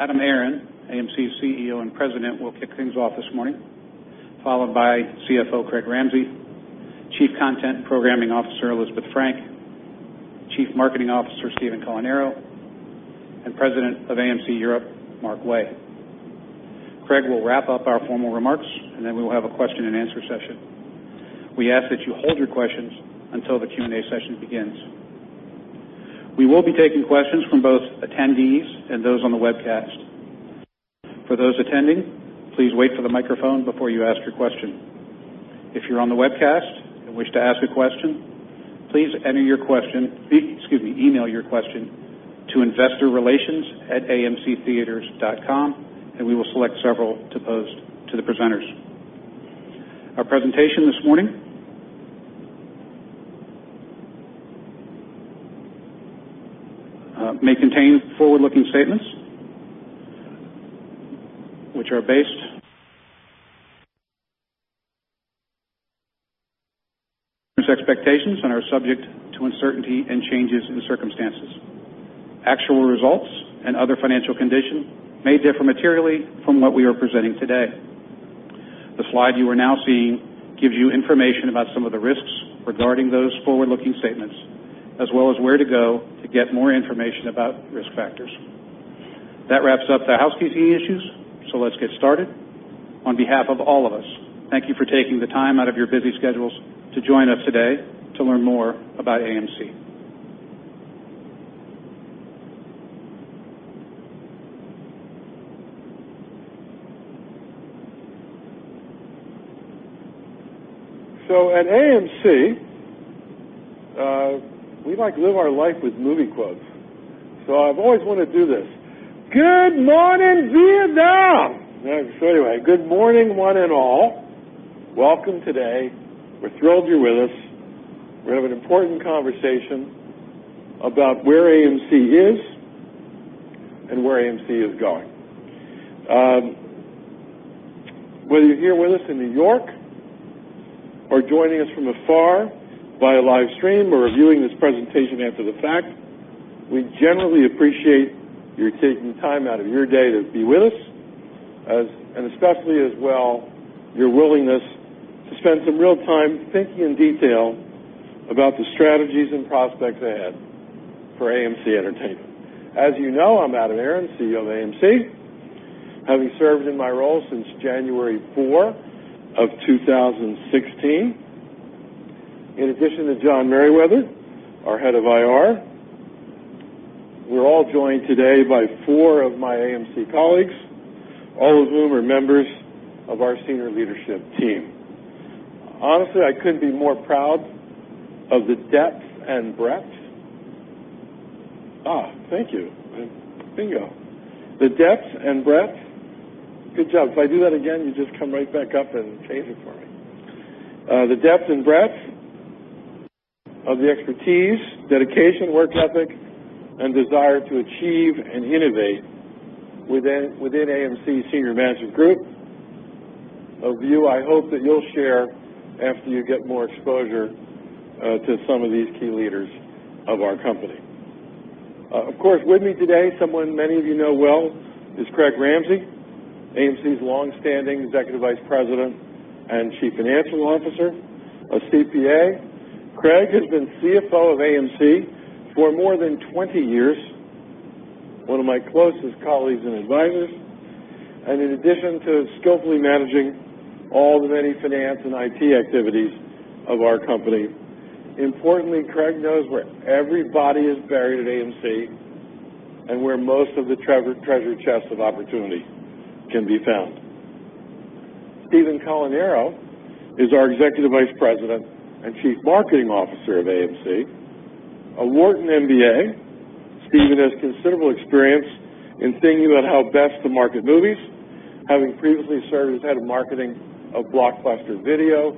Adam Aron, AMC's Chief Executive Officer and President, will kick things off this morning, followed by Chief Financial Officer Craig Ramsey, Chief Content Programming Officer Elizabeth Frank, Chief Marketing Officer Stephen Colanero, and President of AMC Europe, Mark Way. Craig will wrap up our formal remarks. Then we will have a question-and-answer session. We ask that you hold your questions until the Q&A session begins. We will be taking questions from both attendees and those on the webcast. For those attending, please wait for the microphone before you ask your question. If you're on the webcast and wish to ask a question, please email your question to investorrelations@amctheaters.com. We will select several to pose to the presenters. Our presentation this morning may contain forward-looking statements which are based on expectations and are subject to uncertainty and changes in the circumstances. Actual results and other financial conditions may differ materially from what we are presenting today. The slide you are now seeing gives you information about some of the risks regarding those forward-looking statements, as well as where to go to get more information about risk factors. That wraps up the housekeeping issues. Let's get started. On behalf of all of us, thank you for taking the time out of your busy schedules to join us today to learn more about AMC. At AMC, we like to live our life with movie quotes. I've always wanted to do this. "Good morning, Vietnam!" Anyway, good morning, one and all. Welcome today. We're thrilled you're with us. We're going to have an important conversation about where AMC is and where AMC is going. Whether you're here with us in New York or joining us from afar via live stream or reviewing this presentation after the fact, we generally appreciate your taking time out of your day to be with us, and especially as well, your willingness to spend some real time thinking in detail about the strategies and prospects ahead for AMC Entertainment. As you know, I'm Adam Aron, Chief Executive Officer of AMC, having served in my role since January 4, 2016. In addition to John Merriwether, our Head of IR, we're all joined today by four of my AMC colleagues, all of whom are members of our senior leadership team. Honestly, I couldn't be more proud of the depth and breadth. Thank you. Bingo. The depth and breadth. Good job. If I do that again, you just come right back up and change it for me. The depth and breadth of the expertise, dedication, work ethic, and desire to achieve and innovate within AMC Senior Management Group. A view I hope that you'll share after you get more exposure to some of these key leaders of our company. Of course, with me today, someone many of you know well, is Craig Ramsey, AMC's longstanding Executive Vice President and Chief Financial Officer, a CPA. Craig has been CFO of AMC for more than 20 years, one of my closest colleagues and advisors. In addition to skillfully managing all the many finance and IT activities of our company, importantly, Craig knows where every body is buried at AMC and where most of the treasure chest of opportunity can be found. Stephen Colanero is our Executive Vice President and Chief Marketing Officer of AMC. A Wharton MBA, Stephen has considerable experience in thinking about how best to market movies, having previously served as head of marketing of Blockbuster Video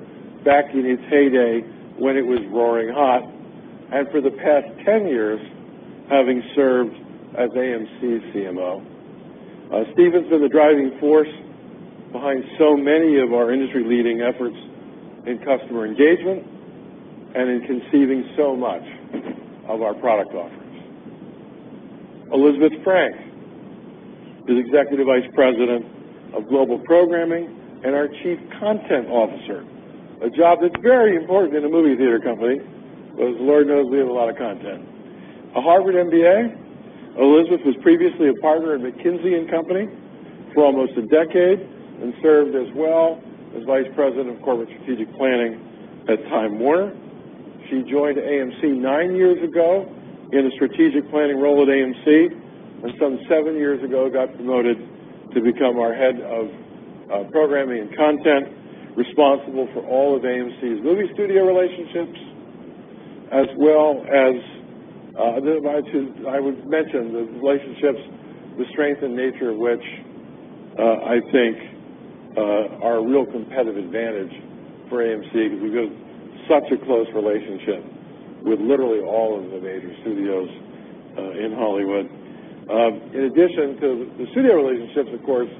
back in its heyday when it was roaring hot, and for the past 10 years, having served as AMC's CMO. Stephen's been the driving force behind so many of our industry-leading efforts in customer engagement and in conceiving so much of our product offerings. Elizabeth Frank is Executive Vice President of Global Programming and our Chief Content Officer, a job that's very important in a movie theater company, because Lord knows we have a lot of content. A Harvard MBA, Elizabeth was previously a partner at McKinsey & Company for almost a decade and served as well as Vice President of Corporate Strategic Planning at Time Warner. She joined AMC nine years ago in a strategic planning role at AMC, and some seven years ago, got promoted to become our head of programming and content, responsible for all of AMC's movie studio relationships, as well as I would mention the relationships, the strength and nature of which I think are a real competitive advantage for AMC because we've built such a close relationship with literally all of the major studios in Hollywood. In addition to the studio relationships, of course,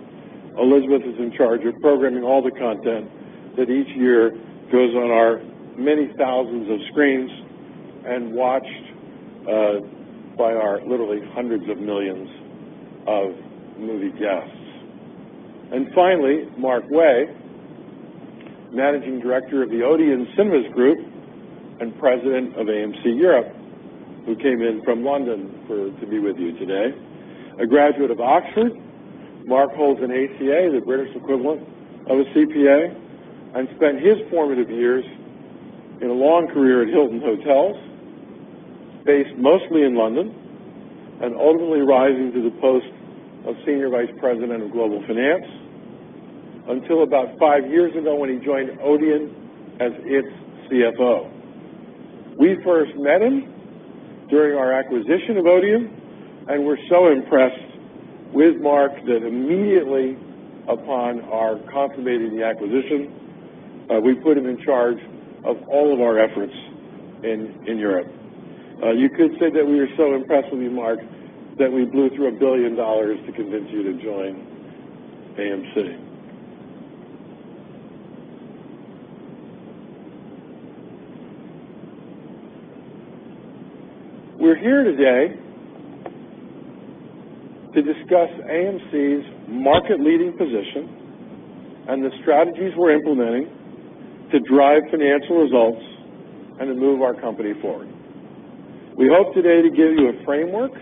Elizabeth is in charge of programming all the content that each year goes on our many thousands of screens. Watched by our literally hundreds of millions of movie guests. Finally, Mark Way, Managing Director of the ODEON Cinemas Group and President of AMC Europe, who came in from London to be with you today. A graduate of Oxford, Mark holds an ACA, the British equivalent of a CPA, and spent his formative years in a long career at Hilton Hotels, based mostly in London, and ultimately rising to the post of Senior Vice President of Global Finance until about five years ago, when he joined ODEON as its CFO. We first met him during our acquisition of ODEON, and were so impressed with Mark that immediately upon our consummating the acquisition, we put him in charge of all of our efforts in Europe. You could say that we were so impressed with you, Mark, that we blew through $1 billion to convince you to join AMC. We're here today to discuss AMC's market-leading position and the strategies we're implementing to drive financial results and to move our company forward. We hope today to give you a framework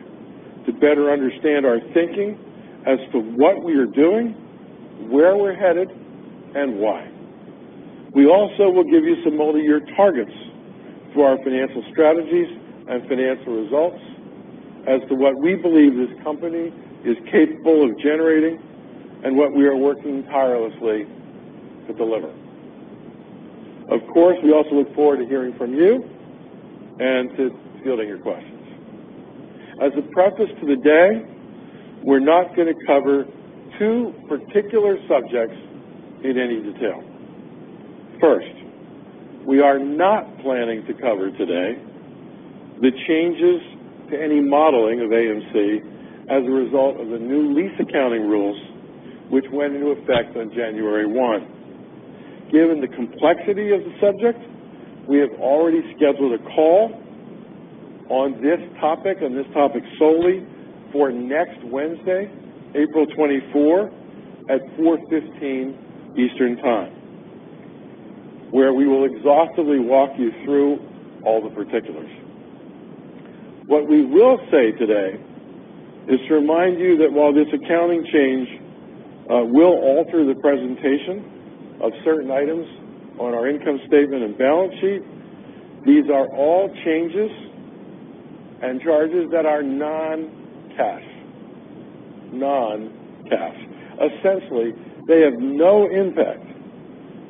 to better understand our thinking as to what we are doing, where we're headed, and why. We also will give you some multi-year targets for our financial strategies and financial results as to what we believe this company is capable of generating and what we are working tirelessly to deliver. We also look forward to hearing from you and to fielding your questions. As a preface to the day, we're not going to cover two particular subjects in any detail. We are not planning to cover today the changes to any modeling of AMC as a result of the new lease accounting rules which went into effect on January 1. Given the complexity of the subject, we have already scheduled a call on this topic, and this topic solely, for next Wednesday, April 24, at 4:15 Eastern Time, where we will exhaustively walk you through all the particulars. What we will say today is to remind you that while this accounting change will alter the presentation of certain items on our income statement and balance sheet, these are all changes and charges that are non-cash. Non-cash. They have no impact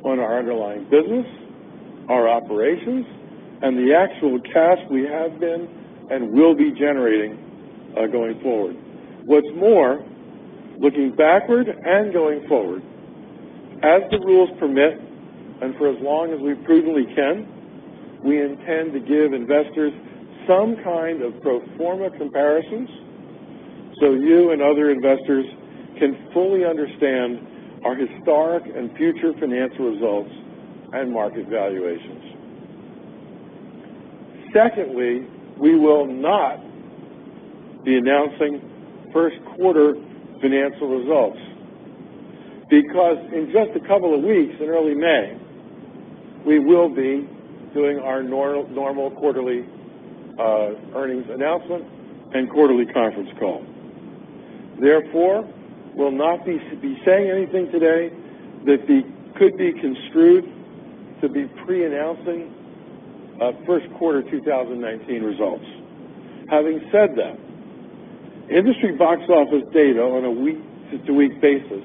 on our underlying business, our operations, and the actual cash we have been and will be generating going forward. Looking backward and going forward, as the rules permit and for as long as we prudently can, we intend to give investors some kind of pro forma comparisons so you and other investors can fully understand our historic and future financial results and market valuations. We will not be announcing first quarter financial results because in just a couple of weeks in early May, we will be doing our normal quarterly earnings announcement and quarterly conference call. We'll not be saying anything today that could be construed to be pre-announcing first quarter 2019 results. Having said that, industry box office data on a week-to-week basis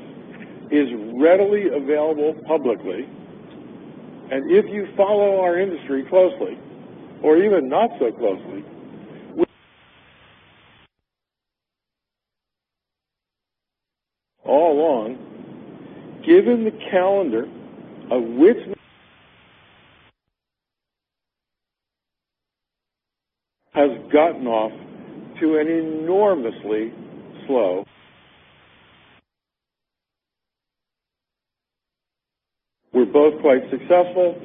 is readily available publicly, and if you follow our industry closely or even not so closely, all along, given the calendar of has gotten off to an enormously were both quite successful.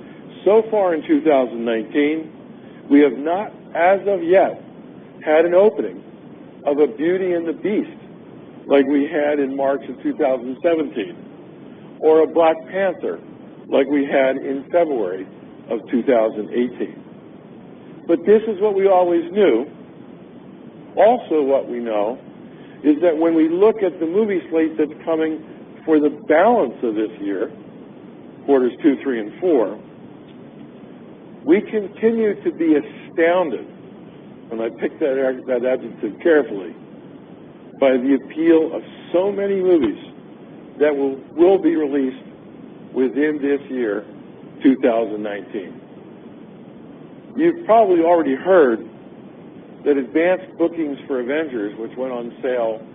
So far in 2019, we have not, as of yet, had an opening of a "Beauty and the Beast" like we had in March of 2017, or a "Black Panther" like we had in February of 2018. This is what we always knew. What we know is that when we look at the movie slate that's coming for the balance of this year, quarters two, three, and four, we continue to be astounded, and I picked that adjective carefully, by the appeal of so many movies that will be released within this year, 2019. You've probably already heard that advanced bookings for "Avengers," which went on sale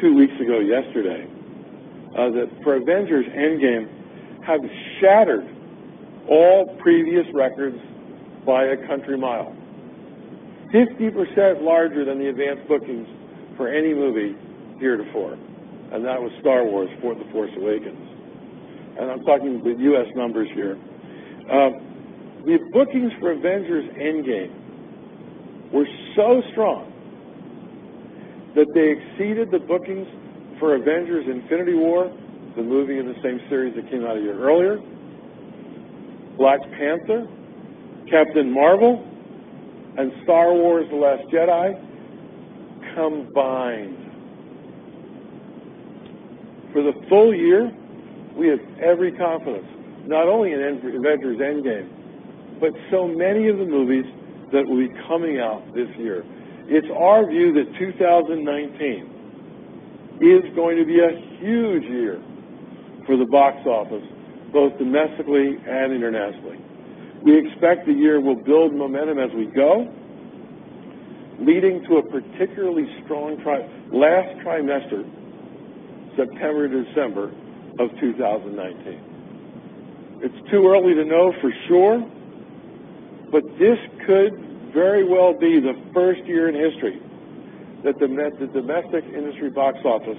two weeks ago yesterday, that for "Avengers: Endgame" have shattered all previous records by a country mile, 50% larger than the advance bookings for any movie heretofore, and that was "Star Wars: The Force Awakens." I'm talking the U.S. numbers here. The bookings for "Avengers: Endgame" were so strong that they exceeded the bookings for "Avengers: Infinity War," the movie in the same series that came out a year earlier, "Black Panther," "Captain Marvel," and "Star Wars: The Last Jedi" combined. For the full year, we have every confidence not only in "Avengers: Endgame," but so many of the movies that will be coming out this year. It's our view that 2019 is going to be a huge year for the box office, both domestically and internationally. We expect the year will build momentum as we go, leading to a particularly strong last trimester, September to December 2019. It is too early to know for sure, but this could very well be the first year in history that the domestic industry box office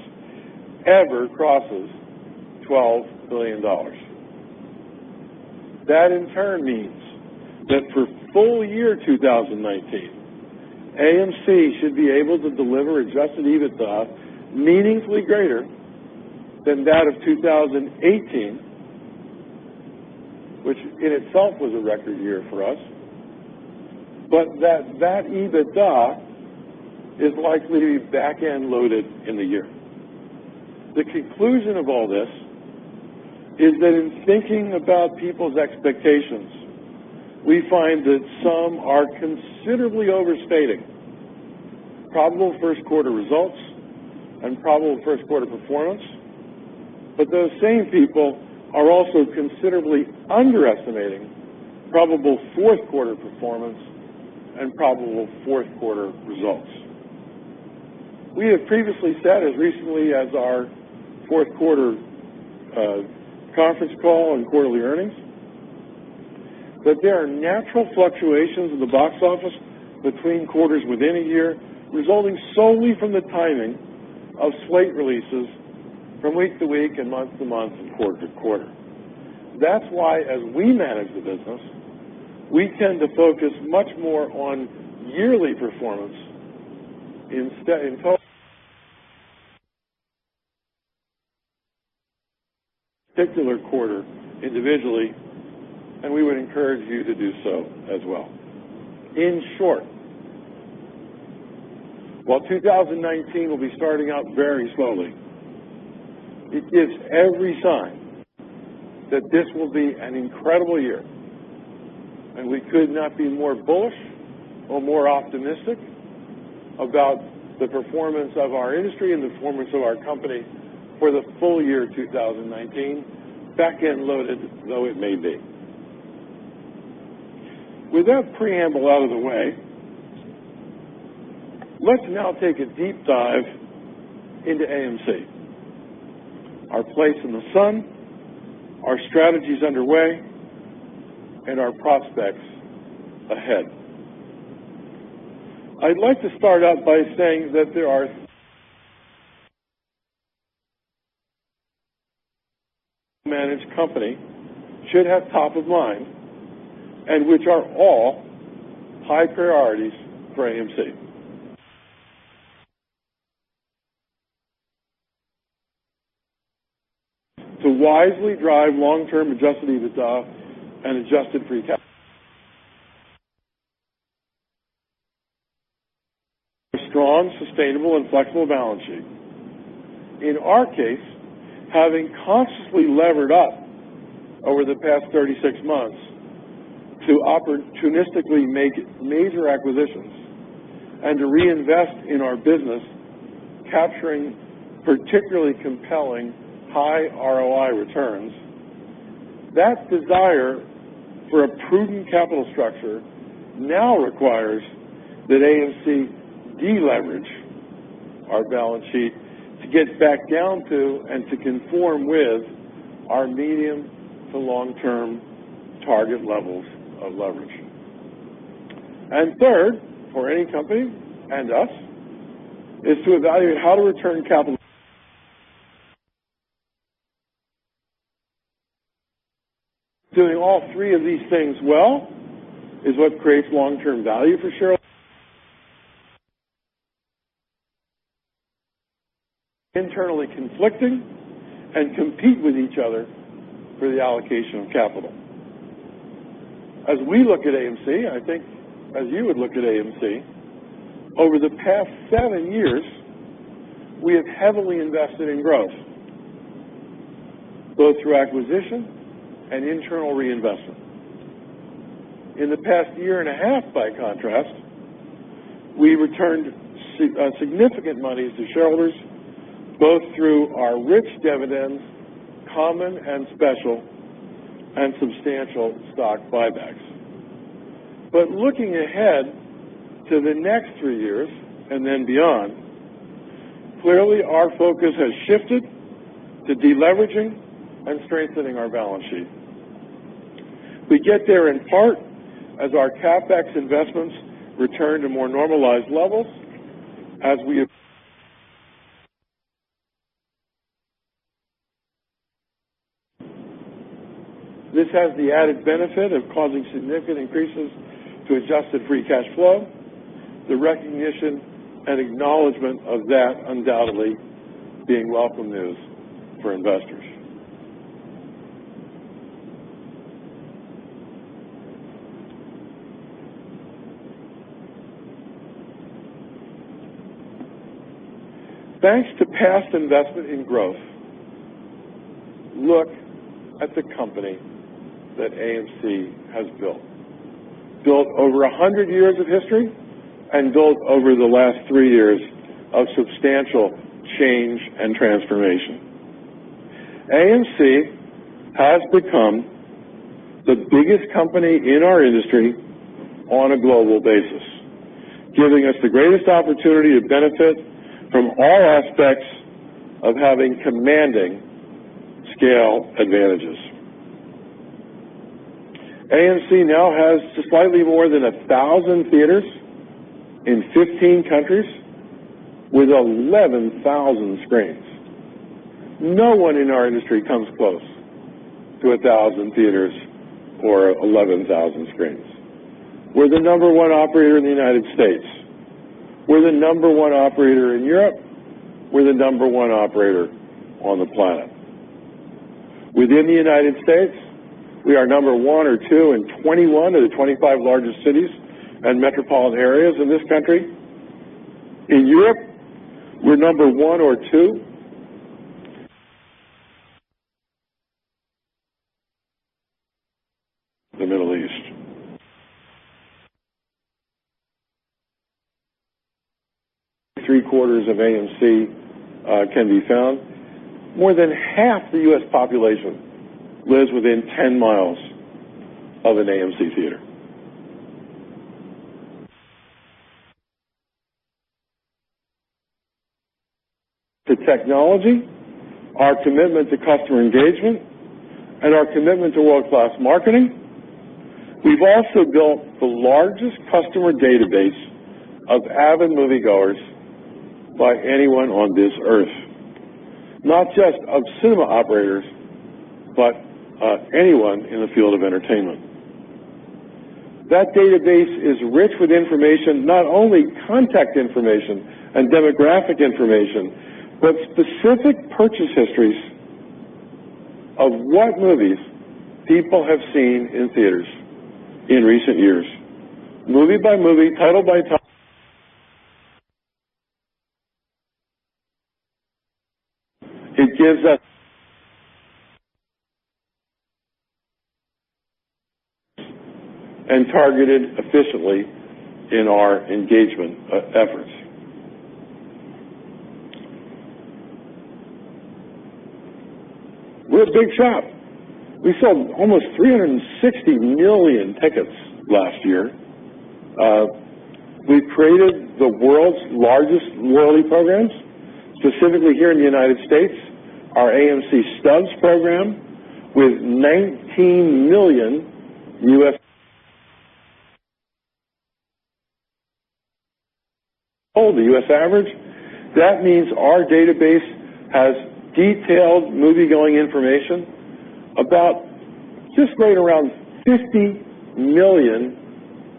ever crosses $12 billion. That in turn means that for full year 2019, AMC should be able to deliver adjusted EBITDA meaningfully greater than that of 2018, which in itself was a record year for us, but that that adjusted EBITDA is likely to be back-end loaded in the year. The conclusion of all this is that in thinking about people's expectations, we find that some are considerably overstating probable first quarter results and probable first quarter performance, but those same people are also considerably underestimating probable fourth quarter performance and probable fourth quarter results. We have previously said, as recently as our fourth quarter conference call and quarterly earnings, that there are natural fluctuations in the box office between quarters within a year, resulting solely from the timing of slate releases from week to week and month to month and quarter to quarter. That is why, as we manage the business, we tend to focus much more on yearly performance in total particular quarter individually, and we would encourage you to do so as well. In short, while 2019 will be starting out very slowly, it gives every sign that this will be an incredible year, and we could not be more bullish or more optimistic about the performance of our industry and the performance of our company for the full year 2019, back-end loaded though it may be. With that preamble out of the way, let us now take a deep dive into AMC, our place in the sun, our strategies underway, and our prospects ahead. I would like to start out by saying that there are managed company should have top of mind and which are all high priorities for AMC. To wisely drive long-term adjusted EBITDA and adjusted free cash a strong, sustainable, and flexible balance sheet. In our case, having consciously levered up over the past 36 months to opportunistically make major acquisitions and to reinvest in our business, capturing particularly compelling high ROI returns, that desire for a prudent capital structure now requires that AMC de-leverage our balance sheet to get back down to and to conform with our medium to long-term target levels of leverage. Third, for any company and us, is to evaluate how to return capital. Doing all three of these things well is what creates long-term value for share internally conflicting and compete with each other for the allocation of capital. As we look at AMC, I think as you would look at AMC, over the past seven years, we have heavily invested in growth, both through acquisition and internal reinvestment. In the past year and a half, by contrast, we returned significant monies to shareholders, both through our rich dividends, common and special, and substantial stock buybacks. Looking ahead to the next three years and then beyond. Clearly, our focus has shifted to deleveraging and strengthening our balance sheet. We get there in part as our CapEx investments return to more normalized levels, as we have. This has the added benefit of causing significant increases to adjusted free cash flow, the recognition and acknowledgment of that undoubtedly being welcome news for investors. Thanks to past investment in growth, look at the company that AMC has built. Built over 100 years of history and built over the last three years of substantial change and transformation. AMC has become the biggest company in our industry on a global basis, giving us the greatest opportunity to benefit from all aspects of having commanding scale advantages. AMC now has just slightly more than 1,000 theaters in 15 countries with 11,000 screens. No one in our industry comes close to 1,000 theaters or 11,000 screens. We're the number one operator in the U.S. We're the number one operator in Europe. We're the number one operator on the planet. Within the U.S., we are number one or two in 21 of the 25 largest cities and metropolitan areas in this country. In Europe, we're number one or two the Middle East. Three-quarters of AMC can be found. More than half the U.S. population lives within 10 mi of an AMC theater. To technology, our commitment to customer engagement, and our commitment to world-class marketing, we've also built the largest customer database of avid moviegoers by anyone on this earth, not just of cinema operators, but anyone in the field of entertainment. That database is rich with information, not only contact information and demographic information, but specific purchase histories of what movies people have seen in theaters in recent years. Movie by movie, title by title. It gives us and targeted efficiently in our engagement efforts. We're a big shop. We sold almost 360 million tickets last year. We've created the world's largest loyalty programs, specifically here in the U.S., our AMC Stubs program with 19 million U.S. double the U.S. average. That means our database has detailed moviegoing information about just right around 50 million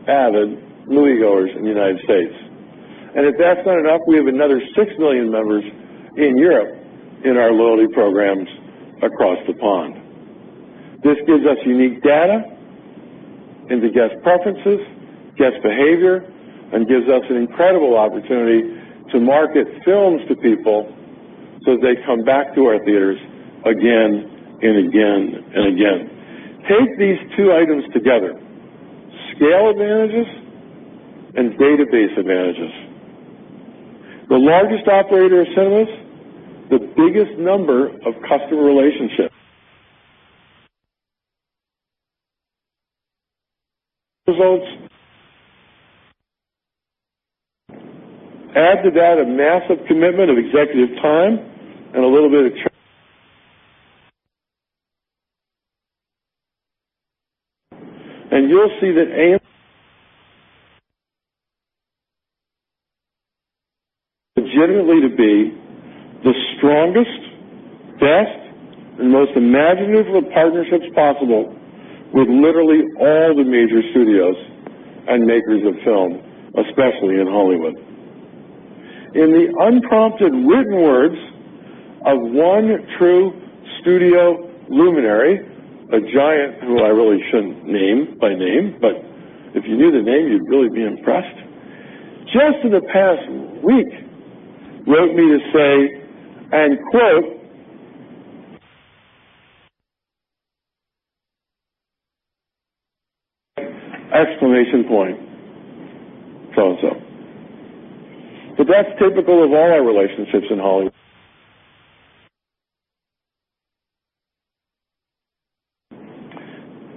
avid moviegoers in the U.S. If that's not enough, we have another 6 million members in Europe in our loyalty programs across the pond. This gives us unique data into guest preferences, guest behavior, and gives us an incredible opportunity to market films to people so they come back to our theaters again and again and again. Take these two items together, scale advantages and database advantages. The largest operator of cinemas, the biggest number of customer relationships. Results. Add to that a massive commitment of executive time. You'll see that AMC legitimately to be the strongest, best, and most imaginative partnerships possible with literally all the major studios and makers of film, especially in Hollywood. In the unprompted written words of one true studio luminary, a giant who I really shouldn't name by name, but if you knew the name, you'd really be impressed, just in the past week, wrote me to say, and quote, "Exclamation point." Close up. That's typical of all our relationships in Hollywood.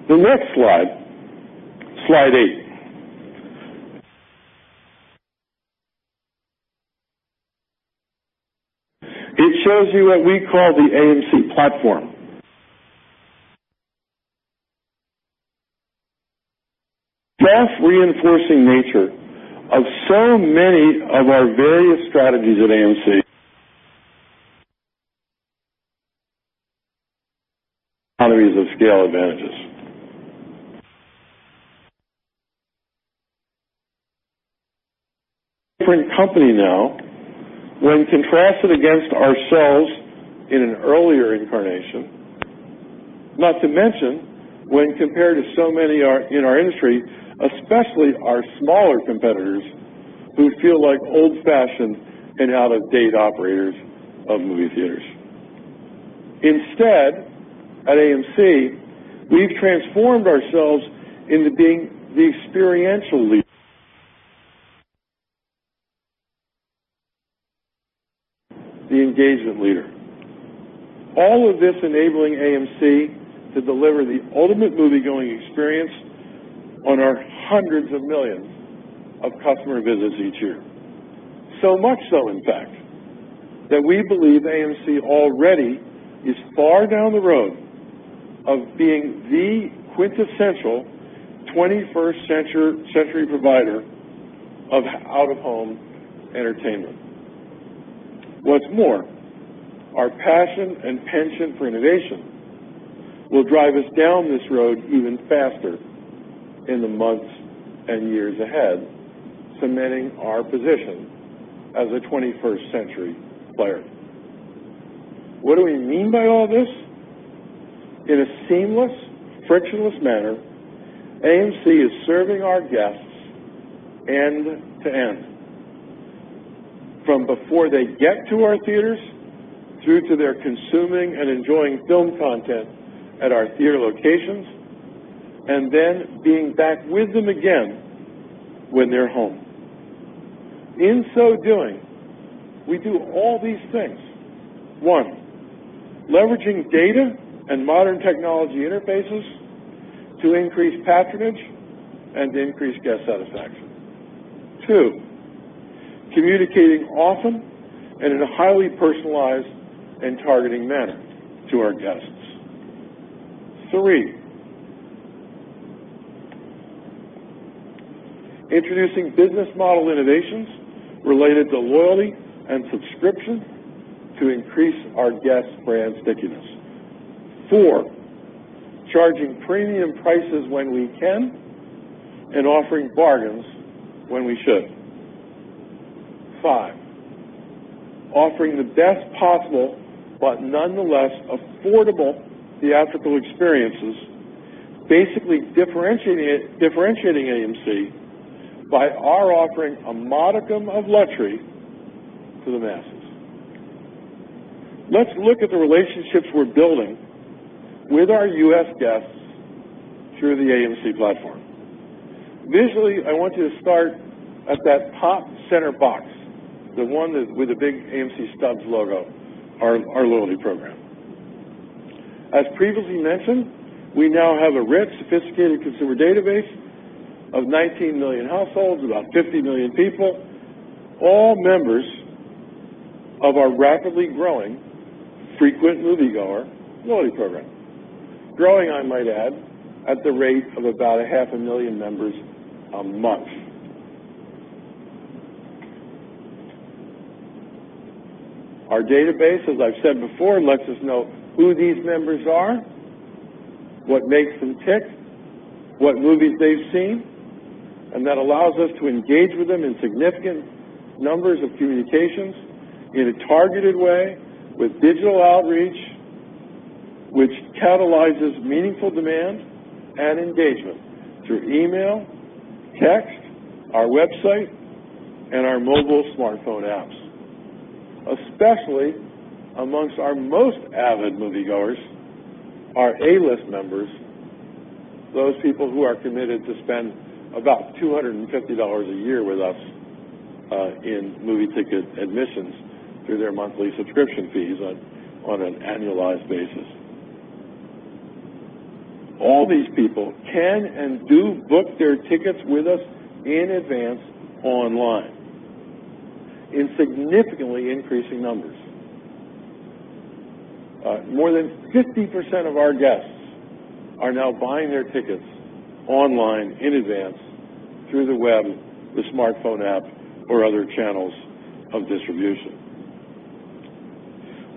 The next slide eight. It shows you what we call the AMC platform. Self-reinforcing nature of so many of our various strategies at AMC. Economies of scale advantages. Different company now when contrasted against ourselves in an earlier incarnation, not to mention when compared to so many in our industry, especially our smaller competitors who feel like old-fashioned and out-of-date operators of movie theaters. Instead, at AMC, we've transformed ourselves into being the experiential leader, the engagement leader. All of this enabling AMC to deliver the ultimate moviegoing experience on our hundreds of millions of customer visits each year. So much so, in fact, that we believe AMC already is far down the road of being the quintessential 21st century provider of out-of-home entertainment. What's more, our passion and penchant for innovation will drive us down this road even faster in the months and years ahead, cementing our position as a 21st century player. What do we mean by all this? In a seamless, frictionless manner, AMC is serving our guests end to end, from before they get to our theaters, through to their consuming and enjoying film content at our theater locations, and then being back with them again when they're home. In so doing, we do all these things. One, leveraging data and modern technology interfaces to increase patronage and increase guest satisfaction. Two, communicating often and in a highly personalized and targeting manner to our guests. Three, introducing business model innovations related to loyalty and subscription to increase our guest brand stickiness. Four, charging premium prices when we can and offering bargains when we should. Five, offering the best possible but nonetheless affordable theatrical experiences, basically differentiating AMC by our offering a modicum of luxury to the masses. Let's look at the relationships we're building with our U.S. guests through the AMC platform. Visually, I want you to start at that top center box, the one with the big AMC Stubs logo, our loyalty program. As previously mentioned, we now have a rich, sophisticated consumer database of 19 million households, about 50 million people, all members of our rapidly growing frequent moviegoer loyalty program. Growing, I might add, at the rate of about a half a million members a month. Our database, as I've said before, lets us know who these members are, what makes them tick, what movies they've seen, and that allows us to engage with them in significant numbers of communications in a targeted way with digital outreach, which catalyzes meaningful demand and engagement through email, text, our website, and our mobile smartphone apps. Especially amongst our most avid moviegoers, our A-List members, those people who are committed to spend about $250 a year with us in movie ticket admissions through their monthly subscription fees on an annualized basis. All these people can and do book their tickets with us in advance online in significantly increasing numbers. More than 50% of our guests are now buying their tickets online in advance through the web, the smartphone app, or other channels of distribution.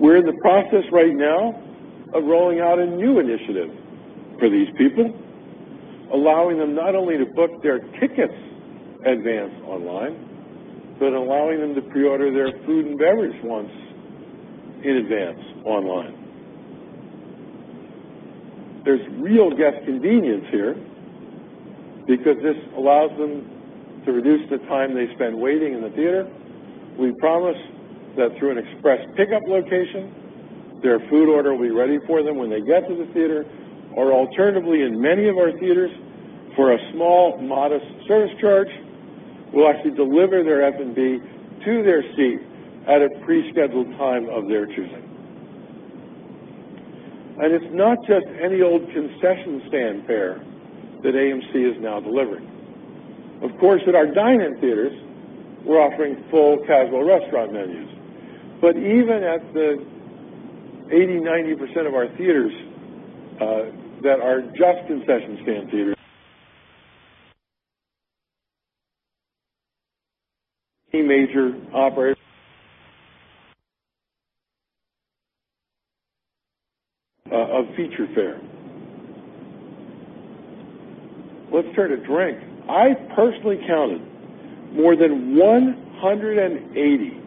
We're in the process right now of rolling out a new initiative for these people, allowing them not only to book their tickets in advance online, but allowing them to pre-order their food and beverage wants in advance online. There's real guest convenience here because this allows them to reduce the time they spend waiting in the theater. We promise that through an express pickup location, their food order will be ready for them when they get to the theater, or alternatively, in many of our theaters, for a small, modest service charge will actually deliver their F&B to their seat at a pre-scheduled time of their choosing. It's not just any old concession stand fare that AMC is now delivering. Of course, at our AMC Dine-In theaters, we're offering full casual restaurant menus. Even at the 80%, 90% of our theaters that are just concession stand theaters, a major operator of feature film. Let's turn to drink. I personally counted more than 180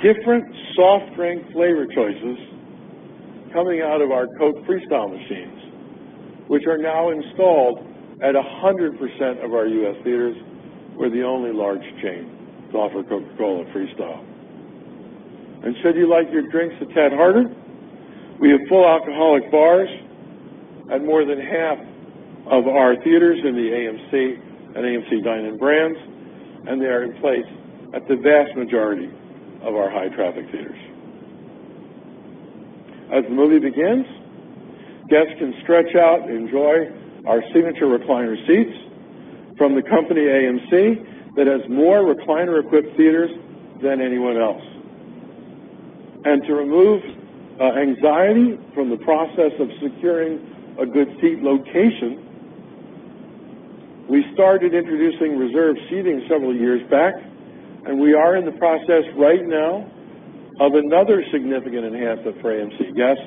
different soft drink flavor choices coming out of our Coke Freestyle machines, which are now installed at 100% of our U.S. theaters. We're the only large chain to offer Coca-Cola Freestyle. Should you like your drinks a tad harder, we have full alcoholic bars at more than half of our theaters in the AMC and AMC Dine-In brands, and they are in place at the vast majority of our high-traffic theaters. As the movie begins, guests can stretch out, enjoy our signature recliner seats from the company AMC, that has more recliner-equipped theaters than anyone else. To remove anxiety from the process of securing a good seat location, we started introducing reserved seating several years back, We are in the process right now of another significant enhancement for AMC guests,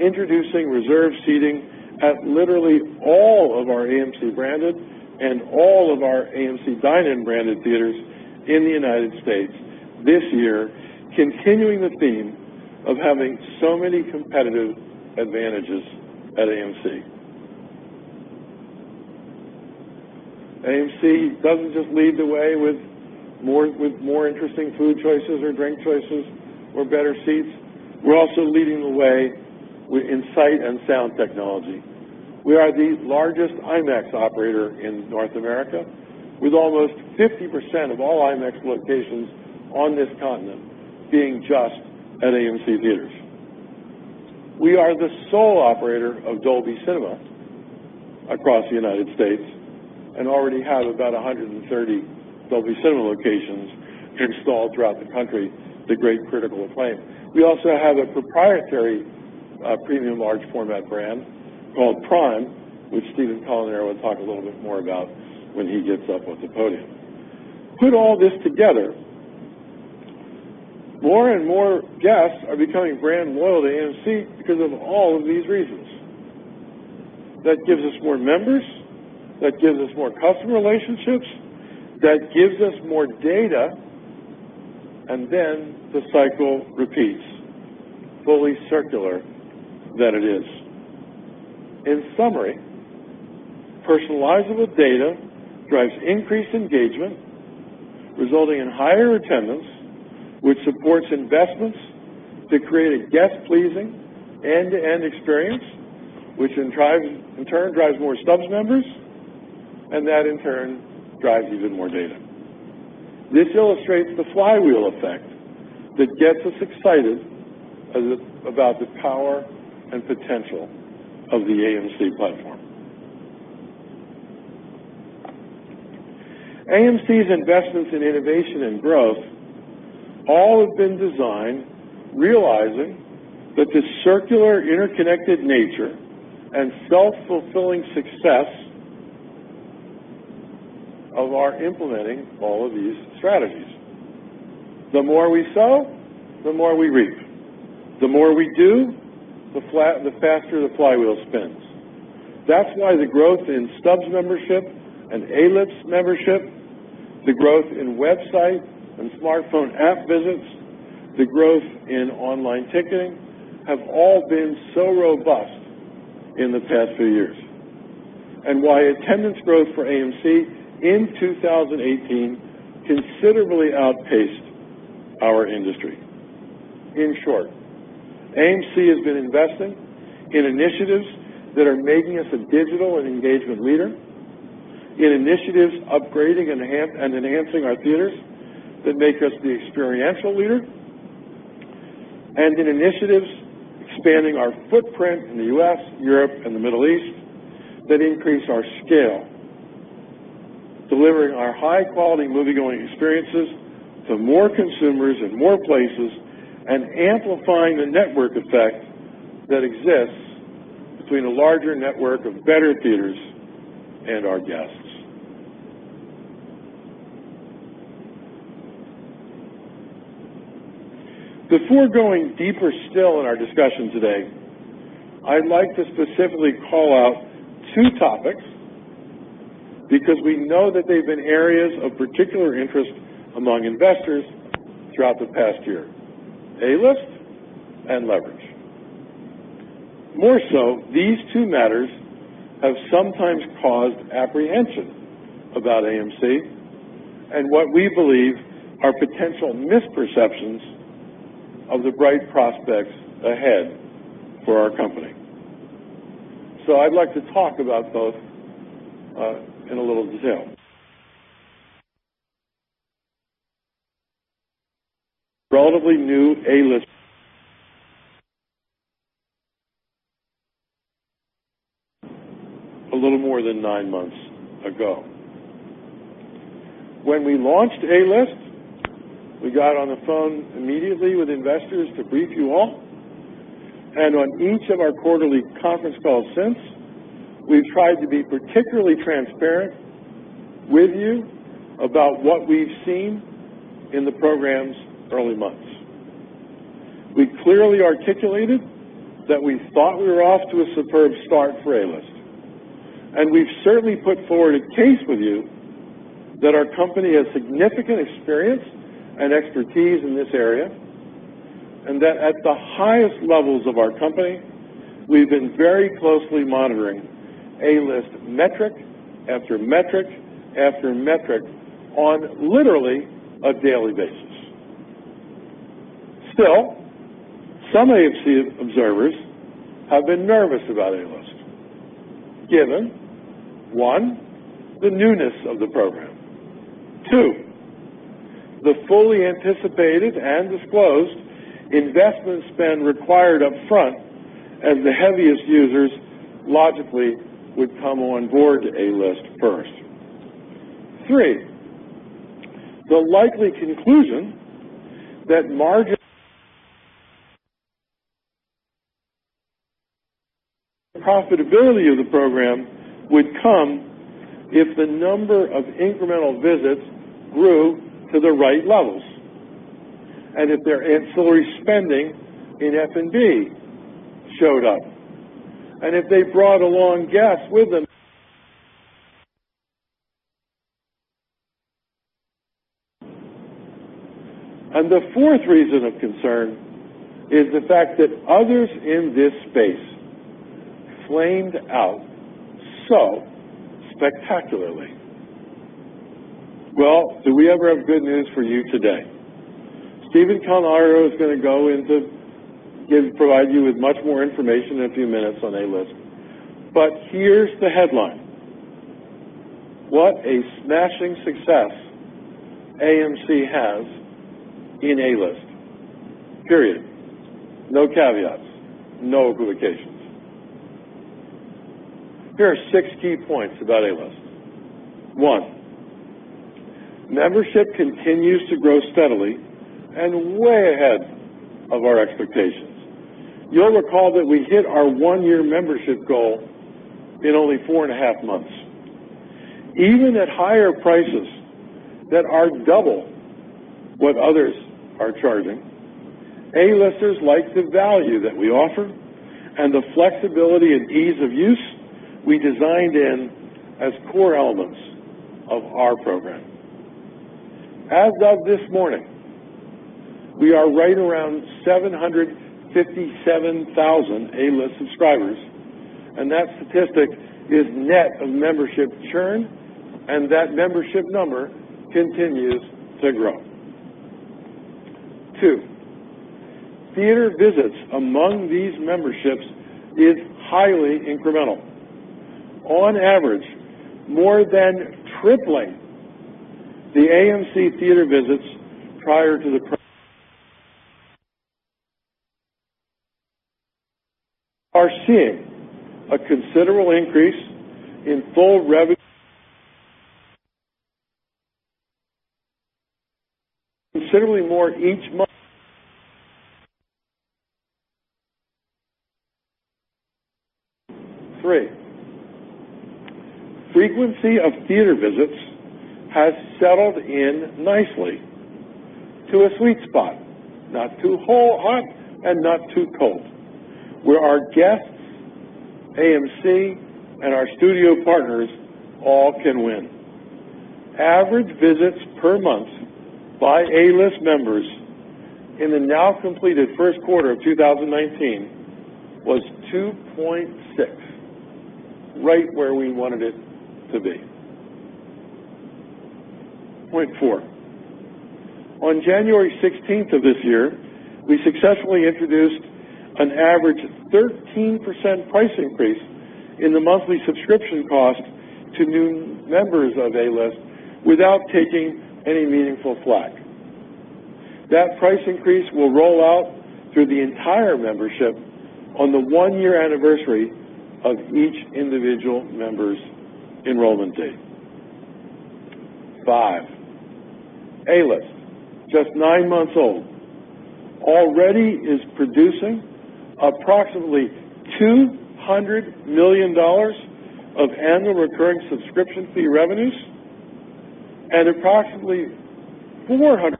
introducing reserved seating at literally all of our AMC branded and all of our AMC Dine-In branded theaters in the United States this year, continuing the theme of having so many competitive advantages at AMC. AMC doesn't just lead the way with more interesting food choices or drink choices or better seats. We're also leading the way in sight and sound technology. We are the largest IMAX operator in North America, with almost 50% of all IMAX locations on this continent being just at AMC Theatres. We are the sole operator of Dolby Cinema across the United States and already have about 130 Dolby Cinema locations installed throughout the country to great critical acclaim. We also have a proprietary premium large format brand called Prime, which Stephen Colanero will talk a little bit more about when he gets up at the podium. Put all this together, more and more guests are becoming brand loyal to AMC because of all of these reasons. That gives us more members, that gives us more customer relationships, that gives us more data, The cycle repeats, fully circular than it is. In summary, personalizable data drives increased engagement, resulting in higher attendance, which supports investments to create a guest-pleasing end-to-end experience, which in turn drives more Stubs members, That in turn drives even more data. This illustrates the flywheel effect that gets us excited about the power and potential of the AMC platform. AMC's investments in innovation and growth all have been designed realizing that the circular, interconnected nature and self-fulfilling success of our implementing all of these strategies. The more we sow, the more we reap. The more we do, the faster the flywheel spins. That's why the growth in AMC Stubs membership and A-List membership, the growth in website and smartphone app visits, the growth in online ticketing have all been so robust in the past few years, and why attendance growth for AMC in 2018 considerably outpaced our industry. In short, AMC has been investing in initiatives that are making us a digital and engagement leader, in initiatives upgrading and enhancing our theaters that make us the experiential leader, and in initiatives expanding our footprint in the U.S., Europe, and the Middle East that increase our scale, delivering our high-quality movie-going experiences to more consumers in more places and amplifying the network effect that exists between a larger network of better theaters and our guests. Before going deeper still in our discussion today, I'd like to specifically call out two topics because we know that they've been areas of particular interest among investors throughout the past year: A-List and leverage. These two matters have sometimes caused apprehension about AMC and what we believe are potential misperceptions of the bright prospects ahead for our company. I'd like to talk about both in a little detail. Relatively new A-List. A little more than nine months ago. When we launched A-List, we got on the phone immediately with investors to brief you all, and on each of our quarterly conference calls since, we've tried to be particularly transparent with you about what we've seen in the program's early months. We clearly articulated that we thought we were off to a superb start for A-List, we've certainly put forward a case with you that our company has significant experience and expertise in this area, that at the highest levels of our company, we've been very closely monitoring A-List metric, after metric, after metric on literally a daily basis. Some AMC observers have been nervous about A-List, given, one, the newness of the program. two, the fully anticipated and disclosed investment spend required up front as the heaviest users logically would come on board A-List first. three, the likely conclusion that margin profitability of the program would come if the number of incremental visits grew to the right levels, if their ancillary spending in F&B showed up, and if they brought along guests with them. The fourth reason of concern is the fact that others in this space flamed out so spectacularly. Do we ever have good news for you today. Stephen Colanero is going to provide you with much more information in a few minutes on A-List. Here's the headline. What a smashing success AMC has in A-List, period. No caveats, no equivocations. Here are six key points about A-List. One, membership continues to grow steadily and way ahead of our expectations. You'll recall that we hit our one-year membership goal in only four and a half months. Even at higher prices that are double what others are charging, A-Listers like the value that we offer and the flexibility and ease of use we designed in as core elements of our program. As of this morning, we are right around 757,000 A-List subscribers, and that statistic is net of membership churn, and that membership number continues to grow. Two, theater visits among these memberships is highly incremental. On average, more than tripling the AMC theater visits are seeing a considerable increase in full revenue considerably more each month. Three, frequency of theater visits has settled in nicely to a sweet spot, not too hot and not too cold, where our guests, AMC, and our studio partners all can win. Average visits per month by A-List members in the now completed first quarter of 2019 was 2.6x, right where we wanted it to be. Point four, on January 16th of this year, we successfully introduced an average 13% price increase in the monthly subscription cost to new members of A-List without taking any meaningful flak. That price increase will roll out through the entire membership on the one-year anniversary of each individual member's enrollment date. Five, A-List, just nine months old, already is producing approximately $200 million of annual recurring subscription fee revenues and approximately $400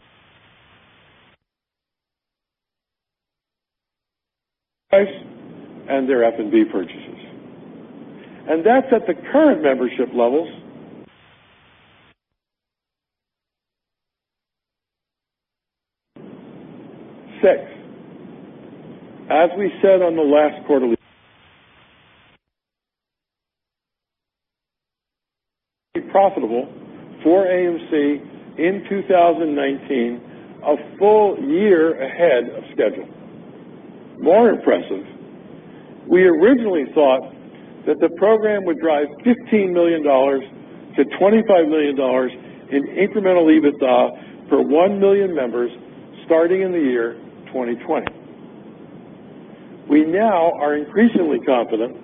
price and their F&B purchases. That's at the current membership levels. Six, as we said on the last quarterly call, be profitable for AMC in 2019, a full year ahead of schedule. More impressive, we originally thought that the program would drive $15 million-$25 million in incremental EBITDA for 1 million members starting in the year 2020. We now are increasingly confident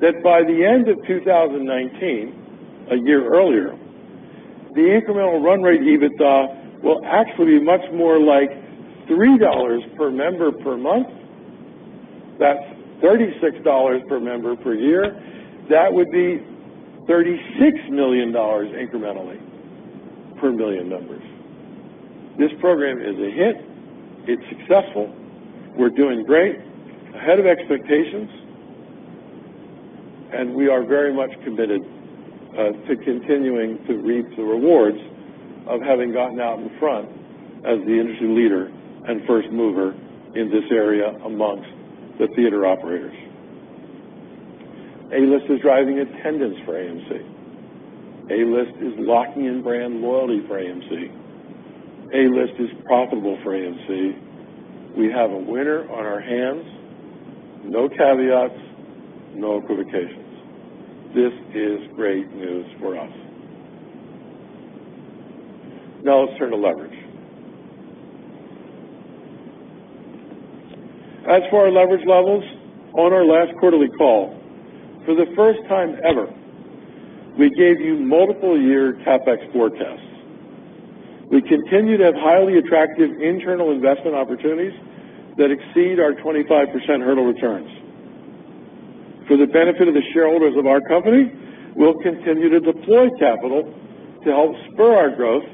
that by the end of 2019, a year earlier, the incremental run rate EBITDA will actually be much more like $3 per member per month. That's $36 per member per year. That would be $36 million incrementally per million members. This program is a hit. It's successful. We're doing great, ahead of expectations, and we are very much committed to continuing to reap the rewards of having gotten out in front as the industry leader and first mover in this area amongst the theater operators. A-List is driving attendance for AMC. A-List is locking in brand loyalty for AMC. A-List is profitable for AMC. We have a winner on our hands, no caveats, no equivocations. This is great news for us. Let's turn to leverage. As for our leverage levels, on our last quarterly call, for the first time ever, we gave you multiple year CapEx forecasts. We continue to have highly attractive internal investment opportunities that exceed our 25% hurdle returns. For the benefit of the shareholders of our company, we'll continue to deploy capital to help spur our growth,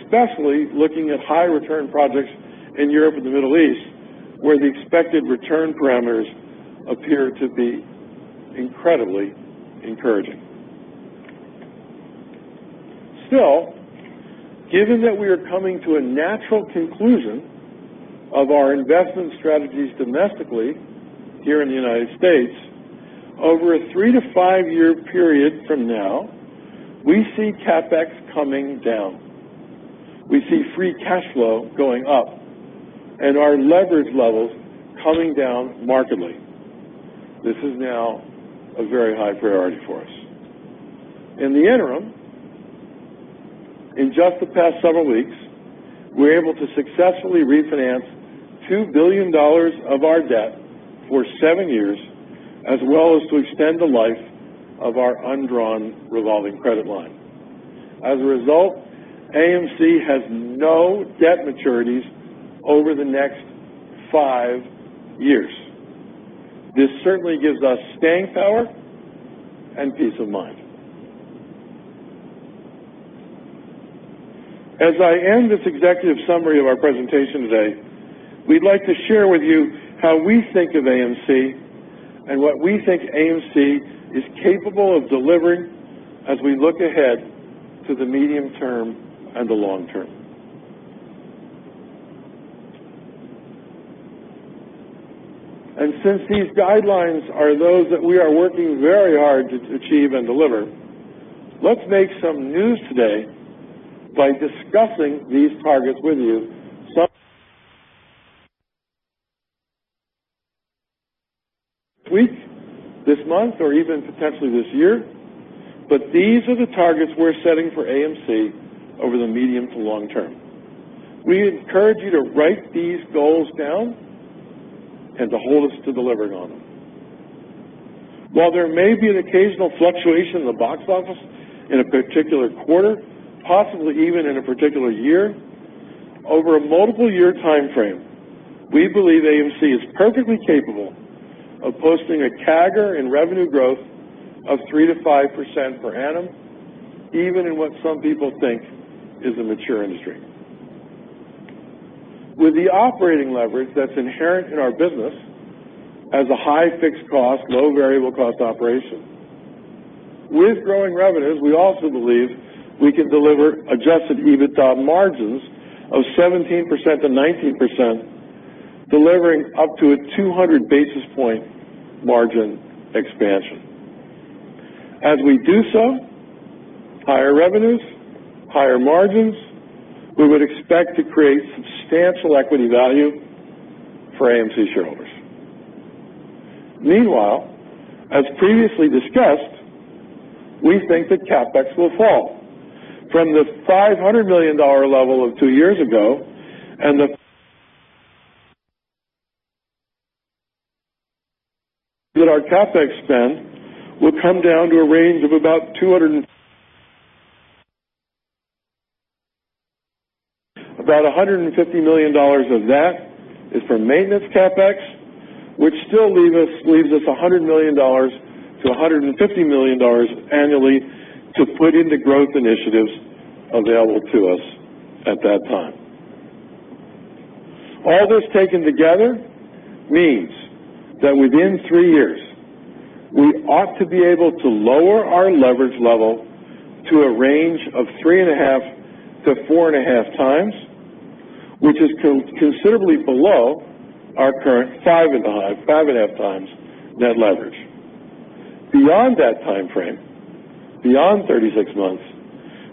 especially looking at high return projects in Europe and the Middle East, where the expected return parameters appear to be incredibly encouraging. Given that we are coming to a natural conclusion of our investment strategies domestically here in the United States, over a three to five-year period from now, we see CapEx coming down. We see free cash flow going up and our leverage levels coming down markedly. This is now a very high priority for us. In the interim, in just the past several weeks, we were able to successfully refinance $2 billion of our debt for seven years, as well as to extend the life of our undrawn revolving credit line. As a result, AMC has no debt maturities over the next five years. This certainly gives us staying power and peace of mind. As I end this executive summary of our presentation today, we'd like to share with you how we think of AMC and what we think AMC is capable of delivering as we look ahead to the medium term and the long term. Since these guidelines are those that we are working very hard to achieve and deliver, let's make some news today by discussing these targets with you some week, this month, or even potentially this year, but these are the targets we're setting for AMC over the medium to long term. We encourage you to write these goals down and to hold us to delivering on them. While there may be an occasional fluctuation in the box office in a particular quarter, possibly even in a particular year, over a multiple year timeframe, we believe AMC is perfectly capable of posting a CAGR in revenue growth of 3%-5% per annum, even in what some people think is a mature industry. With the operating leverage that's inherent in our business as a high fixed cost, low variable cost operation. With growing revenues, we also believe we can deliver adjusted EBITDA margins of 17%-19%, delivering up to a 200 basis points margin expansion. As we do so, higher revenues, higher margins, we would expect to create substantial equity value for AMC shareholders. Meanwhile, as previously discussed, we think that CapEx will fall from the $500 million level of two years ago and that our CapEx spend will come down to a range of about $250 million-$300 million. About $150 million of that is for maintenance CapEx, which still leaves us $100 million-$150 million annually to put into growth initiatives available to us at that time. All this taken together means that within three years, we ought to be able to lower our leverage level to a range of 3.5x-4.5x, which is considerably below our current 5.5x net leverage. Beyond that time frame, beyond 36 months,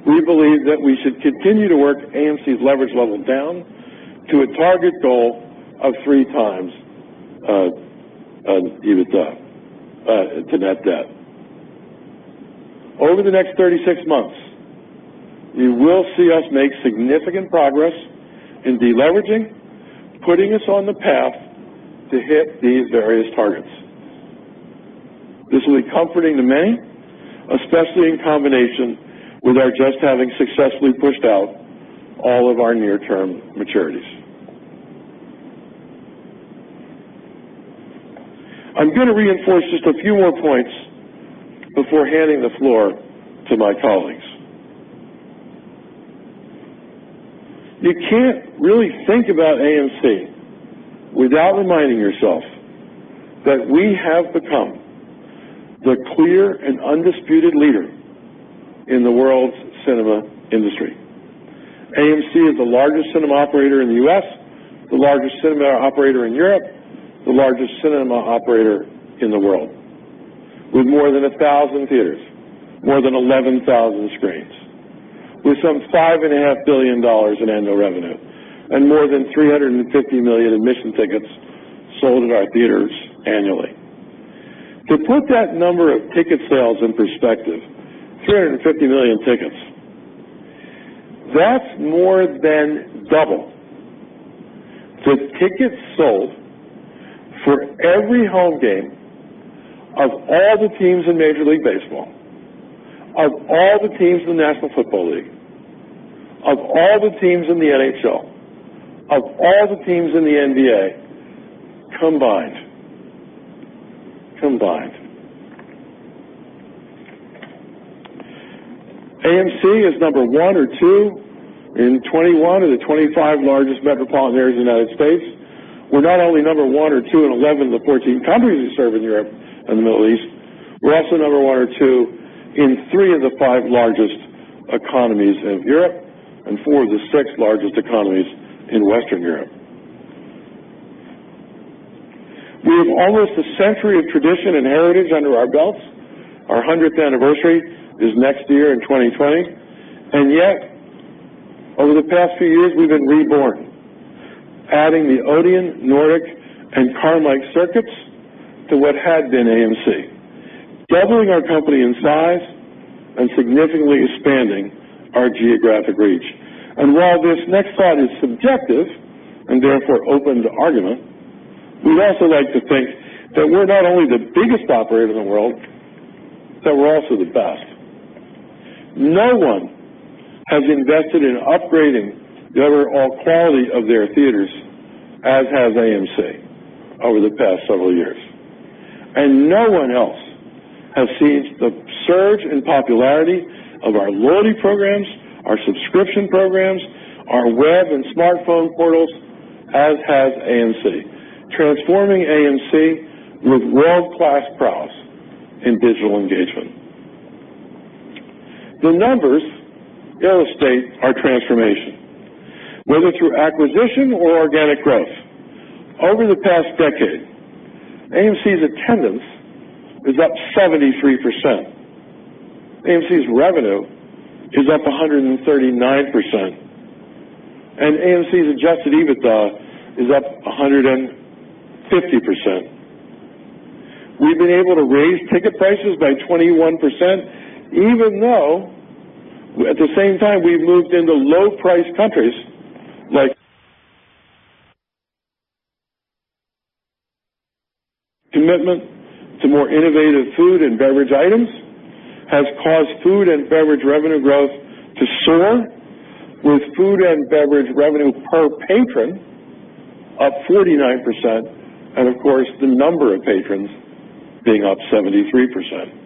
we believe that we should continue to work AMC's leverage level down to a target goal of 3x EBITDA to net debt. Over the next 36 months, you will see us make significant progress in de-leveraging, putting us on the path to hit these various targets. This will be comforting to many, especially in combination with our just having successfully pushed out all of our near-term maturities. I'm going to reinforce just a few more points before handing the floor to my colleagues. You can't really think about AMC without reminding yourself that we have become the clear and undisputed leader in the world's cinema industry. AMC is the largest cinema operator in the U.S., the largest cinema operator in Europe, the largest cinema operator in the world, with more than 1,000 theaters, more than 11,000 screens, with some $5.5 billion in annual revenue, and more than 350 million admission tickets sold at our theaters annually. To put that number of ticket sales in perspective, 350 million tickets, that's more than double the tickets sold for every home game of all the teams in Major League Baseball, of all the teams in the National Football League, of all the teams in the NHL, of all the teams in the NBA combined. AMC is number one or two in 21 of the 25 largest metropolitan areas in the U.S. We're not only number one or two in 11 of the 14 countries we serve in Europe and the Middle East, we're also number one or two in three of the five largest economies in Europe and four of the six largest economies in Western Europe. We have almost a century of tradition and heritage under our belts. Our 100th anniversary is next year in 2020. Yet, over the past few years, we've been reborn, adding the ODEON, Nordic, and Carmike circuits to what had been AMC, doubling our company in size and significantly expanding our geographic reach. While this next slide is subjective, and therefore open to argument, we also like to think that we're not only the biggest operator in the world, but that we're also the best. No one has invested in upgrading the overall quality of their theaters as has AMC over the past several years. No one else has seen the surge in popularity of our loyalty programs, our subscription programs, our web and smartphone portals, as has AMC, transforming AMC with world-class prowess in digital engagement. The numbers illustrate our transformation, whether through acquisition or organic growth. Over the past decade, AMC's attendance is up 73%, AMC's revenue is up 139%, and AMC's adjusted EBITDA is up 150%. We've been able to raise ticket prices by 21%, even though at the same time, we've moved into low-price countries like commitment to more innovative food and beverage items has caused food and beverage revenue growth to soar, with food and beverage revenue per patron up 49%, and of course, the number of patrons being up 73%.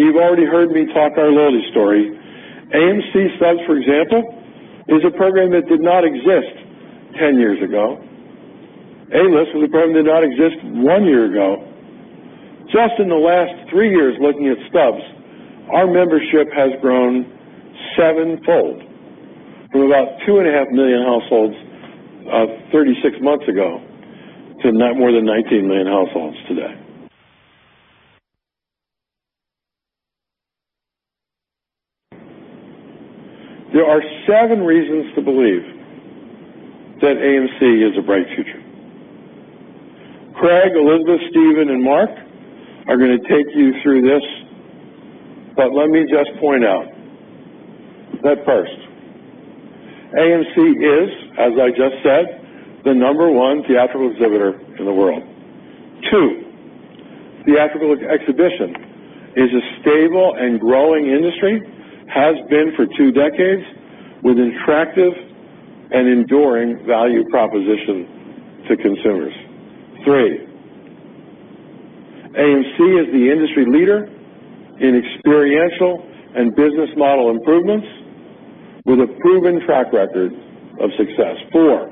You've already heard me talk our loyalty story. AMC Stubs, for example, is a program that did not exist 10 years ago. A-List was a program that did not exist one year ago. Just in the last three years, looking at Stubs, our membership has grown sevenfold, from about 2.5 million households 36 months ago to more than 19 million households today. There are seven reasons to believe that AMC has a bright future. Craig, Elizabeth, Steven, and Mark are going to take you through this, but let me just point out that First, AMC is, as I just said, the number one theatrical exhibitor in the world. Two, theatrical exhibition is a stable and growing industry, has been for two decades, with attractive and enduring value proposition to consumers. Three, AMC is the industry leader in experiential and business model improvements with a proven track record of success. Four,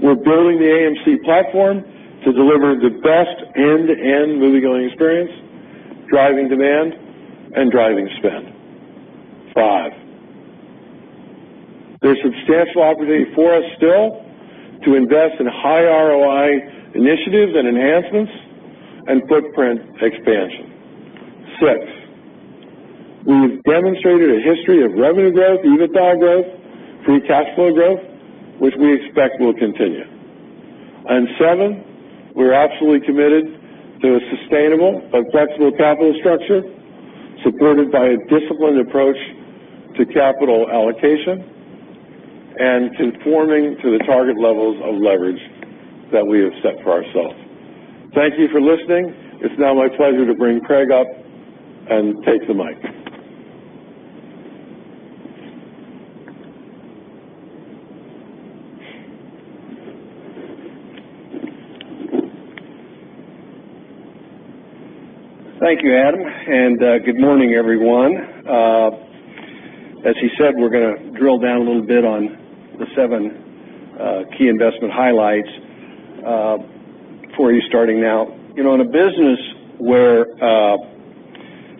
we're building the AMC platform to deliver the best end-to-end movie-going experience, driving demand and driving spend. Five, there's substantial opportunity for us still to invest in high ROI initiatives and enhancements and footprint expansion. Six, we've demonstrated a history of revenue growth, EBITDA growth, free cash flow growth, which we expect will continue. Seven, we're absolutely committed to a sustainable but flexible capital structure, supported by a disciplined approach to capital allocation and conforming to the target levels of leverage that we have set for ourselves. Thank you for listening. It's now my pleasure to bring Craig up and take the mic. Thank you, Adam, and good morning, everyone. As he said, we're going to drill down a little bit on the seven key investment highlights for you starting now. In a business where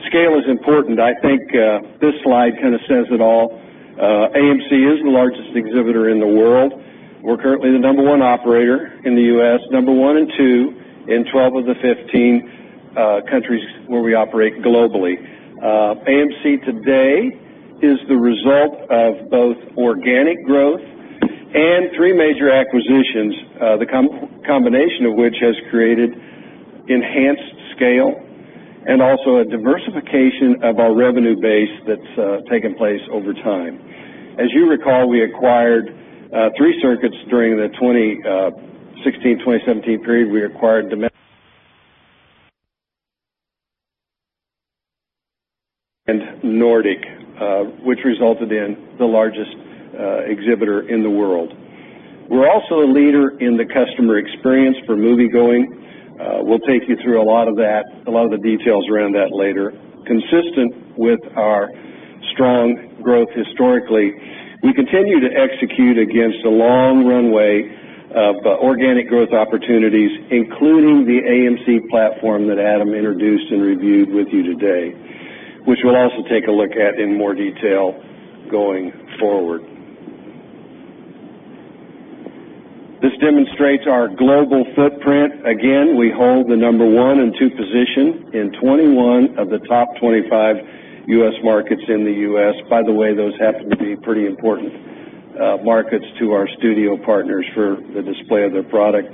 scale is important, I think this slide kind of says it all. AMC is the largest exhibitor in the world. We're currently the number one operator in the U.S., number one and two in 12 of the 15 countries where we operate globally. AMC today is the result of both organic growth and three major acquisitions, the combination of which has created enhanced scale and also a diversification of our revenue base that's taken place over time. As you recall, we acquired three circuits during the 2016-2017 period. We acquired Domestic and Nordic, which resulted in the largest exhibitor in the world. We're also a leader in the customer experience for moviegoing. We'll take you through a lot of that, a lot of the details around that later. Consistent with our strong growth historically, we continue to execute against a long runway of organic growth opportunities, including the AMC platform that Adam introduced and reviewed with you today, which we'll also take a look at in more detail going forward. This demonstrates our global footprint. Again, we hold the number one and two position in 21 of the top 25 U.S. markets in the U.S. By the way, those happen to be pretty important markets to our studio partners for the display of their product.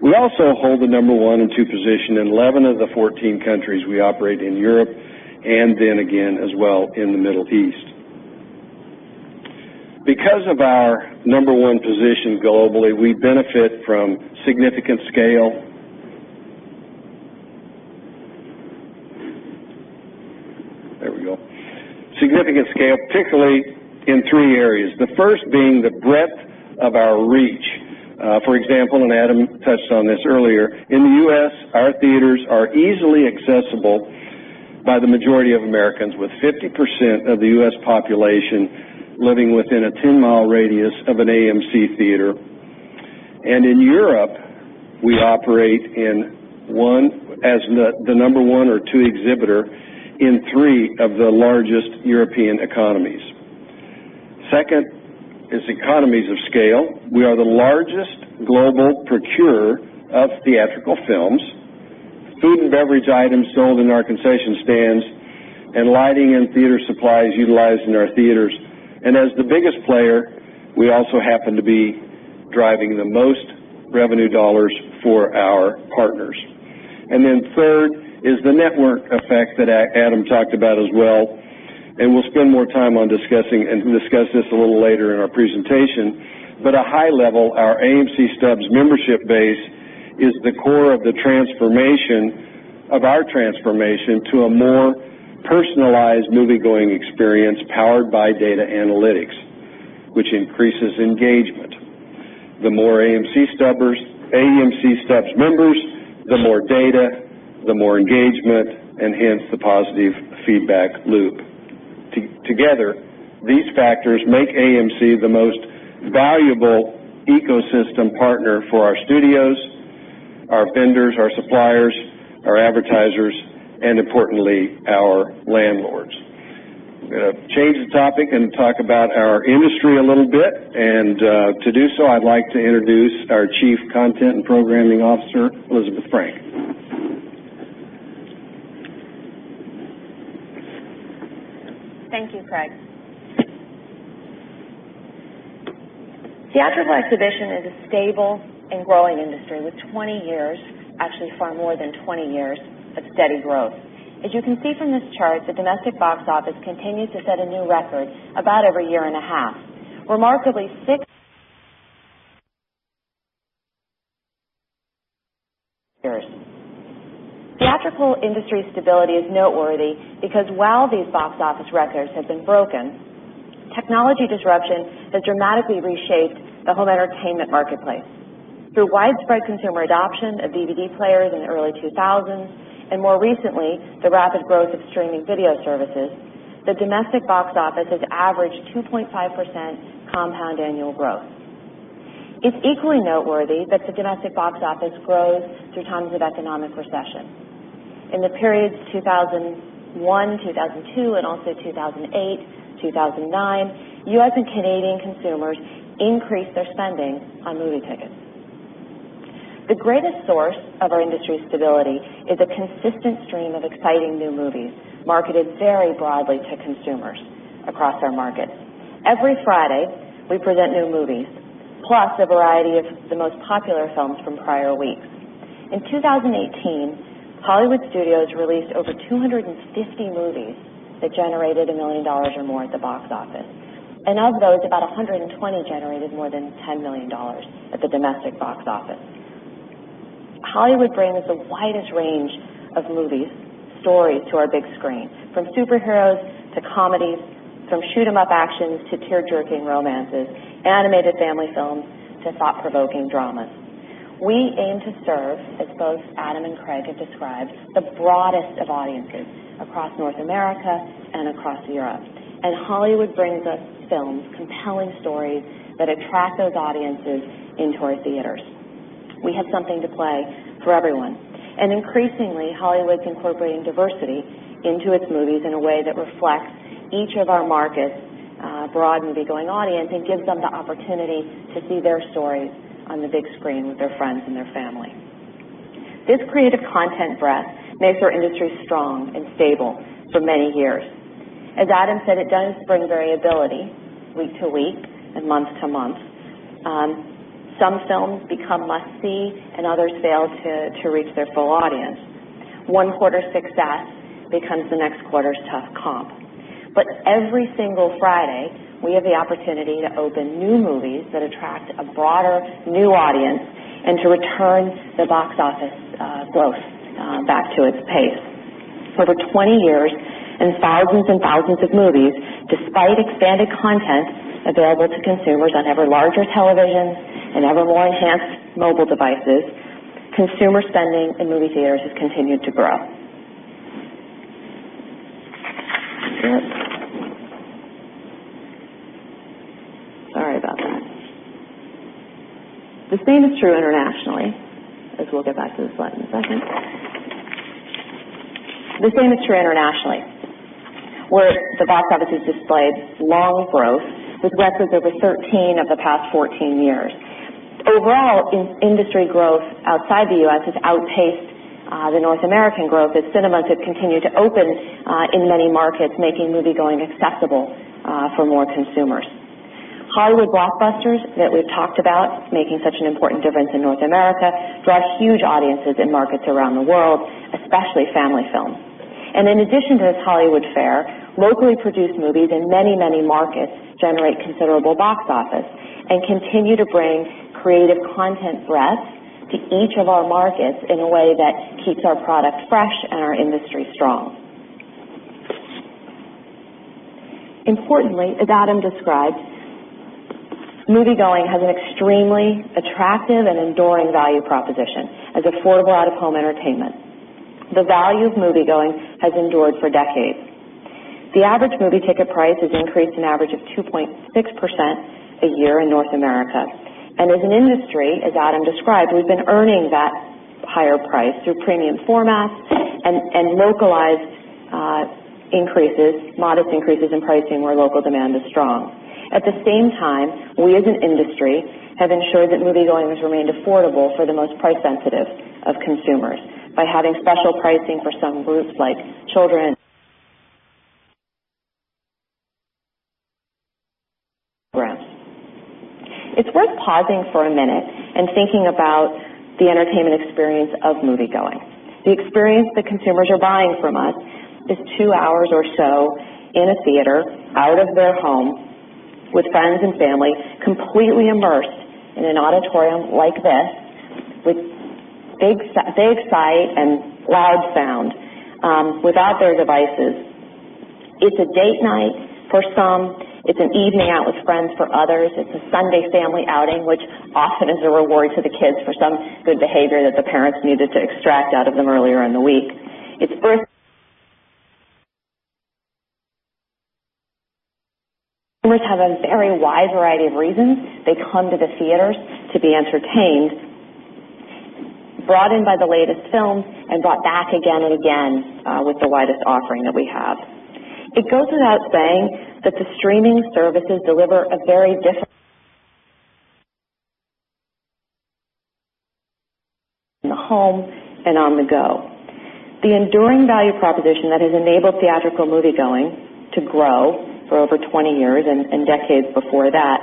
We also hold the number one and two position in 11 of the 14 countries we operate in Europe, and then again, as well in the Middle East. Because of our number one position globally, we benefit from significant scale. There we go. Significant scale, particularly in three areas. First being the breadth of our reach. For example, Adam touched on this earlier, in the U.S., our theaters are easily accessible by the majority of Americans, with 50% of the U.S. population living within a 10 mi radius of an AMC theater. In Europe, we operate as the number one or two exhibitor in three of the largest European economies. Second is economies of scale. We are the largest global procurer of theatrical films, food and beverage items sold in our concession stands, and lighting and theater supplies utilized in our theaters. As the biggest player, we also happen to be driving the most revenue dollars for our partners. Third is the network effect that Adam talked about as well, and we'll spend more time discussing this a little later in our presentation. At a high level, our AMC Stubs membership base is the core of our transformation to a more personalized moviegoing experience powered by data analytics, which increases engagement. The more AMC Stubs members, the more data, the more engagement, and hence the positive feedback loop. Together, these factors make AMC the most valuable ecosystem partner for our studios, our vendors, our suppliers, our advertisers, and importantly, our landlords. I'm going to change the topic and talk about our industry a little bit. To do so, I'd like to introduce our Chief Content and Programming Officer, Elizabeth Frank. Thank you, Craig. Theatrical exhibition is a stable and growing industry with 20 years, actually far more than 20 years, of steady growth. As you can see from this chart, the domestic box office continues to set a new record about every year and a half. Remarkably, six years. Theatrical industry stability is noteworthy because while these box office records have been broken, technology disruption has dramatically reshaped the home entertainment marketplace. Through widespread consumer adoption of DVD players in the early 2000s, and more recently, the rapid growth of streaming video services. The domestic box office has averaged 2.5% compound annual growth. It's equally noteworthy that the domestic box office grows through times of economic recession. In the periods 2001, 2002, and also 2008, 2009, U.S. and Canadian consumers increased their spending on movie tickets. The greatest source of our industry stability is a consistent stream of exciting new movies marketed very broadly to consumers across our markets. Every Friday, we present new movies, plus a variety of the most popular films from prior weeks. In 2018, Hollywood studios released over 250 movies that generated $1 million or more at the box office. Of those, about 120 generated more than $10 million at the domestic box office. Hollywood brings the widest range of movies, stories to our big screens, from superheroes to comedies, from shoot 'em up actions to tear-jerking romances, animated family films to thought-provoking dramas. We aim to serve, as both Adam and Craig have described, the broadest of audiences across North America and across Europe. Hollywood brings us films, compelling stories that attract those audiences into our theaters. We have something to play for everyone. Increasingly, Hollywood's incorporating diversity into its movies in a way that reflects each of our markets' broad movie-going audience and gives them the opportunity to see their stories on the big screen with their friends and their family. This creative content breadth makes our industry strong and stable for many years. As Adam said, it does bring variability week-to-week and month-to-month. Some films become must-see and others fail to reach their full audience. One quarter's success becomes the next quarter's tough comp. Every single Friday, we have the opportunity to open new movies that attract a broader, new audience and to return the box office growth back to its pace. For over 20 years and thousands and thousands of movies, despite expanded content available to consumers on ever larger televisions and ever more enhanced mobile devices, consumer spending in movie theaters has continued to grow. Sorry about that. The same is true internationally, as we'll get back to this slide in a second. The same is true internationally, where the box office has displayed long growth with records over 13 of the past 14 years. Overall, industry growth outside the U.S. has outpaced the North American growth as cinemas have continued to open in many markets, making movie-going accessible for more consumers. Hollywood blockbusters that we've talked about making such an important difference in North America, draw huge audiences in markets around the world, especially family films. In addition to this Hollywood fare, locally produced movies in many, many markets generate considerable box office and continue to bring creative content breadth to each of our markets in a way that keeps our product fresh and our industry strong. Importantly, as Adam described, movie-going has an extremely attractive and enduring value proposition as affordable out-of-home entertainment. The value of movie-going has endured for decades. The average movie ticket price has increased an average of 2.6% a year in North America. As an industry, as Adam described, we've been earning that higher price through premium formats and localized increases, modest increases in pricing where local demand is strong. At the same time, we as an industry have ensured that movie-going has remained affordable for the most price-sensitive of consumers by having special pricing for some groups like children. It's worth pausing for a minute and thinking about the entertainment experience of movie-going. The experience that consumers are buying from us is two hours or so in a theater, out of their home, with friends and family, completely immersed in an auditorium like this with big sight and loud sound, without their devices. It's a date night for some. It's an evening out with friends for others. It's a Sunday family outing, which often is a reward to the kids for some good behavior that the parents needed to extract out of them earlier in the week. They have a very wide variety of reasons they come to the theaters to be entertained, brought in by the latest films and brought back again and again with the widest offering that we have. It goes without saying that the streaming services deliver a very different in the home and on the go. The enduring value proposition that has enabled theatrical movie-going to grow for over 20 years and decades before that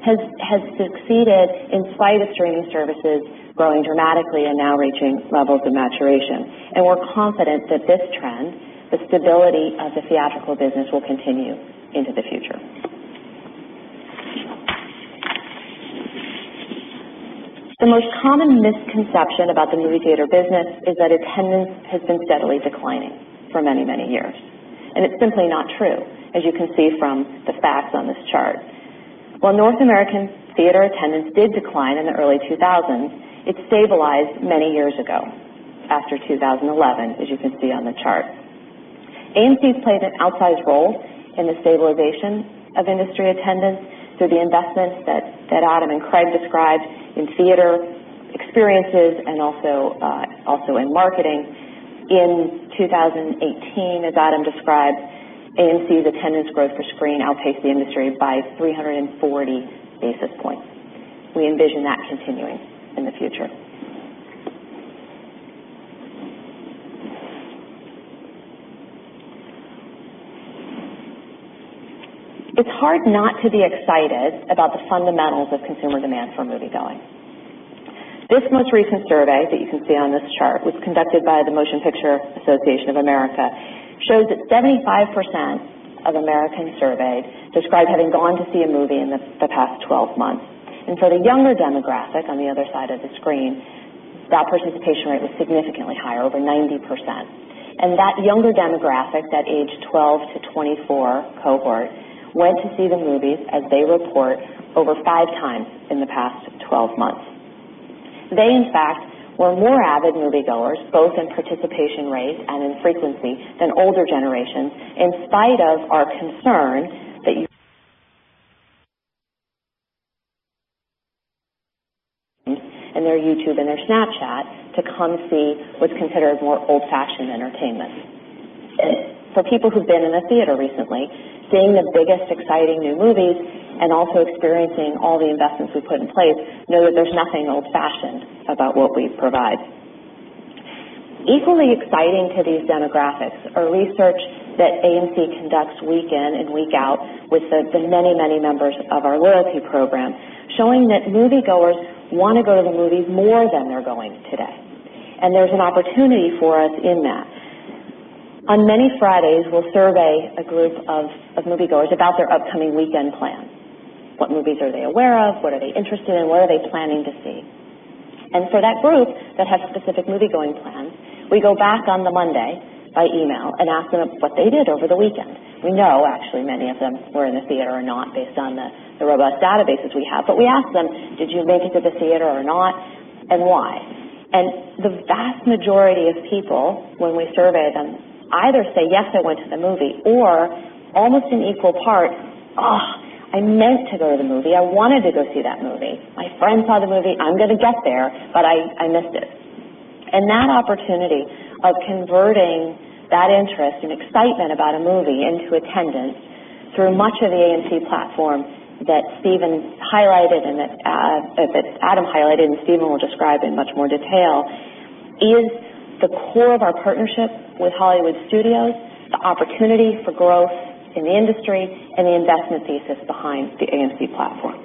has succeeded in spite of streaming services growing dramatically and now reaching levels of maturation. We're confident that this trend, the stability of the theatrical business, will continue into the future. The most common misconception about the movie theater business is that attendance has been steadily declining for many, many years, and it's simply not true, as you can see from the facts on this chart. While North American theater attendance did decline in the early 2000s, it stabilized many years ago, after 2011, as you can see on the chart. AMC played an outsized role in the stabilization of industry attendance through the investments that Adam and Craig described in theater experiences and also in marketing. In 2018, as Adam described, AMC's attendance growth per screen outpaced the industry by 340 basis points. We envision that continuing in the future. It's hard not to be excited about the fundamentals of consumer demand for moviegoing. This most recent survey that you can see on this chart was conducted by the Motion Picture Association of America, shows that 75% of Americans surveyed described having gone to see a movie in the past 12 months. For the younger demographic, on the other side of the screen, that participation rate was significantly higher, over 90%. That younger demographic, that age 12 to 24 cohort, went to see the movies, as they report, over five times in the past 12 months. They, in fact, were more avid moviegoers, both in participation rates and in frequency, than older generations, in spite of our concern that and their YouTube and their Snapchat to come see what's considered more old-fashioned entertainment. For people who've been in a theater recently, seeing the biggest, exciting new movies and also experiencing all the investments we've put in place, know that there's nothing old-fashioned about what we provide. Equally exciting to these demographics are research that AMC conducts week in and week out with the many, many members of our loyalty program, showing that moviegoers want to go to the movies more than they're going today. There's an opportunity for us in that. On many Fridays, we'll survey a group of moviegoers about their upcoming weekend plans. What movies are they aware of? What are they interested in? What are they planning to see? For that group that has specific moviegoing plans, we go back on the Monday by email and ask them what they did over the weekend. We know, actually, many of them were in the theater or not based on the robust databases we have. We ask them, "Did you make it to the theater or not, and why?" The vast majority of people, when we survey them, either say, "Yes, I went to the movie," or almost in equal parts, "Ugh, I meant to go to the movie. I wanted to go see that movie. My friend saw the movie. I'm going to get there, but I missed it." That opportunity of converting that interest and excitement about a movie into attendance through much of the AMC platform that Adam highlighted and Steven will describe in much more detail, is the core of our partnership with Hollywood Studios, the opportunity for growth in the industry, and the investment thesis behind the AMC platform.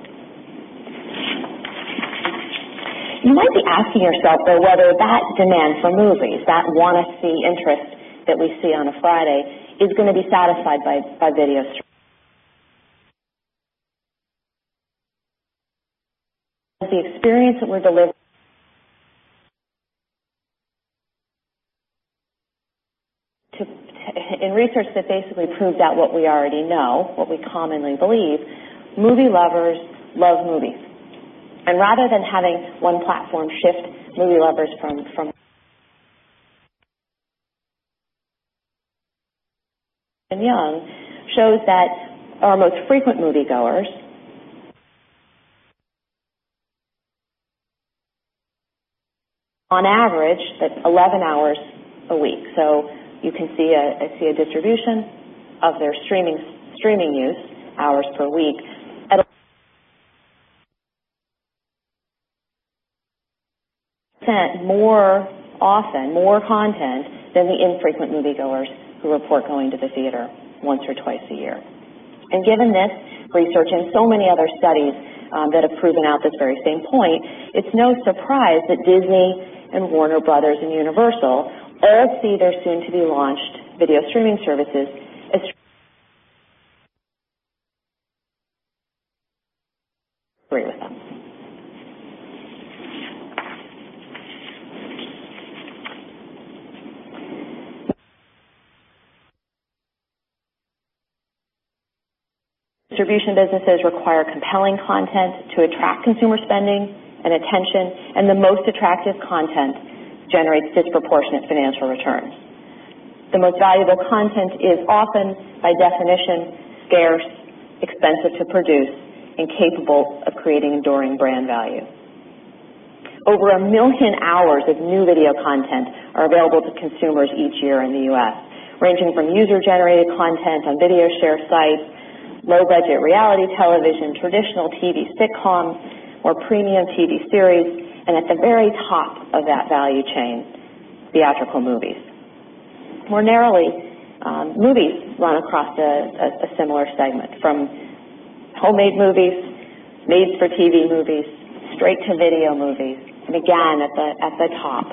You might be asking yourself, though, whether that demand for movies, that want-to-see interest that we see on a Friday, is going to be satisfied by video streaming. The experience that we're delivering in research that basically proved out what we already know, what we commonly believe, movie lovers love movies. Rather than having one platform shift movie lovers from [inaudible] and Young shows that our most frequent moviegoers, on average, that's 11 hours a week. You can see a distribution of their streaming use hours per week and spend more often, more content than the infrequent moviegoers who report going to the theater once or twice a year. Given this research and so many other studies that have proven out this very same point, it's no surprise that Disney and Warner Bros. and Universal all see their soon-to-be-launched video streaming services as great with them. Distribution businesses require compelling content to attract consumer spending and attention, and the most attractive content generates disproportionate financial returns. The most valuable content is often, by definition, scarce, expensive to produce, and capable of creating enduring brand value. Over 1 million hours of new video content are available to consumers each year in the U.S., ranging from user-generated content on video share sites, low-budget reality television, traditional TV sitcoms, or premium TV series, and at the very top of that value chain, theatrical movies. More narrowly, movies run across a similar segment, from homemade movies, made-for-TV movies, straight-to-video movies, and again, at the top,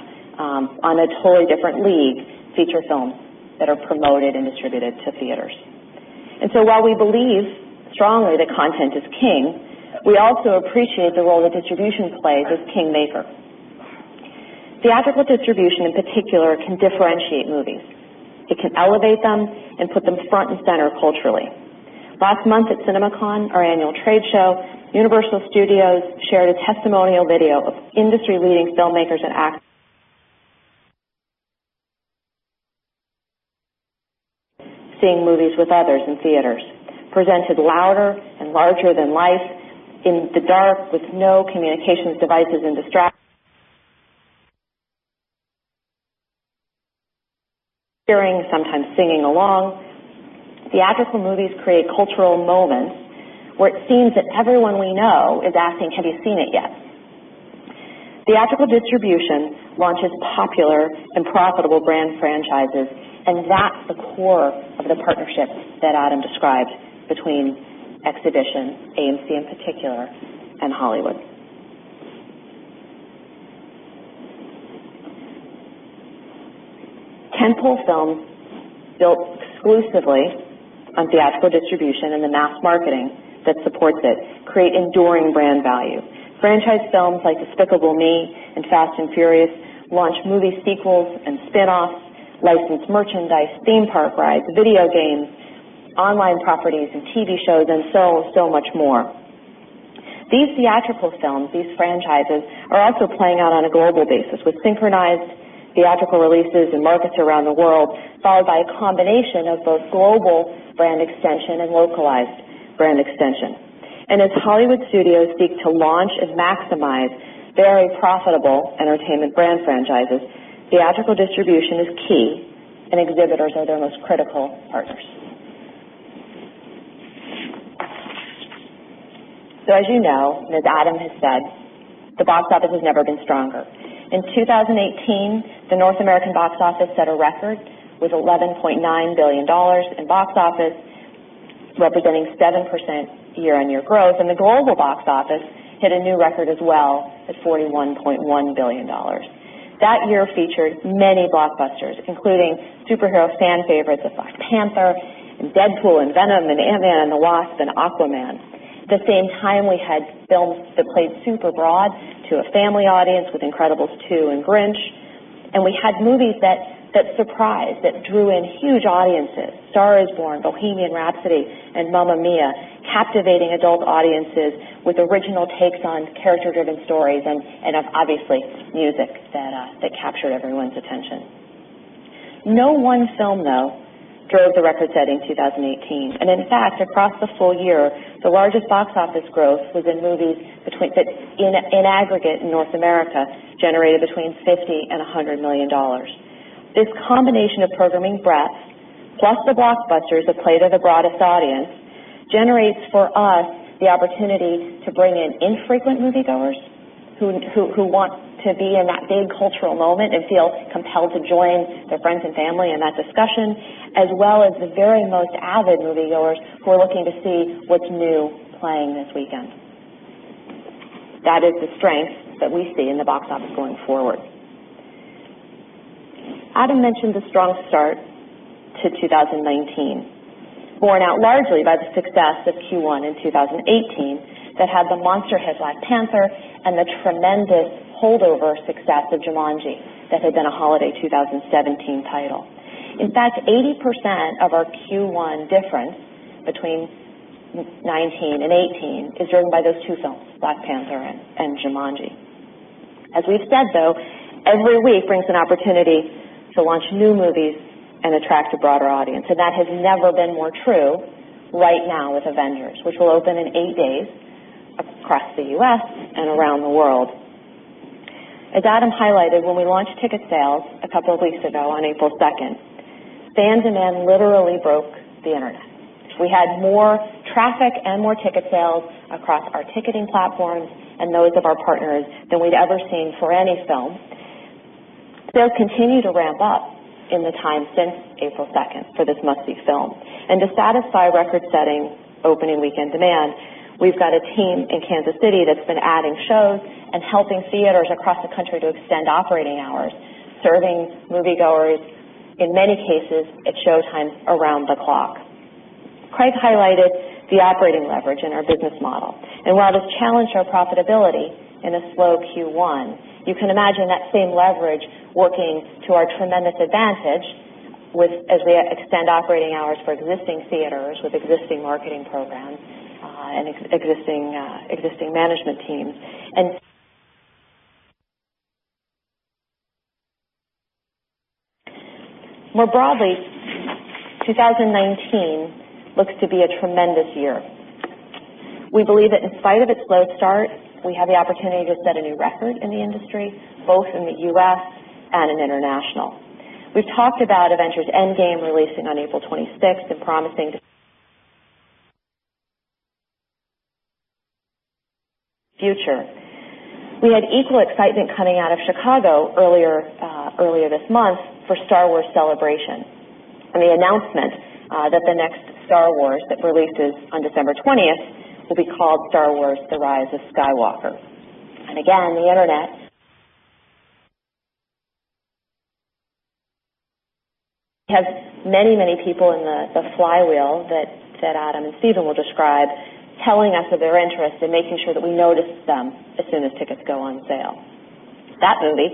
on a totally different league, feature films that are promoted and distributed to theaters. While we believe strongly that content is king, we also appreciate the role that distribution plays as kingmaker. Theatrical distribution in particular can differentiate movies. It can elevate them and put them front and center culturally. Last month at CinemaCon, our annual trade show, Universal Studios shared a testimonial video of industry-leading filmmakers seeing movies with others in theaters. Presented louder and larger than life, in the dark with no communications devices and hearing, sometimes singing along. Theatrical movies create cultural moments where it seems that everyone we know is asking, "Have you seen it yet?" Theatrical distribution launches popular and profitable brand franchises, and that's the core of the partnership that Adam described between exhibition, AMC in particular, and Hollywood. Tentpole films built exclusively on theatrical distribution and the mass marketing that supports it create enduring brand value. Franchise films like "Despicable Me" and "Fast & Furious" launch movie sequels and spinoffs, licensed merchandise, theme park rides, video games, online properties and TV shows, and so much more. These theatrical films, these franchises, are also playing out on a global basis with synchronized theatrical releases in markets around the world, followed by a combination of both global brand extension and localized brand extension. As Hollywood studios seek to launch and maximize very profitable entertainment brand franchises, theatrical distribution is key, and exhibitors are their most critical partners. As you know, as Adam has said, the box office has never been stronger. In 2018, the North American box office set a record with $11.9 billion in box office, representing 7% year-on-year growth, and the global box office hit a new record as well at $41.1 billion. That year featured many blockbusters, including superhero fan favorites like "Black Panther" and "Deadpool" and "Venom" and "Ant-Man and the Wasp" and "Aquaman". At the same time, we had films that played super broad to a family audience with "Incredibles 2" and "Grinch." We had movies that surprised, that drew in huge audiences, "A Star Is Born," "Bohemian Rhapsody," and "Mamma Mia!", captivating adult audiences with original takes on character-driven stories and obviously music that captured everyone's attention. No one film, though, drove the record-setting in 2018. In fact, across the full year, the largest box office growth was in movies that in aggregate in North America generated between $50 million and $100 million. This combination of programming breadth, plus the blockbusters that play to the broadest audience, generates for us the opportunity to bring in infrequent moviegoers who want to be in that big cultural moment and feel compelled to join their friends and family in that discussion, as well as the very most avid moviegoers who are looking to see what's new playing this weekend. That is the strength that we see in the box office going forward. Adam mentioned the strong start to 2019, borne out largely by the success of Q1 in 2018 that had the monster hit "Black Panther" and the tremendous holdover success of "Jumanji" that had been a holiday 2017 title. In fact, 80% of our Q1 difference between 2019 and 2018 is driven by those two films, "Black Panther" and "Jumanji". As we've said, though, every week brings an opportunity to launch new movies and attract a broader audience, and that has never been more true right now with "Avengers," which will open in eight days across the U.S. and around the world. As Adam highlighted, when we launched ticket sales a couple of weeks ago on April 2nd, fan demand literally broke the internet. We had more traffic and more ticket sales across our ticketing platforms and those of our partners than we'd ever seen for any film. Sales continue to ramp up in the time since April 2nd for this must-see film. To satisfy record-setting opening weekend demand, we've got a team in Kansas City that's been adding shows and helping theaters across the country to extend operating hours, serving moviegoers, in many cases, at showtimes around the clock. Craig highlighted the operating leverage in our business model, and while this challenged our profitability in a slow Q1, you can imagine that same leverage working to our tremendous advantage as we extend operating hours for existing theaters with existing marketing programs and existing management teams. More broadly, 2019 looks to be a tremendous year. We believe that in spite of its slow start, we have the opportunity to set a new record in the industry, both in the U.S. and in international. We've talked about "Avengers: Endgame" releasing on April 26th and promising to future. We had equal excitement coming out of Chicago earlier this month for Star Wars Celebration and the announcement that the next Star Wars that releases on December 20th will be called "Star Wars: The Rise of Skywalker." The internet. We have many people in the flywheel that Adam and Steven will describe telling us of their interest and making sure that we notice them as soon as tickets go on sale. That movie,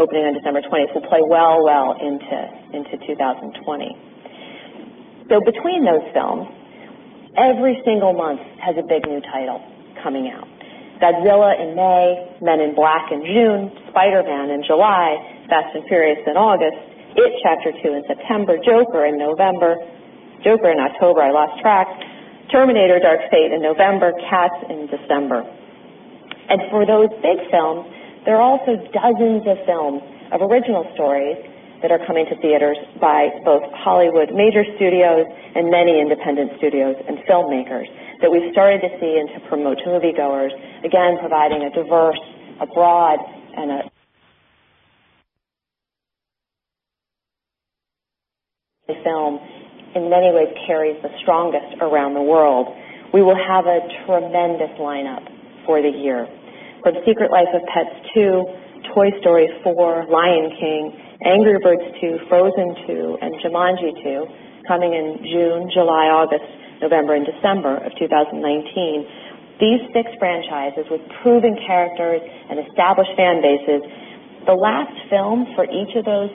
opening on December 20th, will play well into 2020. Between those films, every single month has a big new title coming out. Godzilla in May, Men in Black in June, Spider-Man in July, Fast and Furious in August, It Chapter Two in September, Joker in October, Terminator: Dark Fate in November, Cats in December. For those big films, there are also dozens of films of original stories that are coming to theaters by both Hollywood major studios and many independent studios and filmmakers that we've started to see and to promote to moviegoers, again, providing a diverse, a broad, and a film in many ways carries the strongest around the world. We will have a tremendous lineup for the year with Secret Life of Pets Two, Toy Story Four, Lion King, Angry Birds Two, Frozen Two, and Jumanji Two coming in June, July, August, November, and December of 2019. These six franchises with proven characters and established fan bases, the last films for each of those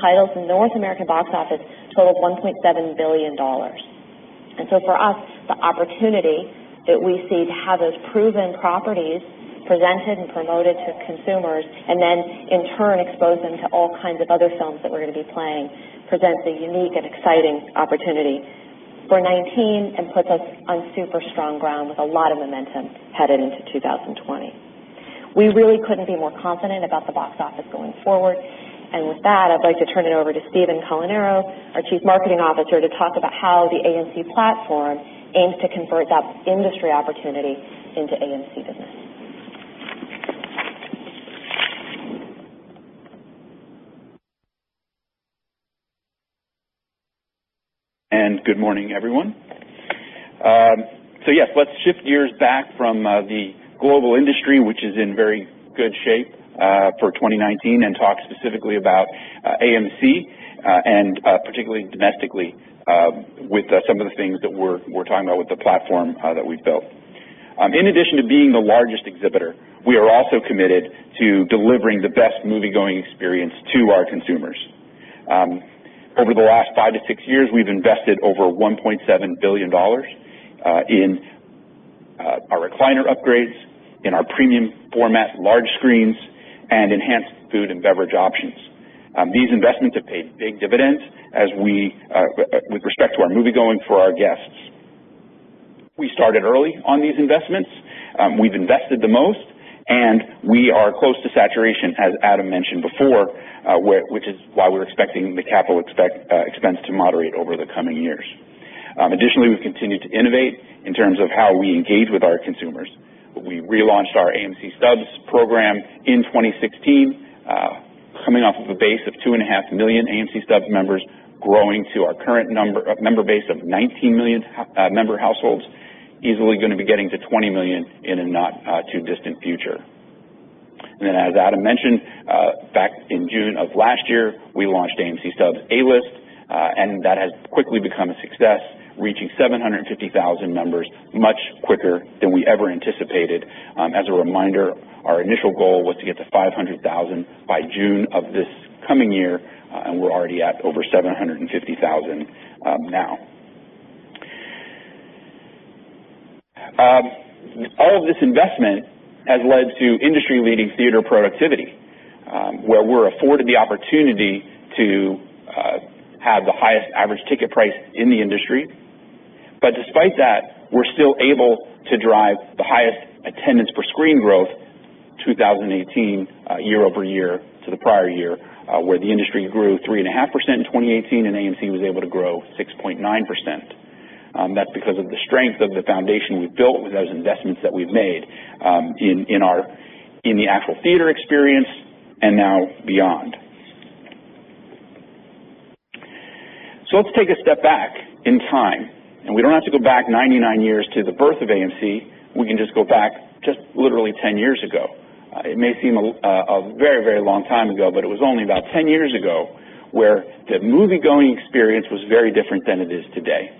titles in the North American box office totaled $1.7 billion. For us, the opportunity that we see to have those proven properties presented and promoted to consumers, and then in turn expose them to all kinds of other films that we're going to be playing, presents a unique and exciting opportunity for 2019 and puts us on super strong ground with a lot of momentum headed into 2020. We really couldn't be more confident about the box office going forward. With that, I'd like to turn it over to Stephen Colanero, our Chief Marketing Officer, to talk about how the AMC platform aims to convert that industry opportunity into AMC business. Good morning, everyone. Yes, let's shift gears back from the global industry, which is in very good shape for 2019, and talk specifically about AMC, and particularly domestically with some of the things that we're talking about with the platform that we've built. In addition to being the largest exhibitor, we are also committed to delivering the best movie-going experience to our consumers. Over the last five to six years, we've invested over $1.7 billion in our recliner upgrades, in our premium format large screens, and enhanced food and beverage options. These investments have paid big dividends with respect to our moviegoing for our guests. We started early on these investments, we've invested the most, and we are close to saturation, as Adam mentioned before, which is why we're expecting the capital expense to moderate over the coming years. Additionally, we've continued to innovate in terms of how we engage with our consumers. We relaunched our AMC Stubs program in 2016, coming off of a base of 2.5 million AMC Stubs members, growing to our current member base of 19 million member households, easily going to be getting to 20 million in a not too distant future. As Adam mentioned, back in June of last year, we launched AMC Stubs A-List, and that has quickly become a success, reaching 750,000 members much quicker than we ever anticipated. As a reminder, our initial goal was to get to 500,000 by June of this coming year, and we're already at over 750,000 now. All of this investment has led to industry-leading theater productivity, where we're afforded the opportunity to have the highest average ticket price in the industry. Despite that, we're still able to drive the highest attendance per screen growth 2018 year-over-year to the prior year, where the industry grew 3.5% in 2018 and AMC was able to grow 6.9%. That's because of the strength of the foundation we've built with those investments that we've made in the actual theater experience and now beyond. Let's take a step back in time, and we don't have to go back 99 years to the birth of AMC. We can just go back just literally 10 years ago. It may seem a very long time ago, but it was only about 10 years ago where the movie-going experience was very different than it is today.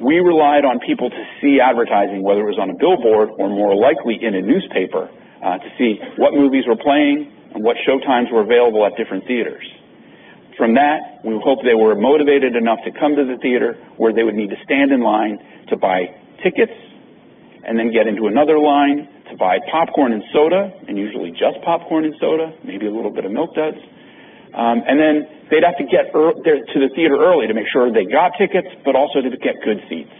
We relied on people to see advertising, whether it was on a billboard or more likely in a newspaper, to see what movies were playing and what show times were available at different theaters. From that, we would hope they were motivated enough to come to the theater, where they would need to stand in line to buy tickets and then get into another line to buy popcorn and soda, and usually just popcorn and soda, maybe a little bit of Milk Duds. They'd have to get to the theater early to make sure they got tickets, but also to get good seats.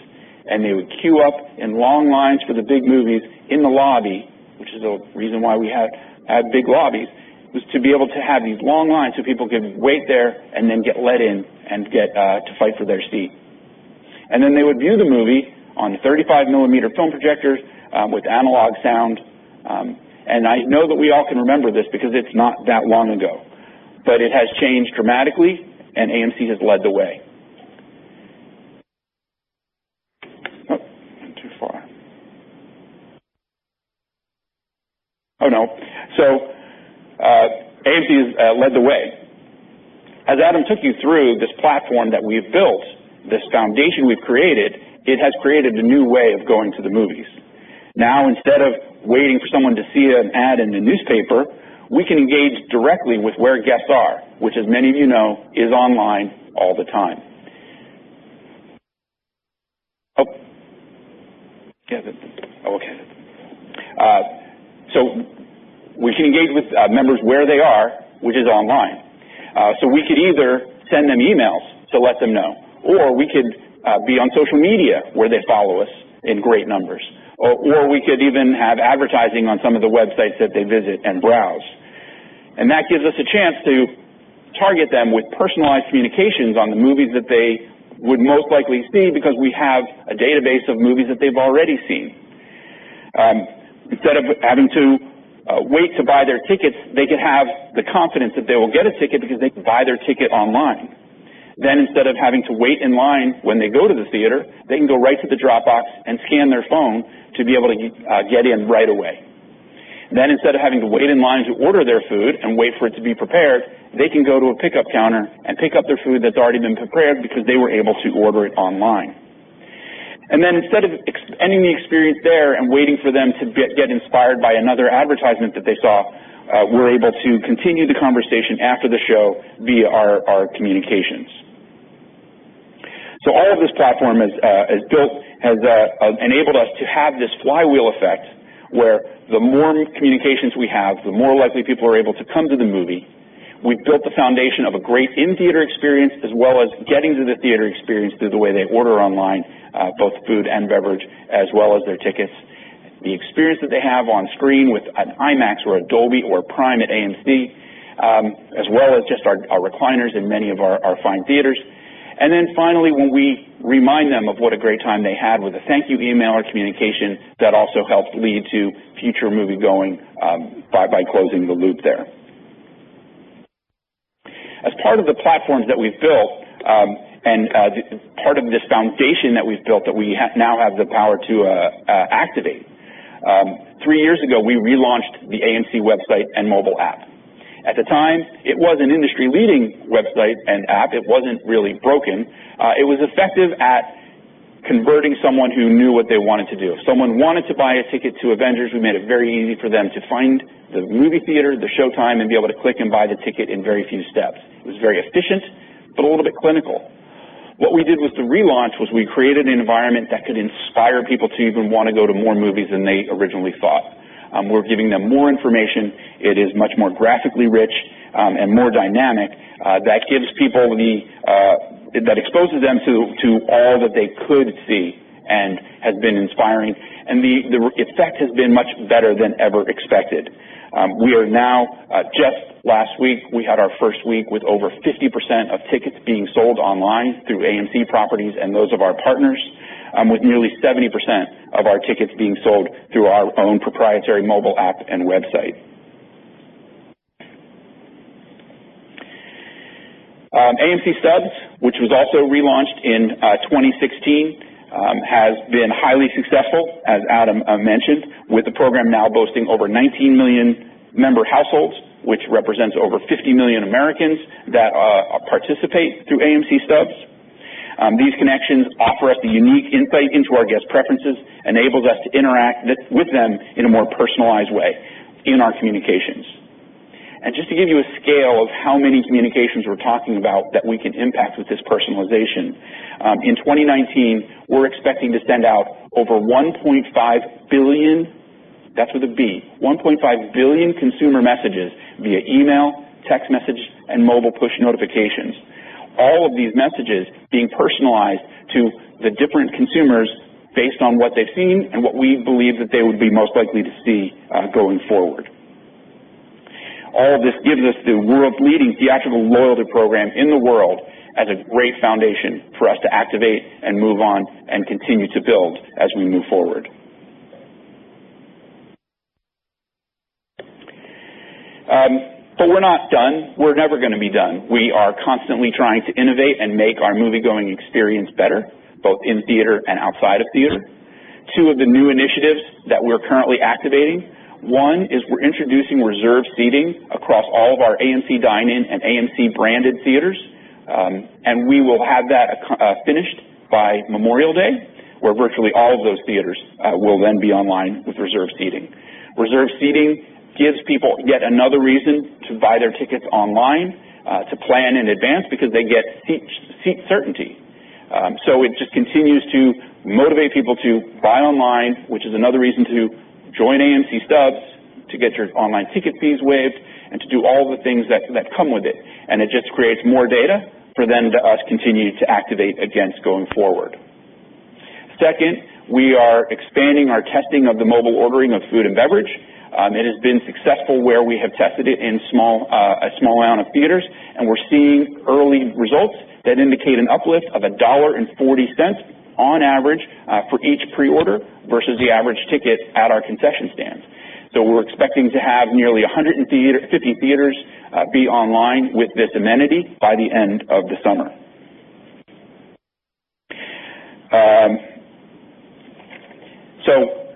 They would queue up in long lines for the big movies in the lobby, which is the reason why we have big lobbies, was to be able to have these long lines so people could wait there and then get let in and get to fight for their seat. They would view the movie on 35 mm film projectors with analog sound. I know that we all can remember this because it's not that long ago, but it has changed dramatically and AMC has led the way. AMC has led the way. As Adam took you through this platform that we've built, this foundation we've created, it has created a new way of going to the movies. Instead of waiting for someone to see an ad in the newspaper, we can engage directly with where guests are, which, as many of you know, is online all the time. We can engage with members where they are, which is online. We could either send them emails to let them know, or we could be on social media where they follow us in great numbers, or we could even have advertising on some of the websites that they visit and browse. That gives us a chance to target them with personalized communications on the movies that they would most likely see because we have a database of movies that they've already seen. Instead of having to wait to buy their tickets, they could have the confidence that they will get a ticket because they can buy their ticket online. Instead of having to wait in line when they go to the theater, they can go right to the drop box and scan their phone to be able to get in right away. Instead of having to wait in line to order their food and wait for it to be prepared, they can go to a pickup counter and pick up their food that's already been prepared because they were able to order it online. Instead of ending the experience there and waiting for them to get inspired by another advertisement that they saw, we're able to continue the conversation after the show via our communications. All of this platform, as built, has enabled us to have this flywheel effect, where the more communications we have, the more likely people are able to come to the movie. We've built the foundation of a great in-theater experience as well as getting to the theater experience through the way they order online, both food and beverage, as well as their tickets, the experience that they have on screen with an IMAX or a Dolby or Prime at AMC, as well as just our recliners in many of our fine theaters. Finally, when we remind them of what a great time they had with a thank you email or communication, that also helps lead to future moviegoing by closing the loop there. As part of the platforms that we've built and part of this foundation that we've built, that we now have the power to activate, three years ago, we relaunched the AMC website and mobile app. At the time, it was an industry-leading website and app. It wasn't really broken. It was effective at converting someone who knew what they wanted to do. If someone wanted to buy a ticket to Avengers, we made it very easy for them to find the movie theater, the showtime, and be able to click and buy the ticket in very few steps. It was very efficient, but a little bit clinical. What we did with the relaunch was we created an environment that could inspire people to even want to go to more movies than they originally thought. We're giving them more information. It is much more graphically rich and more dynamic. That exposes them to all that they could see and has been inspiring, and the effect has been much better than ever expected. We are now, just last week, we had our first week with over 50% of tickets being sold online through AMC properties and those of our partners, with nearly 70% of our tickets being sold through our own proprietary mobile app and website. AMC Stubs, which was also relaunched in 2016, has been highly successful, as Adam mentioned, with the program now boasting over 19 million member households, which represents over 50 million Americans that participate through AMC Stubs. These connections offer us a unique insight into our guests' preferences, enables us to interact with them in a more personalized way in our communications. Just to give you a scale of how many communications we're talking about that we can impact with this personalization, in 2019, we're expecting to send out over 1.5 billion, that's with a B, 1.5 billion consumer messages via email, text message, and mobile push notifications. All of these messages being personalized to the different consumers based on what they've seen and what we believe that they would be most likely to see going forward. All of this gives us the world's leading theatrical loyalty program in the world as a great foundation for us to activate and move on and continue to build as we move forward. We're not done. We're never going to be done. We are constantly trying to innovate and make our moviegoing experience better, both in theater and outside of theater. Two of the new initiatives that we're currently activating, one is we're introducing reserved seating across all of our AMC Dine-In and AMC-branded theaters, and we will have that finished by Memorial Day, where virtually all of those theaters will then be online with reserved seating. Reserved seating gives people yet another reason to buy their tickets online, to plan in advance, because they get seat certainty. It just continues to motivate people to buy online, which is another reason to join AMC Stubs, to get your online ticket fees waived, and to do all the things that come with it. It just creates more data for then to us continue to activate against going forward. Second, we are expanding our testing of the mobile ordering of food and beverage. It has been successful where we have tested it in a small amount of theaters, and we're seeing early results that indicate an uplift of $1.40 on average for each pre-order versus the average ticket at our concession stand. We're expecting to have nearly 150 theaters be online with this amenity by the end of the summer.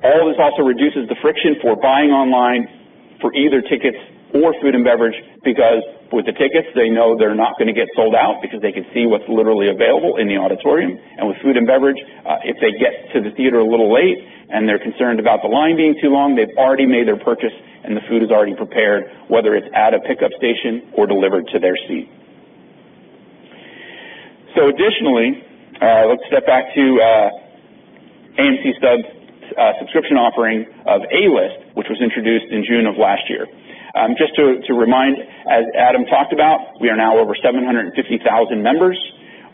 All of this also reduces the friction for buying online for either tickets or food and beverage, because with the tickets, they know they're not going to get sold out because they can see what's literally available in the auditorium. With food and beverage, if they get to the theater a little late and they're concerned about the line being too long, they've already made their purchase and the food is already prepared, whether it's at a pickup station or delivered to their seat. Additionally, let's step back to AMC Stubs subscription offering of A-List, which was introduced in June of last year. Just to remind, as Adam talked about, we are now over 750,000 members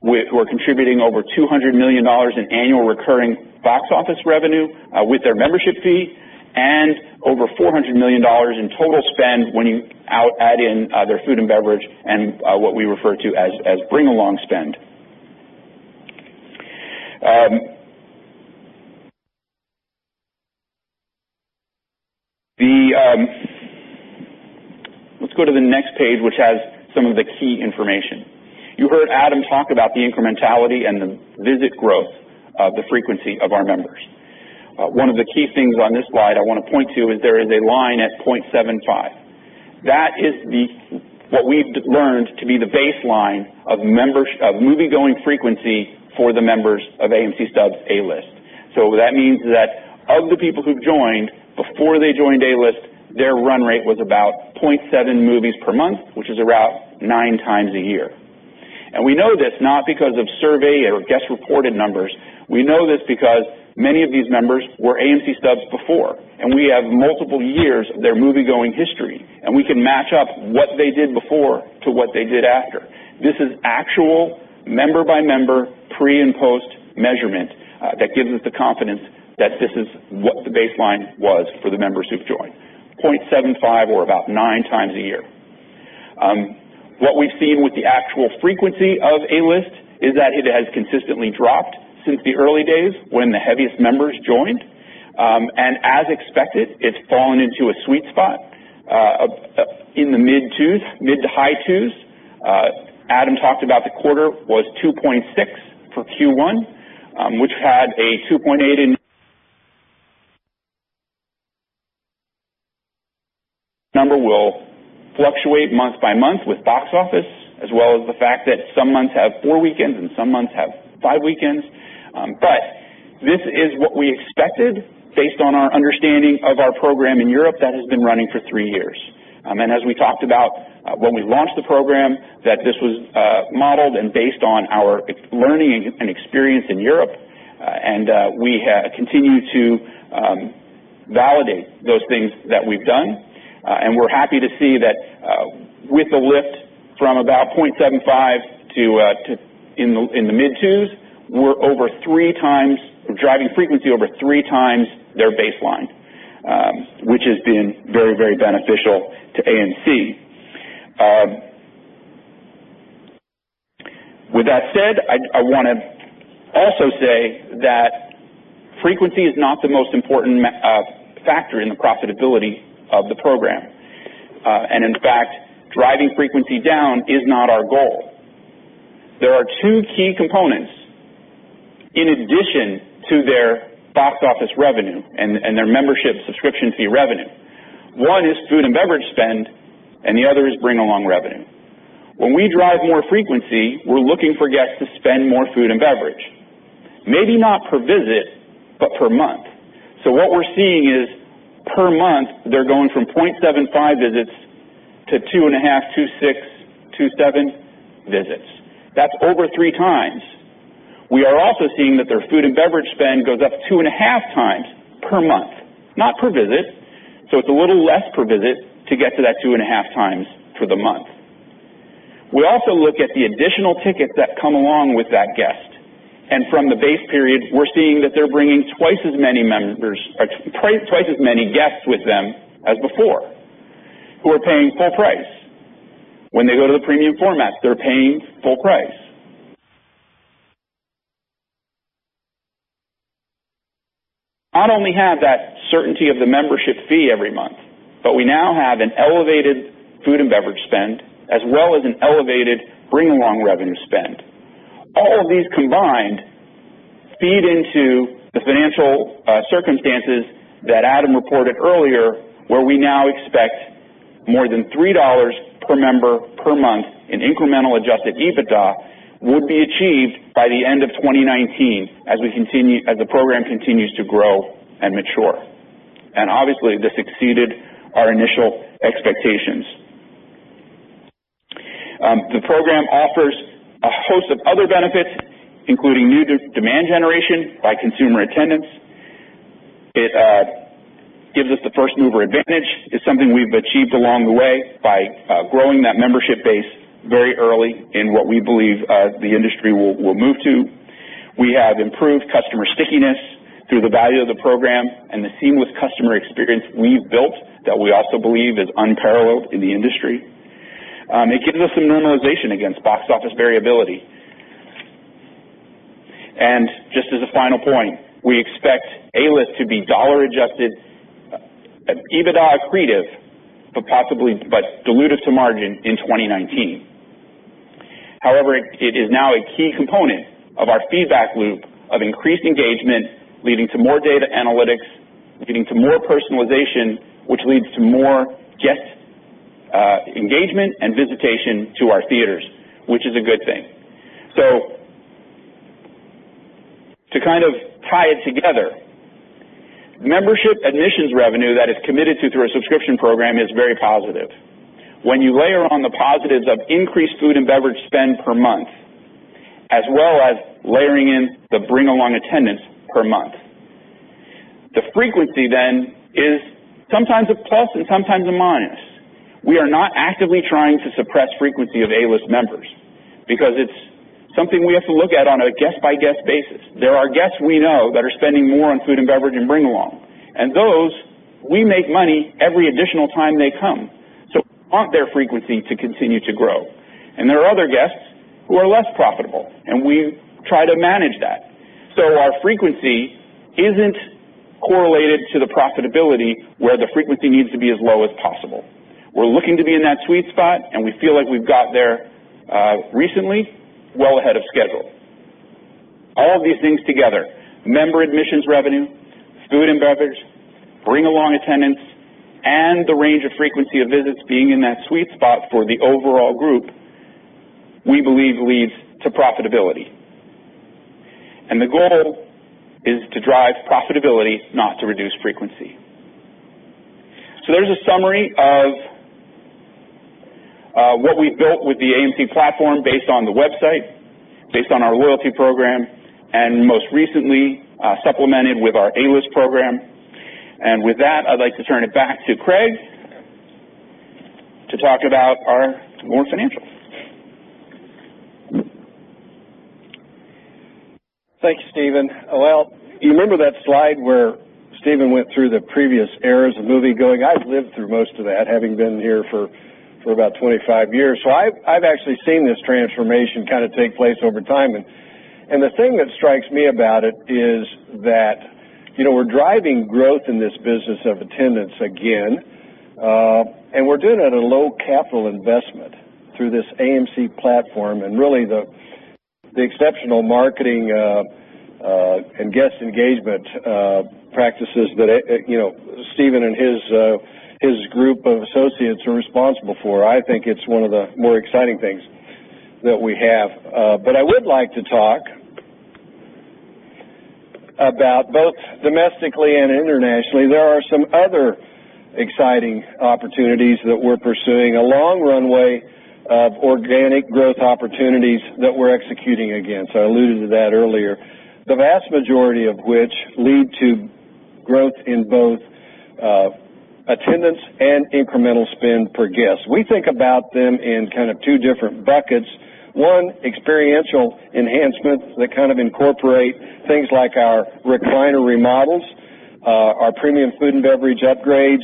who are contributing over $200 million in annual recurring box office revenue with their membership fee and over $400 million in total spend when you add in their food and beverage and what we refer to as bring-along spend. Let's go to the next page, which has some of the key information. You heard Adam talk about the incrementality and the visit growth of the frequency of our members. One of the key things on this slide I want to point to is there is a line at 0.75. That is what we've learned to be the baseline of movie-going frequency for the members of AMC Stubs A-List. That means that of the people who've joined, before they joined A-List, their run rate was about 0.7 movies per month, which is about nine times a year. We know this not because of survey or guest-reported numbers. We know this because many of these members were AMC Stubs before, and we have multiple years of their movie-going history, and we can match up what they did before to what they did after. This is actual member-by-member pre- and post-measurement that gives us the confidence that this is what the baseline was for the members who've joined, 0.75 or about nine times a year. What we've seen with the actual frequency of A-List is that it has consistently dropped since the early days when the heaviest members joined. As expected, it's fallen into a sweet spot, in the mid to high 2s. Adam talked about the quarter was 2.6 for Q1, which had a 2.8. Number will fluctuate month by month with box office, as well as the fact that some months have four weekends and some months have five weekends. This is what we expected based on our understanding of our program in Europe that has been running for three years. As we talked about when we launched the program, that this was modeled and based on our learning and experience in Europe, and we continue to validate those things that we've done. We're happy to see that with the lift from about 0.75 to in the mid 2s, we're driving frequency over 3x their baseline, which has been very, very beneficial to AMC. With that said, I want to also say that frequency is not the most important factor in the profitability of the program. In fact, driving frequency down is not our goal. There are two key components in addition to their box office revenue and their membership subscription fee revenue. One is food and beverage spend, and the other is bring-along revenue. When we drive more frequency, we're looking for guests to spend more food and beverage. Maybe not per visit, but per month. What we're seeing is, per month, they're going from 0.75 visits to 2.5, 2.6, 2.7 visits. That's over three times. We are also seeing that their food and beverage spend goes up two and a half times per month, not per visit, so it's a little less per visit to get to that two and a half times for the month. We also look at the additional tickets that come along with that guest. From the base period, we're seeing that they're bringing twice as many guests with them as before, who are paying full price. When they go to the premium format, they're paying full price. Not only have that certainty of the membership fee every month, but we now have an elevated food and beverage spend, as well as an elevated bring-along revenue spend. All of these combined feed into the financial circumstances that Adam reported earlier, where we now expect more than $3 per member per month in incremental adjusted EBITDA would be achieved by the end of 2019 as the program continues to grow and mature. Obviously, this exceeded our initial expectations. The program offers a host of other benefits, including new demand generation by consumer attendance. It gives us the first-mover advantage. It's something we've achieved along the way by growing that membership base very early in what we believe the industry will move to. We have improved customer stickiness through the value of the program and the seamless customer experience we've built that we also believe is unparalleled in the industry. It gives us some normalization against box office variability. Just as a final point, we expect A-List to be dollar-adjusted, EBITDA accretive, but dilutive to margin in 2019. However, it is now a key component of our feedback loop of increased engagement, leading to more data analytics, leading to more personalization, which leads to more guest engagement and visitation to our theaters, which is a good thing. To tie it together, membership admissions revenue that is committed to through a subscription program is very positive. When you layer on the positives of increased food and beverage spend per month, as well as layering in the bring-along attendance per month, the frequency then is sometimes a plus and sometimes a minus. We are not actively trying to suppress frequency of A-List members because it's something we have to look at on a guest-by-guest basis. There are guests we know that are spending more on food and beverage and bring-along, and those, we make money every additional time they come, so we want their frequency to continue to grow. There are other guests who are less profitable, and we try to manage that. Our frequency isn't correlated to the profitability where the frequency needs to be as low as possible. We're looking to be in that sweet spot, and we feel like we've got there, recently, well ahead of schedule. All of these things together, member admissions revenue, food and beverage, bring-along attendance, and the range of frequency of visits being in that sweet spot for the overall group, we believe leads to profitability. The goal is to drive profitability, not to reduce frequency. There's a summary of what we've built with the AMC platform based on the website, based on our loyalty program, and most recently, supplemented with our A-List program. With that, I'd like to turn it back to Craig to talk about our more financials. Thank you, Steven. Well, you remember that slide where Steven went through the previous eras of moviegoing? I've lived through most of that, having been here for about 25 years. I've actually seen this transformation take place over time, the thing that strikes me about it is that we're driving growth in this business of attendance again, we're doing it at a low capital investment through this AMC platform and really the exceptional marketing and guest engagement practices that Steven and his group of associates are responsible for. I think it's one of the more exciting things that we have. I would like to talk about both domestically and internationally, there are some other exciting opportunities that we're pursuing, a long runway of organic growth opportunities that we're executing again, I alluded to that earlier. The vast majority of which lead to growth in both attendance and incremental spend per guest. We think about them in two different buckets. One. Experiential enhancements that incorporate things like our recliner remodels, our premium food and beverage upgrades,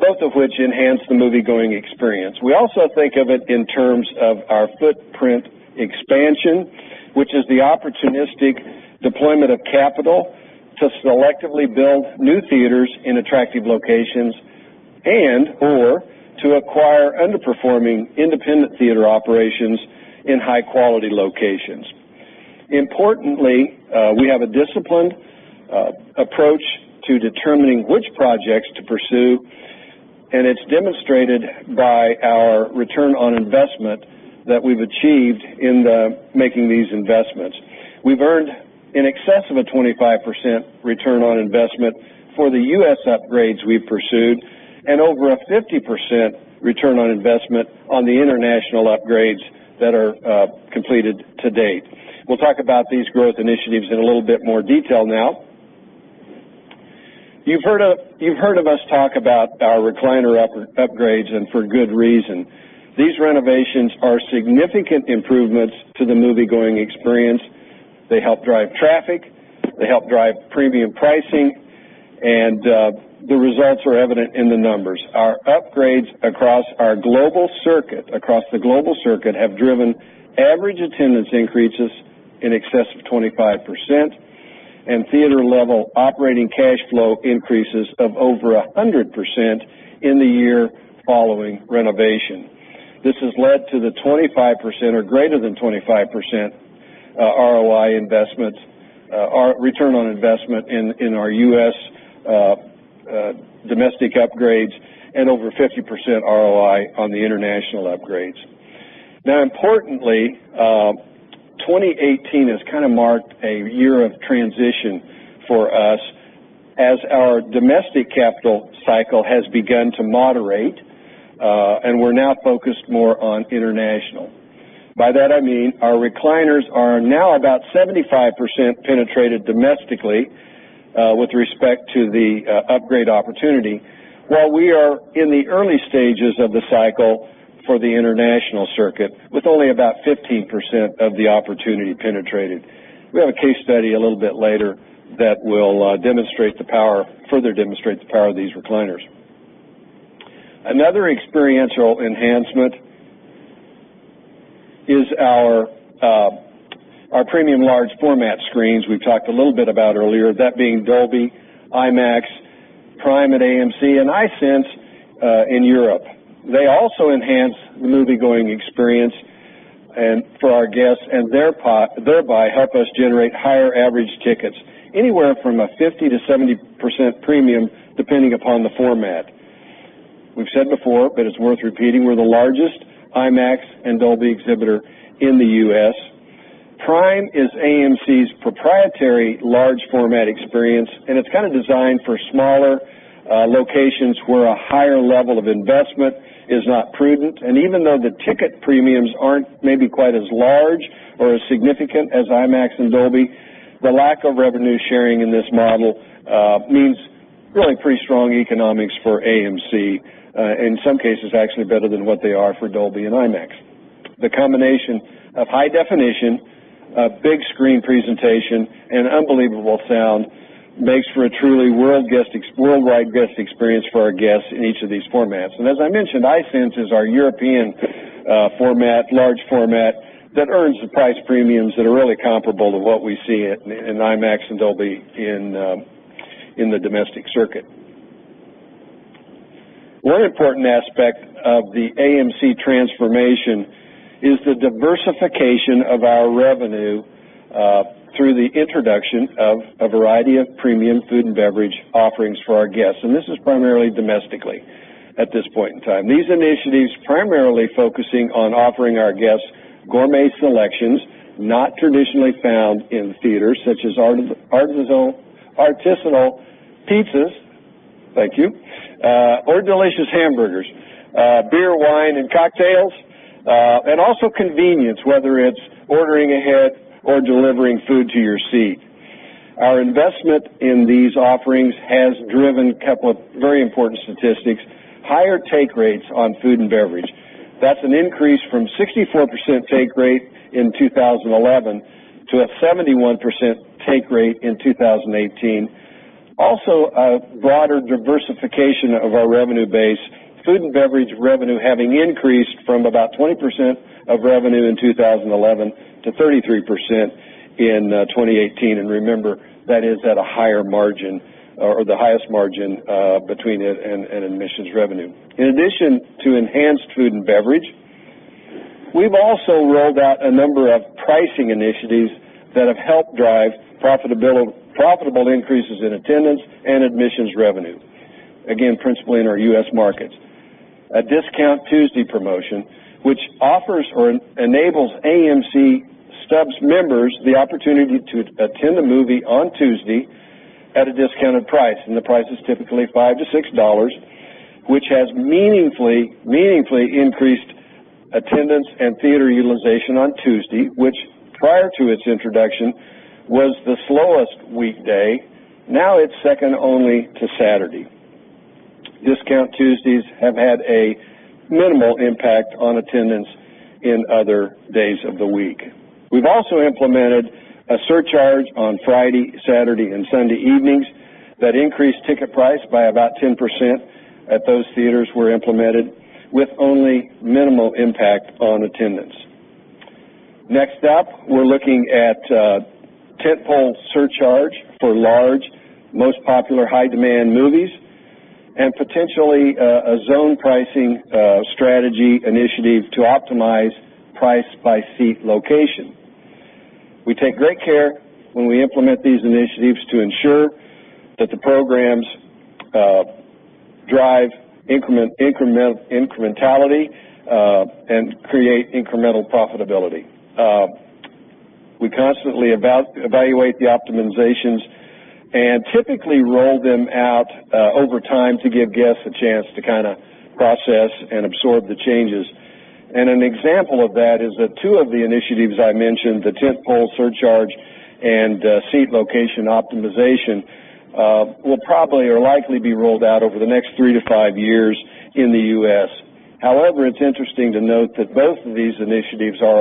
both of which enhance the moviegoing experience. We also think of it in terms of our footprint expansion, which is the opportunistic deployment of capital to selectively build new theaters in attractive locations and/or to acquire underperforming independent theater operations in high-quality locations. Importantly, we have a disciplined approach to determining which projects to pursue, and it's demonstrated by our return on investment that we've achieved in making these investments. We've earned in excess of a 25% return on investment for the U.S. upgrades we've pursued and over a 50% return on investment on the international upgrades that are completed to date. We'll talk about these growth initiatives in a little bit more detail now. You've heard of us talk about our recliner upgrades, for good reason. These renovations are significant improvements to the moviegoing experience. They help drive traffic. They help drive premium pricing, the results are evident in the numbers. Our upgrades across the global circuit have driven average attendance increases in excess of 25% and theater-level operating cash flow increases of over 100% in the year following renovation. This has led to the 25% or greater than 25% ROI investments, our return on investment in our U.S. domestic upgrades and over 50% ROI on the international upgrades. Importantly, 2018 has marked a year of transition for us as our domestic capital cycle has begun to moderate, we're now focused more on international. By that, I mean our recliners are now about 75% penetrated domestically, with respect to the upgrade opportunity, while we are in the early stages of the cycle for the international circuit, with only about 15% of the opportunity penetrated. We have a case study a little bit later that will further demonstrate the power of these recliners. Another experiential enhancement is Our premium large format screens, we've talked a little bit about earlier, that being Dolby, IMAX, Prime at AMC, and iSense in Europe. They also enhance the moviegoing experience for our guests, thereby help us generate higher average tickets, anywhere from a 50%-70% premium depending upon the format. We've said before, it's worth repeating, we're the largest IMAX and Dolby exhibitor in the U.S. Prime is AMC's proprietary large format experience, it's kind of designed for smaller locations where a higher level of investment is not prudent. Even though the ticket premiums aren't maybe quite as large or as significant as IMAX and Dolby, the lack of revenue sharing in this model means really pretty strong economics for AMC, in some cases, actually better than what they are for Dolby and IMAX. The combination of high-definition, big screen presentation, and unbelievable sound makes for a truly worldwide guest experience for our guests in each of these formats. As I mentioned, iSense is our European format, large format, that earns the price premiums that are really comparable to what we see in IMAX and Dolby in the domestic circuit. One important aspect of the AMC transformation is the diversification of our revenue through the introduction of a variety of premium food and beverage offerings for our guests, and this is primarily domestically at this point in time. These initiatives primarily focusing on offering our guests gourmet selections not traditionally found in theaters, such as artisanal pizzas, thank you, or delicious hamburgers, beer, wine, and cocktails, and also convenience, whether it's ordering ahead or delivering food to your seat. Our investment in these offerings has driven a couple of very important statistics. Higher take rates on food and beverage. That's an increase from 64% take rate in 2011 to a 71% take rate in 2018. Also, a broader diversification of our revenue base, food and beverage revenue having increased from about 20% of revenue in 2011 to 33% in 2018. Remember, that is at a higher margin or the highest margin between it and admissions revenue. In addition to enhanced food and beverage, we've also rolled out a number of pricing initiatives that have helped drive profitable increases in attendance and admissions revenue, again, principally in our U.S. markets. A Discount Tuesday promotion, which offers or enables AMC Stubs members the opportunity to attend a movie on Tuesday at a discounted price, and the price is typically $5-$6, which has meaningfully increased attendance and theater utilization on Tuesday, which prior to its introduction was the slowest weekday. Now it's second only to Saturday. Discount Tuesdays have had a minimal impact on attendance in other days of the week. We've also implemented a surcharge on Friday, Saturday, and Sunday evenings that increased ticket price by about 10% at those theaters were implemented with only minimal impact on attendance. Next up, we're looking at a tent pole surcharge for large, most popular, high-demand movies, and potentially a zone pricing strategy initiative to optimize price by seat location. We take great care when we implement these initiatives to ensure that the programs drive incrementality and create incremental profitability. We constantly evaluate the optimizations and typically roll them out over time to give guests a chance to kind of process and absorb the changes. An example of that is that two of the initiatives I mentioned, the tent pole surcharge and seat location optimization, will probably or likely be rolled out over the next three to five years in the U.S. However, it's interesting to note that both of these initiatives are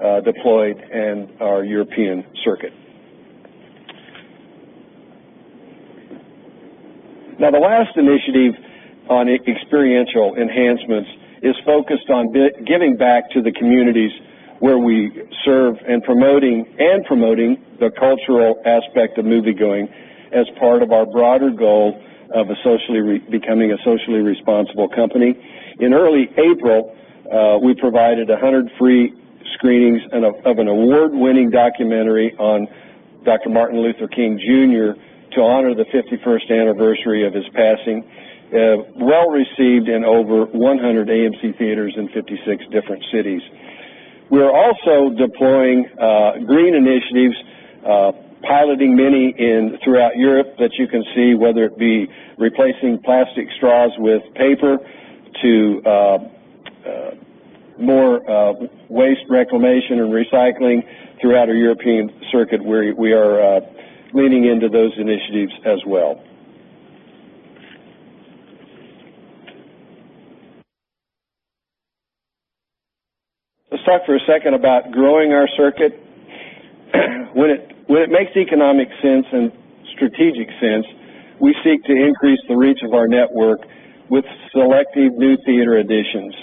already deployed in our European circuit. The last initiative on experiential enhancements is focused on giving back to the communities where we serve and promoting the cultural aspect of moviegoing as part of our broader goal of becoming a socially responsible company. In early April, we provided 100 free screenings of an award-winning documentary on Dr. Martin Luther King Jr. to honor the 51st anniversary of his passing. Well-received in over 100 AMC Theatres in 56 different cities. We are also deploying green initiatives, piloting many throughout Europe that you can see, whether it be replacing plastic straws with paper to more waste reclamation and recycling throughout our European circuit. We are leaning into those initiatives as well. Let's talk for a second about growing our circuit. When it makes economic sense and strategic sense, we seek to increase the reach of our network with selective new theater additions.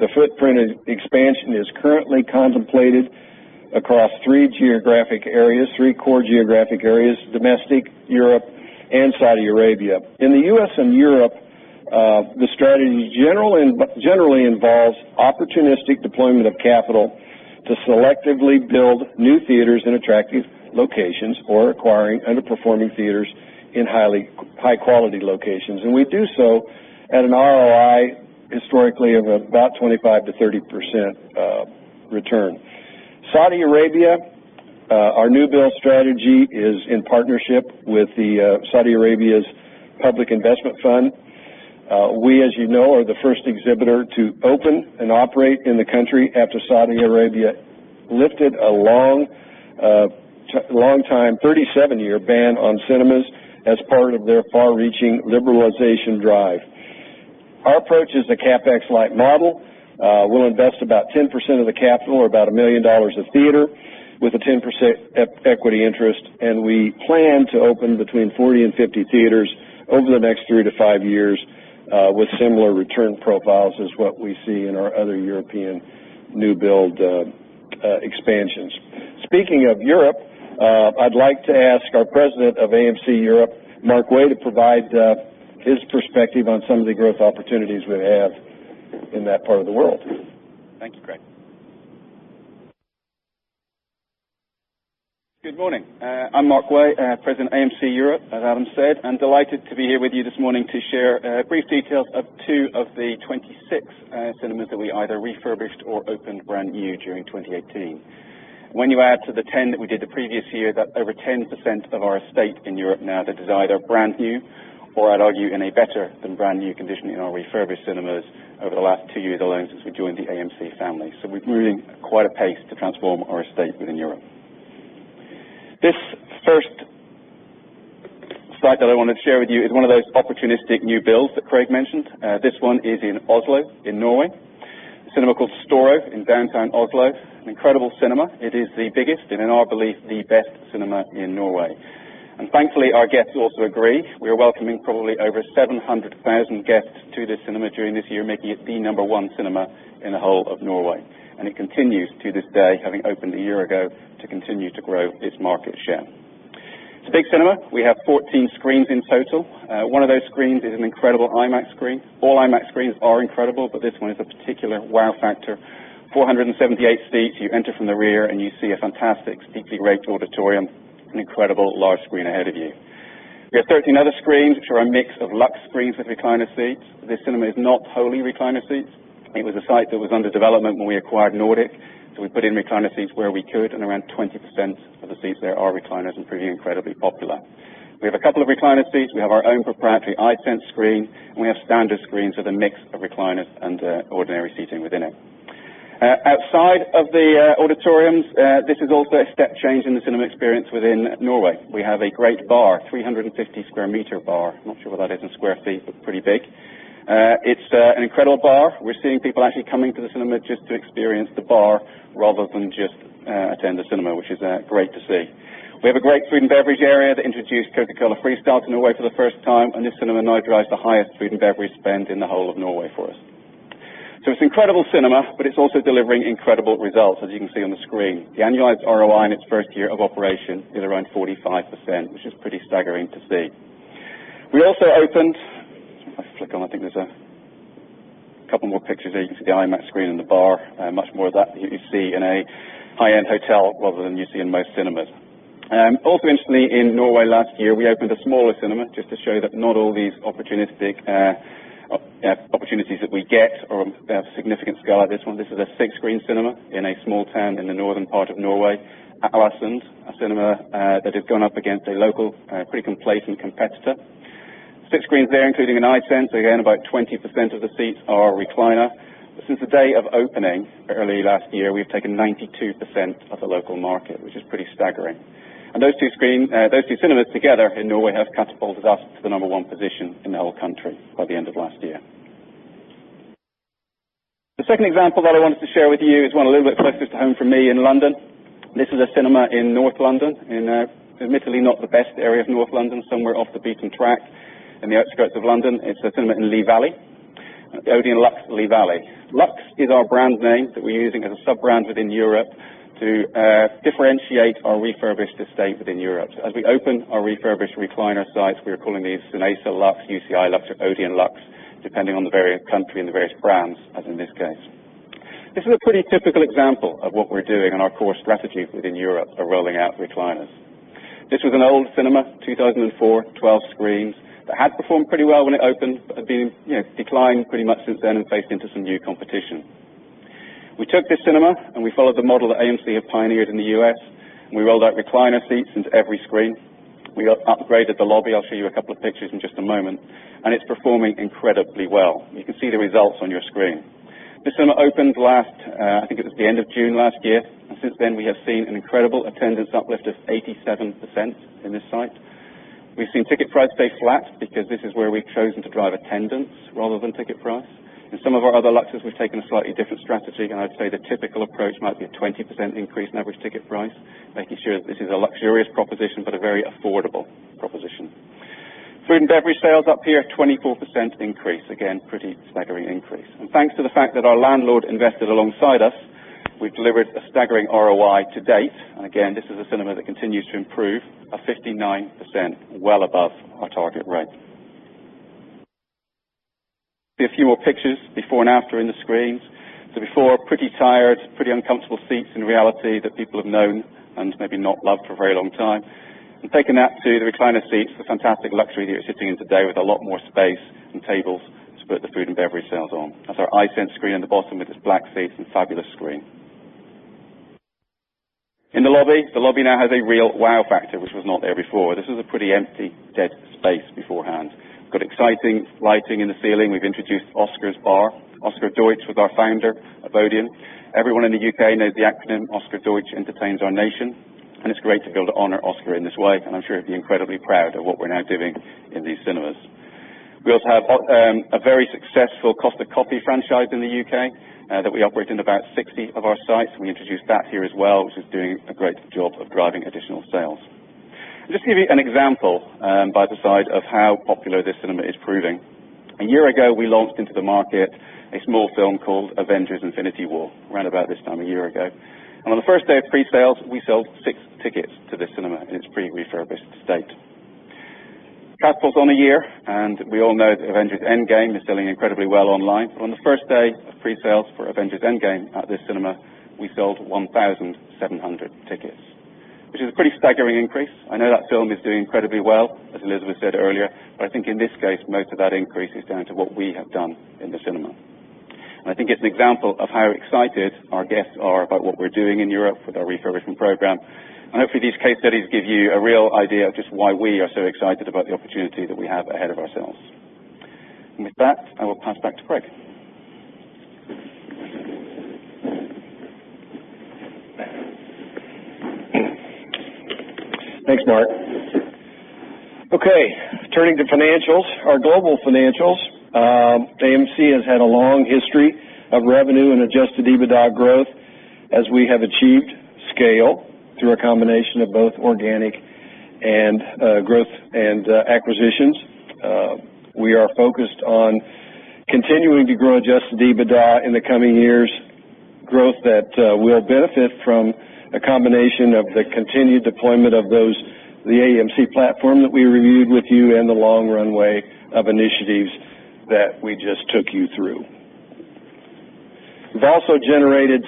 The footprint expansion is currently contemplated across three geographic areas, three core geographic areas: domestic, Europe, and Saudi Arabia. In the U.S. and Europe, the strategy generally involves opportunistic deployment of capital to selectively build new theaters in attractive locations or acquiring underperforming theaters in high-quality locations. We do so at an ROI historically of about 25%-30% return. Saudi Arabia, our new build strategy is in partnership with the Public Investment Fund. We, as you know, are the first exhibitor to open and operate in the country after Saudi Arabia lifted a long-time, 37-year ban on cinemas as part of their far-reaching liberalization drive. Our approach is a CapEx-like model. We'll invest about 10% of the capital or about $1 million a theater with a 10% equity interest, and we plan to open between 40 and 50 theaters over the next three to five years with similar return profiles as what we see in our other European new build expansions. Speaking of Europe, I'd like to ask our President of AMC Europe, Mark Way, to provide his perspective on some of the growth opportunities we have in that part of the world. Thank you, Craig. Good morning. I'm Mark Way, President AMC Europe, as Adam said. I'm delighted to be here with you this morning to share brief details of two of the 26 cinemas that we either refurbished or opened brand new during 2018. When you add to the ten that we did the previous year, that over 10% of our estate in Europe now that is either brand new or, I'd argue, in a better than brand-new condition in our refurbished cinemas over the last two years alone since we joined the AMC family. We're moving at quite a pace to transform our estate within Europe. This first slide that I wanted to share with you is one of those opportunistic new builds that Craig mentioned. This one is in Oslo, in Norway, a cinema called Storo in downtown Oslo. An incredible cinema. It is the biggest and, in our belief, the best cinema in Norway. Thankfully, our guests also agree. We are welcoming probably over 700,000 guests to this cinema during this year, making it the number one cinema in the whole of Norway. It continues to this day, having opened a year ago, to continue to grow its market share. It's a big cinema. We have 14 screens in total. One of those screens is an incredible IMAX screen. All IMAX screens are incredible, but this one is a particular wow factor, 478 seats. You enter from the rear, and you see a fantastic steeply raked auditorium, an incredible large screen ahead of you. We have 13 other screens, which are a mix of Luxe screens with recliner seats. This cinema is not wholly recliner seats. It was a site that was under development when we acquired Nordic, so we put in recliner seats where we could, and around 20% of the seats there are recliners and proving incredibly popular. We have a couple of recliner seats. We have our own proprietary iSense screen, and we have standard screens with a mix of recliners and ordinary seating within it. Outside of the auditoriums, this is also a step change in the cinema experience within Norway. We have a great bar, 350 sq m bar. I'm not sure what that is in sq ft, but pretty big. It's an incredible bar. We're seeing people actually coming to the cinema just to experience the bar rather than just attend a cinema, which is great to see. We have a great food and beverage area that introduced Coca-Cola Freestyle to Norway for the first time, and this cinema now drives the highest food and beverage spend in the whole of Norway for us. It's incredible cinema, but it's also delivering incredible results, as you can see on the screen. The annualized ROI in its first year of operation is around 45%, which is pretty staggering to see. We also opened. I think there's a couple more pictures there. You can see the IMAX screen and the bar. Much more of that you see in a high-end hotel rather than you see in most cinemas. Interestingly, in Norway last year, we opened a smaller cinema just to show that not all these opportunities that we get are of significant scale like this one. This is a six-screen cinema in a small town in the northern part of Norway, Ålesund, a cinema that has gone up against a local, pretty complacent competitor. Six screens there, including an iSense. Again, about 20% of the seats are recliner. Since the day of opening early last year, we've taken 92% of the local market, which is pretty staggering. Those two cinemas together in Norway have catapulted us to the number one position in the whole country by the end of last year. The second example that I wanted to share with you is one a little bit closer to home for me in London. This is a cinema in North London in, admittedly, not the best area of North London, somewhere off the beaten track in the outskirts of London. It's a cinema in Lee Valley, the ODEON Luxe Lee Valley. Lux is our brand name that we're using as a sub-brand within Europe to differentiate our refurbished estate within Europe. As we open our refurbished recliner sites, we are calling these Cineworld Lux, UCI Lux, or ODEON Luxe, depending on the various country and the various brands, as in this case. This is a pretty typical example of what we're doing and our core strategies within Europe are rolling out recliners. This was an old cinema, 2004, 12 screens, that had performed pretty well when it opened, but had been declining pretty much since then and faced into some new competition. We took this cinema, we followed the model that AMC have pioneered in the U.S., and we rolled out recliner seats into every screen. We upgraded the lobby. I'll show you a couple of pictures in just a moment. It's performing incredibly well. You can see the results on your screen. This cinema opened last, I think it was the end of June last year. Since then, we have seen an incredible attendance uplift of 87% in this site. We've seen ticket price stay flat because this is where we've chosen to drive attendance rather than ticket price. In some of our other Luxes, we've taken a slightly different strategy. I'd say the typical approach might be a 20% increase in average ticket price, making sure that this is a luxurious proposition, but a very affordable proposition. Food and beverage sales up here, 24% increase. Again, pretty staggering increase. Thanks to the fact that our landlord invested alongside us, we've delivered a staggering ROI to date. Again, this is a cinema that continues to improve at 59%, well above our target rate. A few more pictures before and after in the screens. Before, pretty tired, pretty uncomfortable seats in reality that people have known and maybe not loved for a very long time. Taking that to the recliner seats, the fantastic luxury that you're sitting in today with a lot more space and tables to put the food and beverage sales on. That's our iSense screen at the bottom with its black seats and fabulous screen. In the lobby, the lobby now has a real wow factor, which was not there before. This was a pretty empty, dead space beforehand. Got exciting lighting in the ceiling. We've introduced Oscar's Bar. Oscar Deutsch was our founder of ODEON. Everyone in the U.K. knows the acronym Oscar Deutsch Entertains Our Nation, it's great to be able to honor Oscar in this way, and I'm sure he'd be incredibly proud of what we're now doing in these cinemas. We also have a very successful Costa Coffee franchise in the U.K. that we operate in about 60 of our sites. We introduced that here as well, which is doing a great job of driving additional sales. Just to give you an example by the side of how popular this cinema is proving. A year ago, we launched into the market a small film called "Avengers: Infinity War", around about this time a year ago. On the first day of pre-sales, we sold six tickets to this cinema in its pre-refurbished state. Fast forward on a year, we all know that "Avengers: Endgame" is selling incredibly well online. On the first day of pre-sales for "Avengers: Endgame" at this cinema, we sold 1,700 tickets, which is a pretty staggering increase. I know that film is doing incredibly well, as Elizabeth said earlier, but I think in this case, most of that increase is down to what we have done in the cinema. I think it's an example of how excited our guests are about what we're doing in Europe with our refurbishment program. Hopefully, these case studies give you a real idea of just why we are so excited about the opportunity that we have ahead of ourselves. With that, I will pass back to Craig. Thanks, Mark. Okay. Turning to financials, our global financials. AMC has had a long history of revenue and adjusted EBITDA growth as we have achieved scale through a combination of both organic and growth and acquisitions. We are focused on continuing to grow adjusted EBITDA in the coming years, growth that will benefit from a combination of the continued deployment of the AMC platform that we reviewed with you and the long runway of initiatives that we just took you through. We've also generated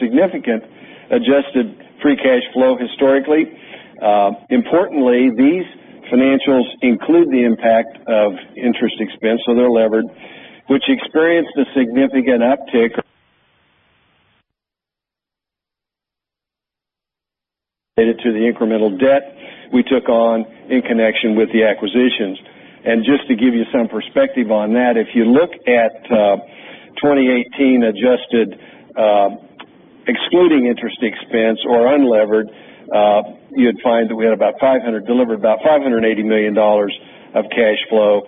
significant adjusted free cash flow historically. Importantly, these financials include the impact of interest expense, so they're levered, which experienced a significant uptick related to the incremental debt we took on in connection with the acquisitions. Just to give you some perspective on that, if you look at 2018 adjusted, excluding interest expense or unlevered, you'd find that we had delivered about $580 million of cash flow,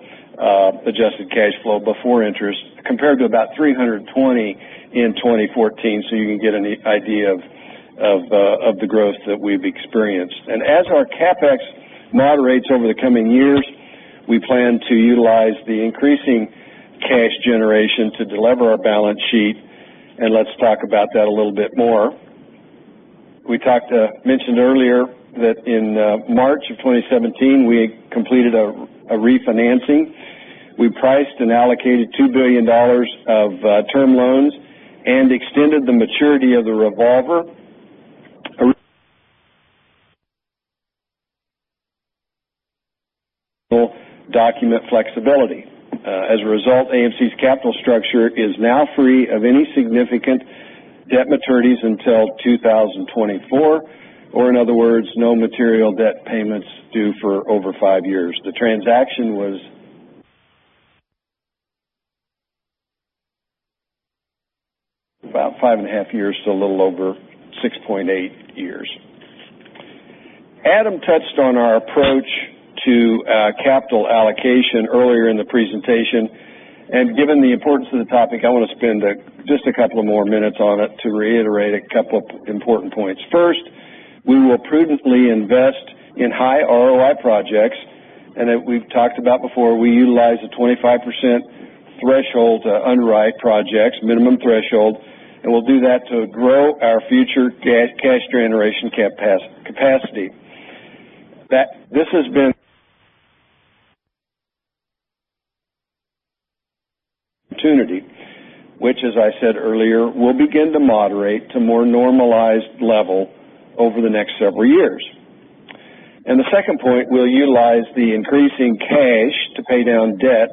adjusted cash flow before interest, compared to about $320 million in 2014. You can get an idea of the growth that we've experienced. As our CapEx moderates over the coming years, we plan to utilize the increasing cash generation to delever our balance sheet, and let's talk about that a little bit more. We mentioned earlier that in March of 2017, we completed a refinancing. We priced and allocated $2 billion of term loans and extended the maturity of the revolver document flexibility. As a result, AMC's capital structure is now free of any significant debt maturities until 2024, or in other words, no material debt payments due for over five years. The transaction was about five and a half years to a little over 6.8 years. Adam touched on our approach to capital allocation earlier in the presentation, and given the importance of the topic, I want to spend just a couple of more minutes on it to reiterate a couple of important points. First, we will prudently invest in high ROI projects, and as we've talked about before, we utilize a 25% threshold to underwrite projects, minimum threshold, and we'll do that to grow our future cash generation capacity. This has been an opportunity which, as I said earlier, will begin to moderate to more normalized level over the next several years. The second point, we'll utilize the increasing cash to pay down debt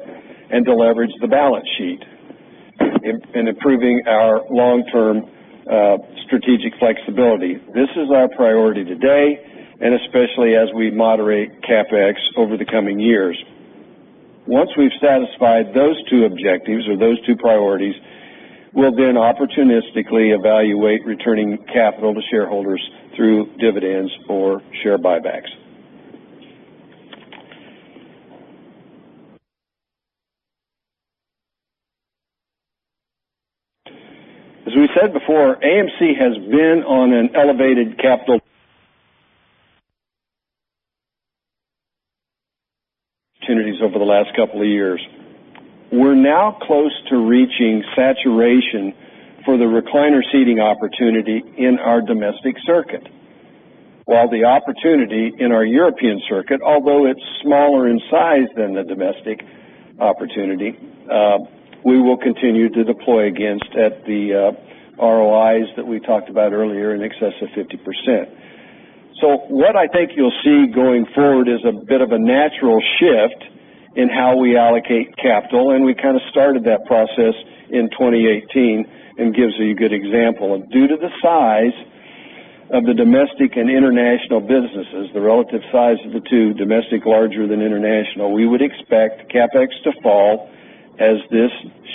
and deleverage the balance sheet in improving our long-term strategic flexibility. This is our priority today and especially as we moderate CapEx over the coming years. Once we've satisfied those two objectives or those two priorities, we'll then opportunistically evaluate returning capital to shareholders through dividends or share buybacks. As we said before, AMC has been on an elevated capital opportunities over the last couple of years. We're now close to reaching saturation for the recliner seating opportunity in our domestic circuit. While the opportunity in our European circuit, although it's smaller in size than the domestic opportunity, we will continue to deploy against at the ROIs that we talked about earlier, in excess of 50%. What I think you'll see going forward is a bit of a natural shift in how we allocate capital, and we kind of started that process in 2018 and gives you a good example. Due to the size of the domestic and international businesses, the relative size of the two, domestic larger than international, we would expect CapEx to fall as this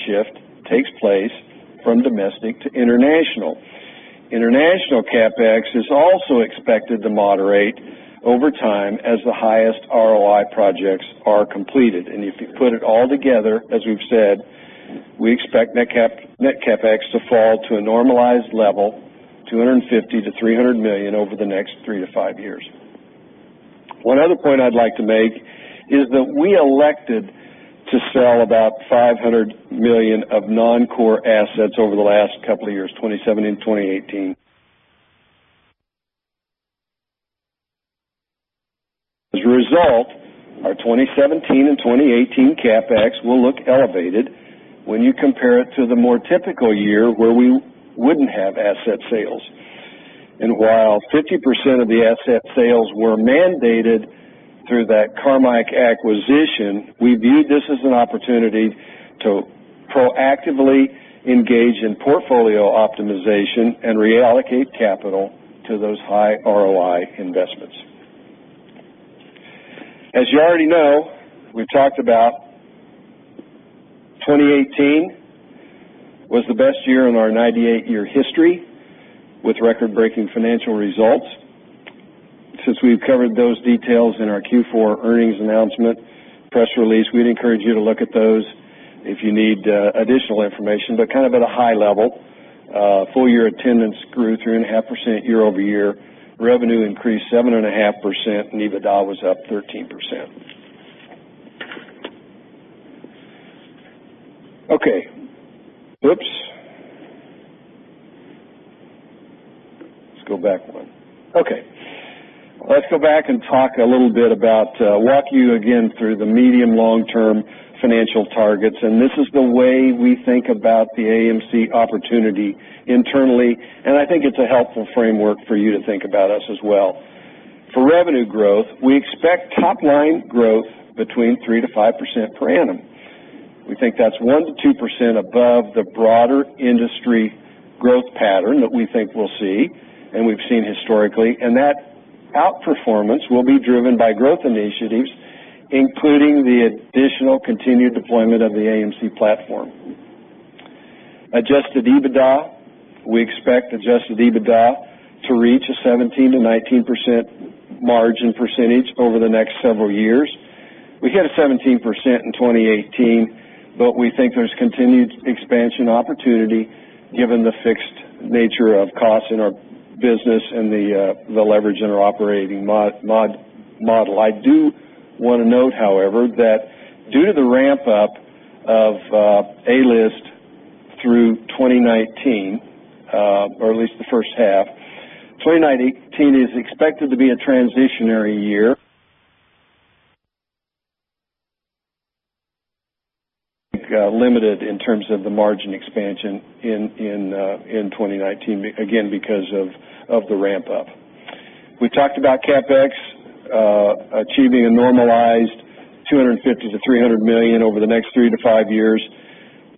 shift takes place from domestic to international. International CapEx is also expected to moderate over time as the highest ROI projects are completed. If you put it all together, as we've said, we expect net CapEx to fall to a normalized level, $250 million-$300 million over the next three to five years. One other point I'd like to make is that we elected to sell about $500 million of non-core assets over the last couple of years, 2017 and 2018. As a result, our 2017 and 2018 CapEx will look elevated when you compare it to the more typical year where we wouldn't have asset sales. While 50% of the asset sales were mandated through that Carmike acquisition, we viewed this as an opportunity to proactively engage in portfolio optimization and reallocate capital to those high ROI investments. As you already know, we've talked about 2018 was the best year in our 98-year history with record-breaking financial results. Since we've covered those details in our Q4 earnings announcement press release, we'd encourage you to look at those if you need additional information. Kind of at a high level, full-year attendance grew 3.5% year-over-year. Revenue increased 7.5%. EBITDA was up 13%. Okay. Oops. Let's go back one. Okay. Let's go back and talk a little bit about walk you again through the medium long-term financial targets, this is the way we think about the AMC opportunity internally, and I think it's a helpful framework for you to think about us as well. For revenue growth, we expect top-line growth between 3%-5% per annum. We think that's 1%-2% above the broader industry growth pattern that we think we'll see and we've seen historically, and that outperformance will be driven by growth initiatives, including the additional continued deployment of the AMC platform. Adjusted EBITDA, we expect adjusted EBITDA to reach a 17%-19% margin percentage over the next several years. We hit a 17% in 2018, we think there's continued expansion opportunity given the fixed nature of costs in our business and the leverage in our operating model. I do want to note, however, that due to the ramp-up of A-List through 2019, or at least the first half, 2019 is expected to be a transitionary year. Limited in terms of the margin expansion in 2019, again, because of the ramp-up. We talked about CapEx achieving a normalized $250 million-$300 million over the next three to five years,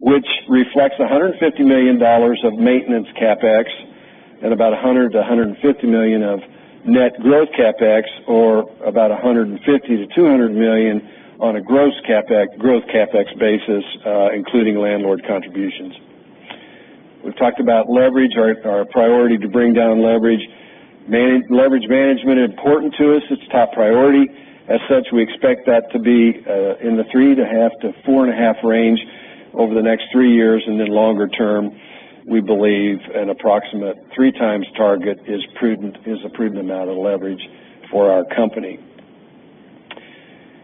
which reflects $150 million of maintenance CapEx and about $100 million-$150 million of net growth CapEx, or about $150 million-$200 million on a growth CapEx basis, including landlord contributions. We've talked about leverage, our priority to bring down leverage. Leverage management important to us. It's top priority. As such, we expect that to be in the 3.5x-4.5x range over the next three years, and then longer term, we believe an approximate 3x target is a prudent amount of leverage for our company.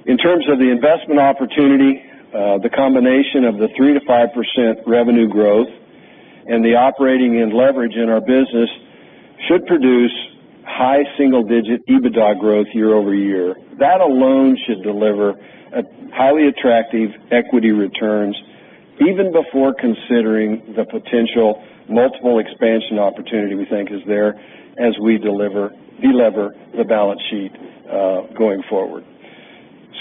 In terms of the investment opportunity, the combination of the 3%-5% revenue growth and the operating and leverage in our business should produce high single-digit EBITDA growth year-over-year. That alone should deliver highly attractive equity returns even before considering the potential multiple expansion opportunity we think is there as we delever the balance sheet, going forward.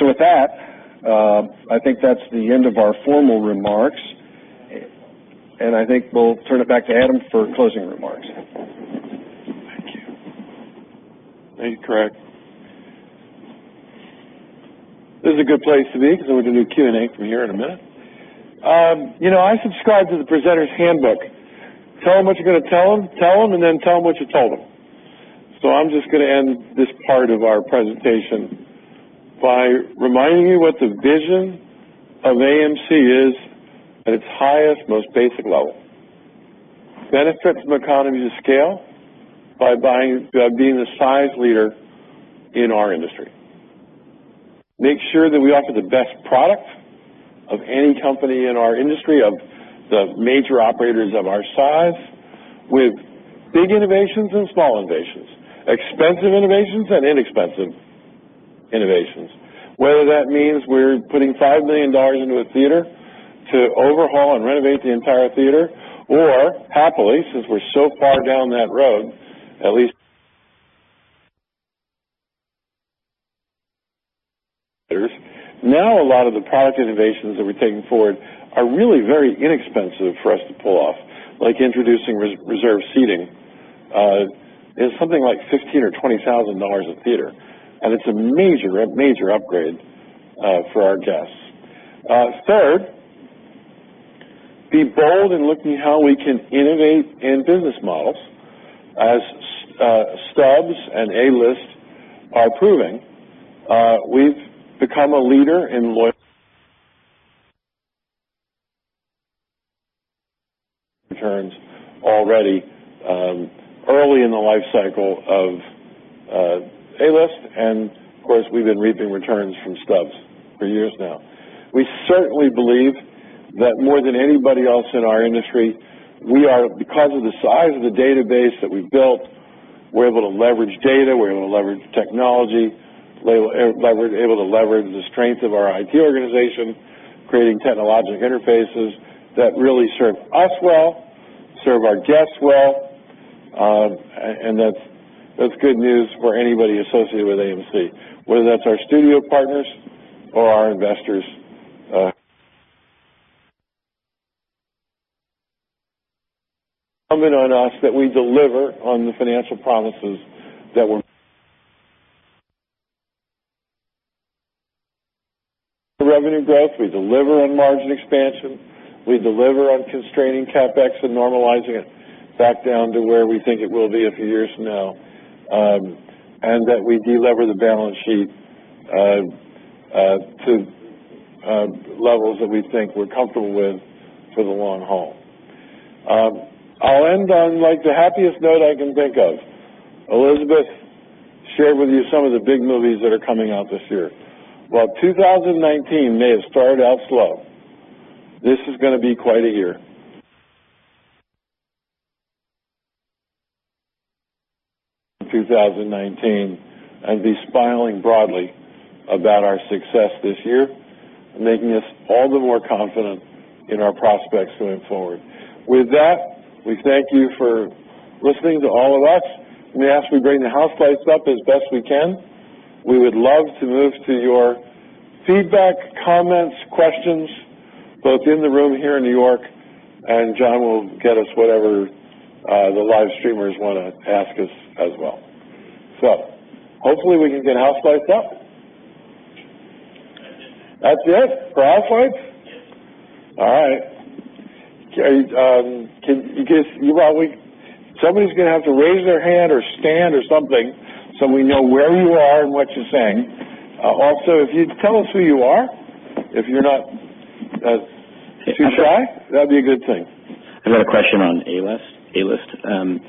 With that, I think that's the end of our formal remarks. I think we'll turn it back to Adam for closing remarks. That is correct. This is a good place to be because then we can do Q&A from here in a minute. I subscribe to the presenter's handbook. Tell them what you're going to tell them, tell them, and then tell them what you told them. I'm just going to end this part of our presentation by reminding you what the vision of AMC is at its highest, most basic level. Benefit from economies of scale by being the size leader in our industry. Make sure that we offer the best product of any company in our industry, of the major operators of our size, with big innovations and small innovations, expensive innovations and inexpensive innovations. Whether that means we're putting $5 million into a theater to overhaul and renovate the entire theater or, happily, since we're so far down that road, at least. Now, a lot of the product innovations that we're taking forward are really very inexpensive for us to pull off, like introducing reserve seating. It's something like $15,000 or $20,000 a theater, and it's a major upgrade for our guests. Third, be bold in looking at how we can innovate in business models. As Stubs and A-List are proving, we've become a leader in returns already early in the life cycle of A-List, and of course, we've been reaping returns from Stubs for years now. We certainly believe that more than anybody else in our industry, because of the size of the database that we've built, we're able to leverage data, we're able to leverage technology, we're able to leverage the strength of our IT organization, creating technologic interfaces that really serve us well, serve our guests well, and that's good news for anybody associated with AMC, whether that's our studio partners or our investors counting on us that we deliver on the financial promises that we deliver revenue growth, we deliver on margin expansion, we deliver on constraining CapEx and normalizing it back down to where we think it will be a few years from now, and that we de-lever the balance sheet to levels that we think we're comfortable with for the long haul. I'll end on the happiest note I can think of. Elizabeth shared with you some of the big movies that are coming out this year. While 2019 may have started out slow, this is going to be quite a year. We will end 2019 smiling broadly about our success this year, making us all the more confident in our prospects going forward. With that, we thank you for listening to all of us. May I ask we bring the house lights up as best we can? We would love to move to your feedback, comments, questions, both in the room here in New York, and John will get us whatever the live streamers want to ask us as well. Hopefully, we can get house lights up. That's it for house lights? Yes. All right. Somebody's going to have to raise their hand or stand or something so we know where you are and what you're saying. Also, if you'd tell us who you are, if you're not too shy, that'd be a good thing. I've got a question on A-List.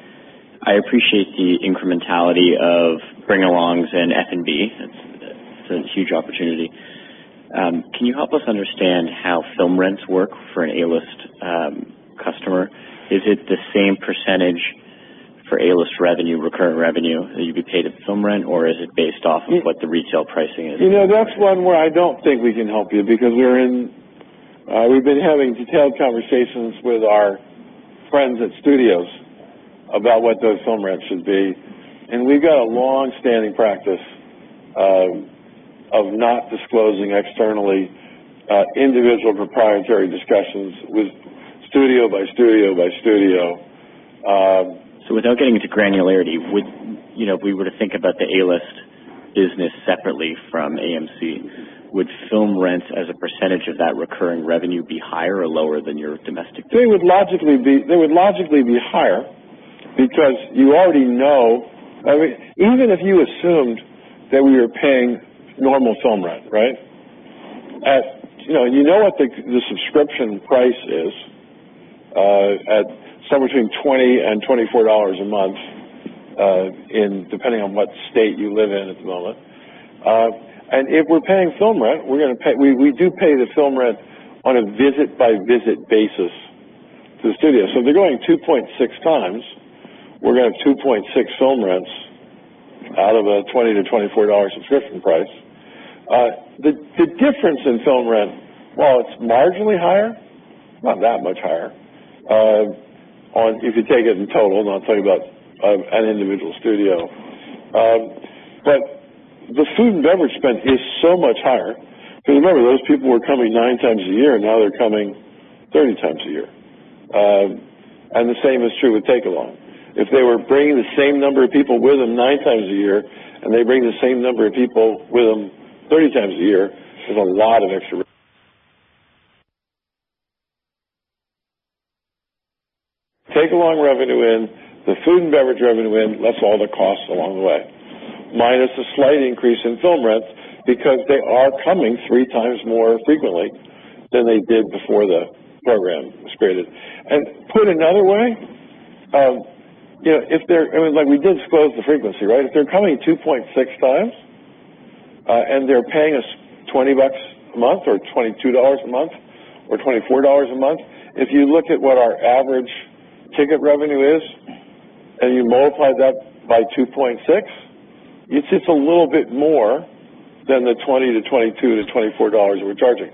I appreciate the incrementality of bring-alongs and F&B. That's a huge opportunity. Can you help us understand how film rents work for an A-List customer? Is it the same percentage for A-List revenue, recurring revenue that you'd be paid a film rent, or is it based off of what the retail pricing is? That's one where I don't think we can help you because we've been having detailed conversations with our friends at studios about what those film rents should be. We've got a long-standing practice of not disclosing externally individual proprietary discussions with studio by studio by studio. Without getting into granularity, if we were to think about the A-List business separately from AMC, would film rents as a percentage of that recurring revenue be higher or lower than your domestic- They would logically be higher because you already know. Even if you assumed that we were paying normal film rent, right? You know what the subscription price is at somewhere between $20 and $24 a month, depending on what state you live in at the moment. If we're paying film rent, we do pay the film rent on a visit-by-visit basis to the studio. If they're going 2.6 times, we're going to have 2.6 film rents out of a $20 to $24 subscription price. The difference in film rent, while it's marginally higher, it's not that much higher, if you take it in total, not talking about an individual studio. The food and beverage spend is so much higher. Remember, those people were coming nine times a year, and now they're coming 30 times a year. The same is true with take along. If they were bringing the same number of people with them nine times a year, and they bring the same number of people with them 30 times a year, take along revenue in, the food and beverage revenue in, less all the costs along the way. Minus a slight increase in film rents because they are coming three times more frequently than they did before the program was created. Put another way, we did disclose the frequency, right? If they're coming 2.6 times, they're paying us $20 a month or $22 a month or $24 a month, if you look at what our average ticket revenue is and you multiply that by 2.6, it's just a little bit more than the $20 to $22 to $24 we're charging.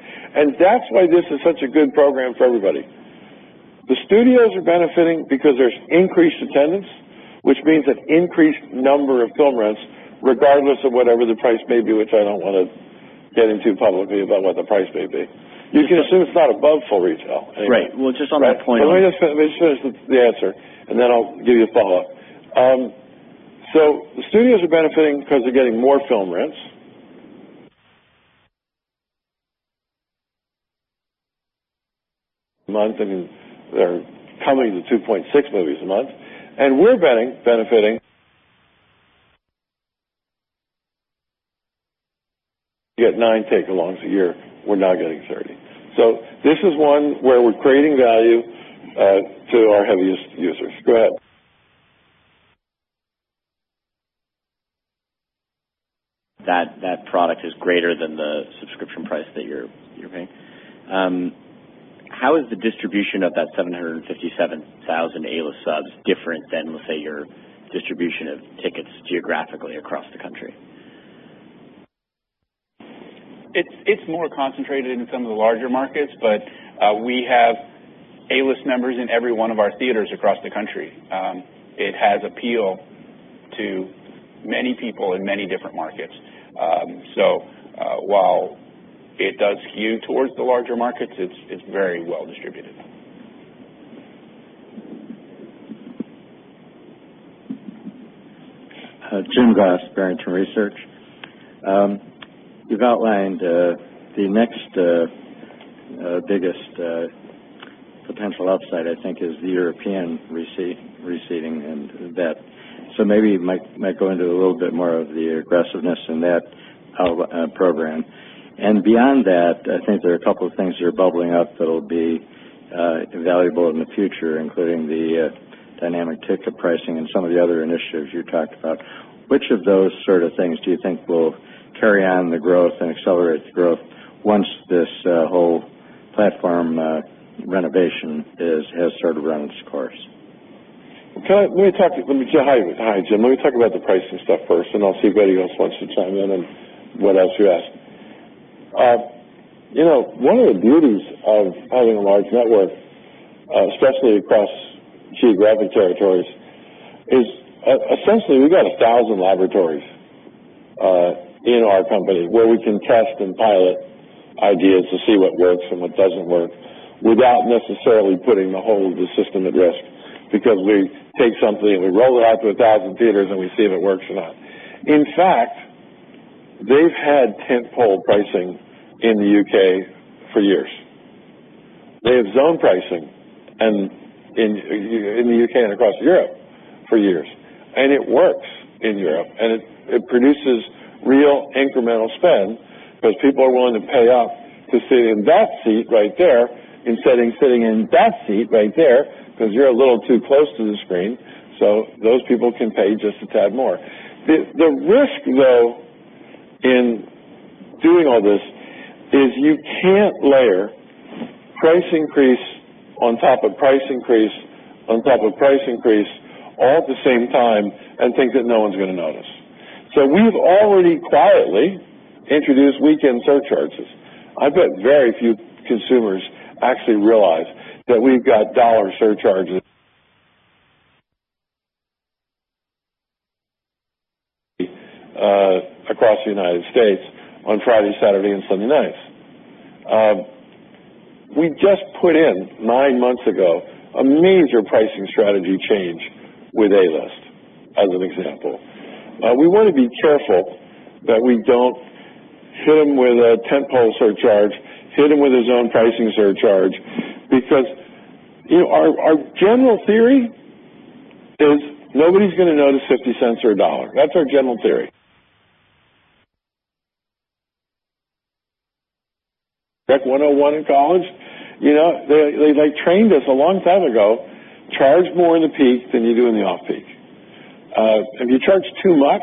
That's why this is such a good program for everybody. The studios are benefiting because there's increased attendance, which means an increased number of film rents, regardless of whatever the price may be, which I don't want to get into publicly about what the price may be. You can assume it's not above full retail anyway. Right. Well, just on that point. Let me just finish the answer, then I'll give you a follow-up. The studios are benefiting because they're getting more film rents. They're coming to 2.6 movies a month. We're benefiting get nine take alongs a year, we're now getting 30. This is one where we're creating value to our heaviest users. Go ahead. That product is greater than the subscription price that you're paying. How is the distribution of that 757,000 A-List subs different than, let's say, your distribution of tickets geographically across the country? It's more concentrated in some of the larger markets, but we have A-List members in every one of our theaters across the country. It has appeal to many people in many different markets. While it does skew towards the larger markets, it's very well distributed. Jim Glass, Barrington Research. You've outlined the next biggest potential upside, I think, is the European re-seating and that. Maybe you might go into a little bit more of the aggressiveness in that program. Beyond that, I think there are a couple of things that are bubbling up that'll be valuable in the future, including the dynamic ticket pricing and some of the other initiatives you talked about. Which of those sort of things do you think will carry on the growth and accelerate the growth once this whole platform renovation has sort of run its course? Hi, Jim. Let me talk about the pricing stuff first, and I'll see if anybody else wants to chime in and what else you're asking. One of the beauties of having a large network, especially across geographic territories, is essentially we've got 1,000 laboratories in our company where we can test and pilot ideas to see what works and what doesn't work without necessarily putting the whole of the system at risk. Because we take something and we roll it out to 1,000 theaters and we see if it works or not. In fact, they've had tent pole pricing in the U.K. for years. They have zone pricing in the U.K. and across Europe for years, it works in Europe, and it produces real incremental spend because people are willing to pay up to sit in that seat right there instead of sitting in that seat right there because you're a little too close to the screen. Those people can pay just a tad more. The risk, though, in doing all this is you can't layer price increase on top of price increase on top of price increase all at the same time and think that no one's going to notice. We've already quietly introduced weekend surcharges. I bet very few consumers actually realize that we've got dollar surcharges across the United States on Friday, Saturday and Sunday nights. We just put in, nine months ago, a major pricing strategy change with A-List, as an example. We want to be careful that we do not hit them with a tent pole surcharge, hit them with a zone pricing surcharge, because our general theory is nobody is going to notice $0.50 or $1. That is our general theory. Econ 101 in college. They trained us a long time ago, charge more in the peak than you do in the off-peak. If you charge too much,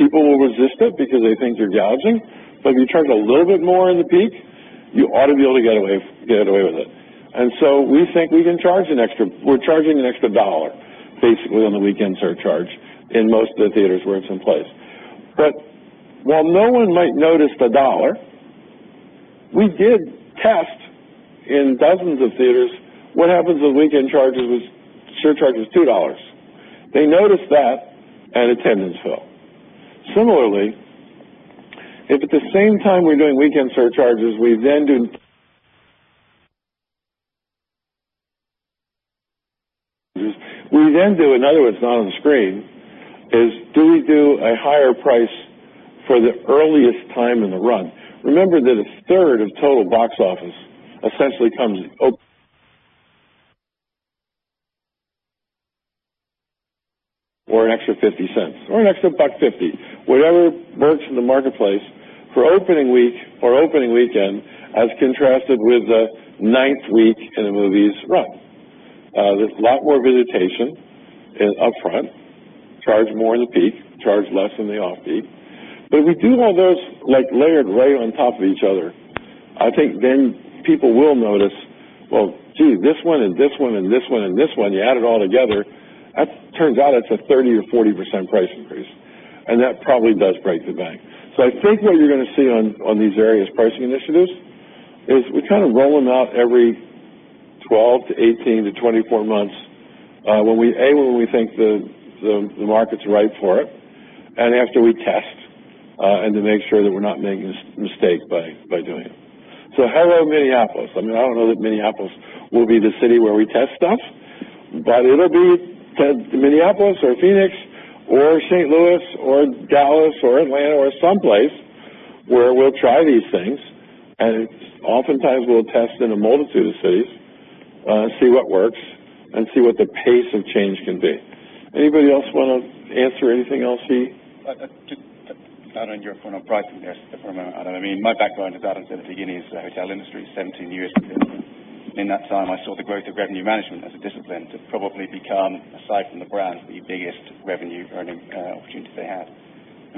people will resist it because they think you are gouging. We think we can charge an extra. We are charging an extra $1, basically, on the weekend surcharge in most of the theaters where it is in place. But while no one might notice the $1, we did test in dozens of theaters what happens if the weekend surcharge is $2. They noticed that. Attendance fell. Similarly, if at the same time we are doing weekend surcharges, we then do, in other words, not on the screen, is do we do a higher price for the earliest time in the run? Remember that a third of total box office essentially comes op, or an extra $0.50, or an extra $1.50, whatever works in the marketplace for opening week or opening weekend as contrasted with the ninth week in a movie's run. There is a lot more visitation up front, charge more in the peak, charge less in the off-peak. We do have those layered right on top of each other. I think then people will notice, well, gee, this one and this one and this one, you add it all together, that turns out it is a 30% or 40% price increase, and that probably does break the bank. I think what you are going to see on these various pricing initiatives is we kind of roll them out every 12 to 18 to 24 months, A, when we think the market is right for it, and after we test, and to make sure that we are not making a mistake by doing it. Hello, Minneapolis. I do not know that Minneapolis will be the city where we test stuff, but it will be Minneapolis or Phoenix or St. Louis or Dallas or Atlanta or someplace where we will try these things, and oftentimes we will test in a multitude of cities, see what works, and see what the pace of change can be. Anybody else want to answer anything else, Hugh? Not on your point on pricing there, Adam. My background, as Adam said at the beginning, is the hotel industry, 17 years of it. In that time, I saw the growth of revenue management as a discipline to probably become, aside from the brand, the biggest revenue-earning opportunity they have.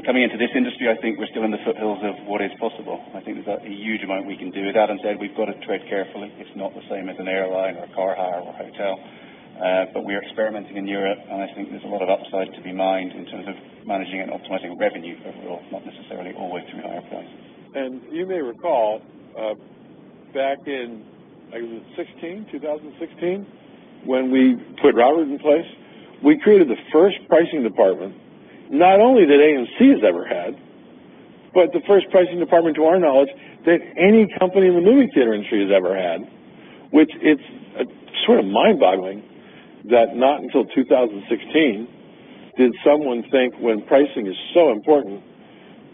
Coming into this industry, I think we are still in the foothills of what is possible. I think there is a huge amount we can do. As Adam said, we have got to tread carefully. It is not the same as an airline or a car hire or a hotel. We are experimenting in Europe, and I think there is a lot of upside to be mined in terms of managing and optimizing revenue overall, not necessarily always through higher prices. You may recall, back in, I think it was 2016, when we put Robert in place, we created the first pricing department, not only that AMC has ever had, but the first pricing department, to our knowledge, that any company in the movie theater industry has ever had, which it's sort of mind-boggling that not until 2016 did someone think when pricing is so important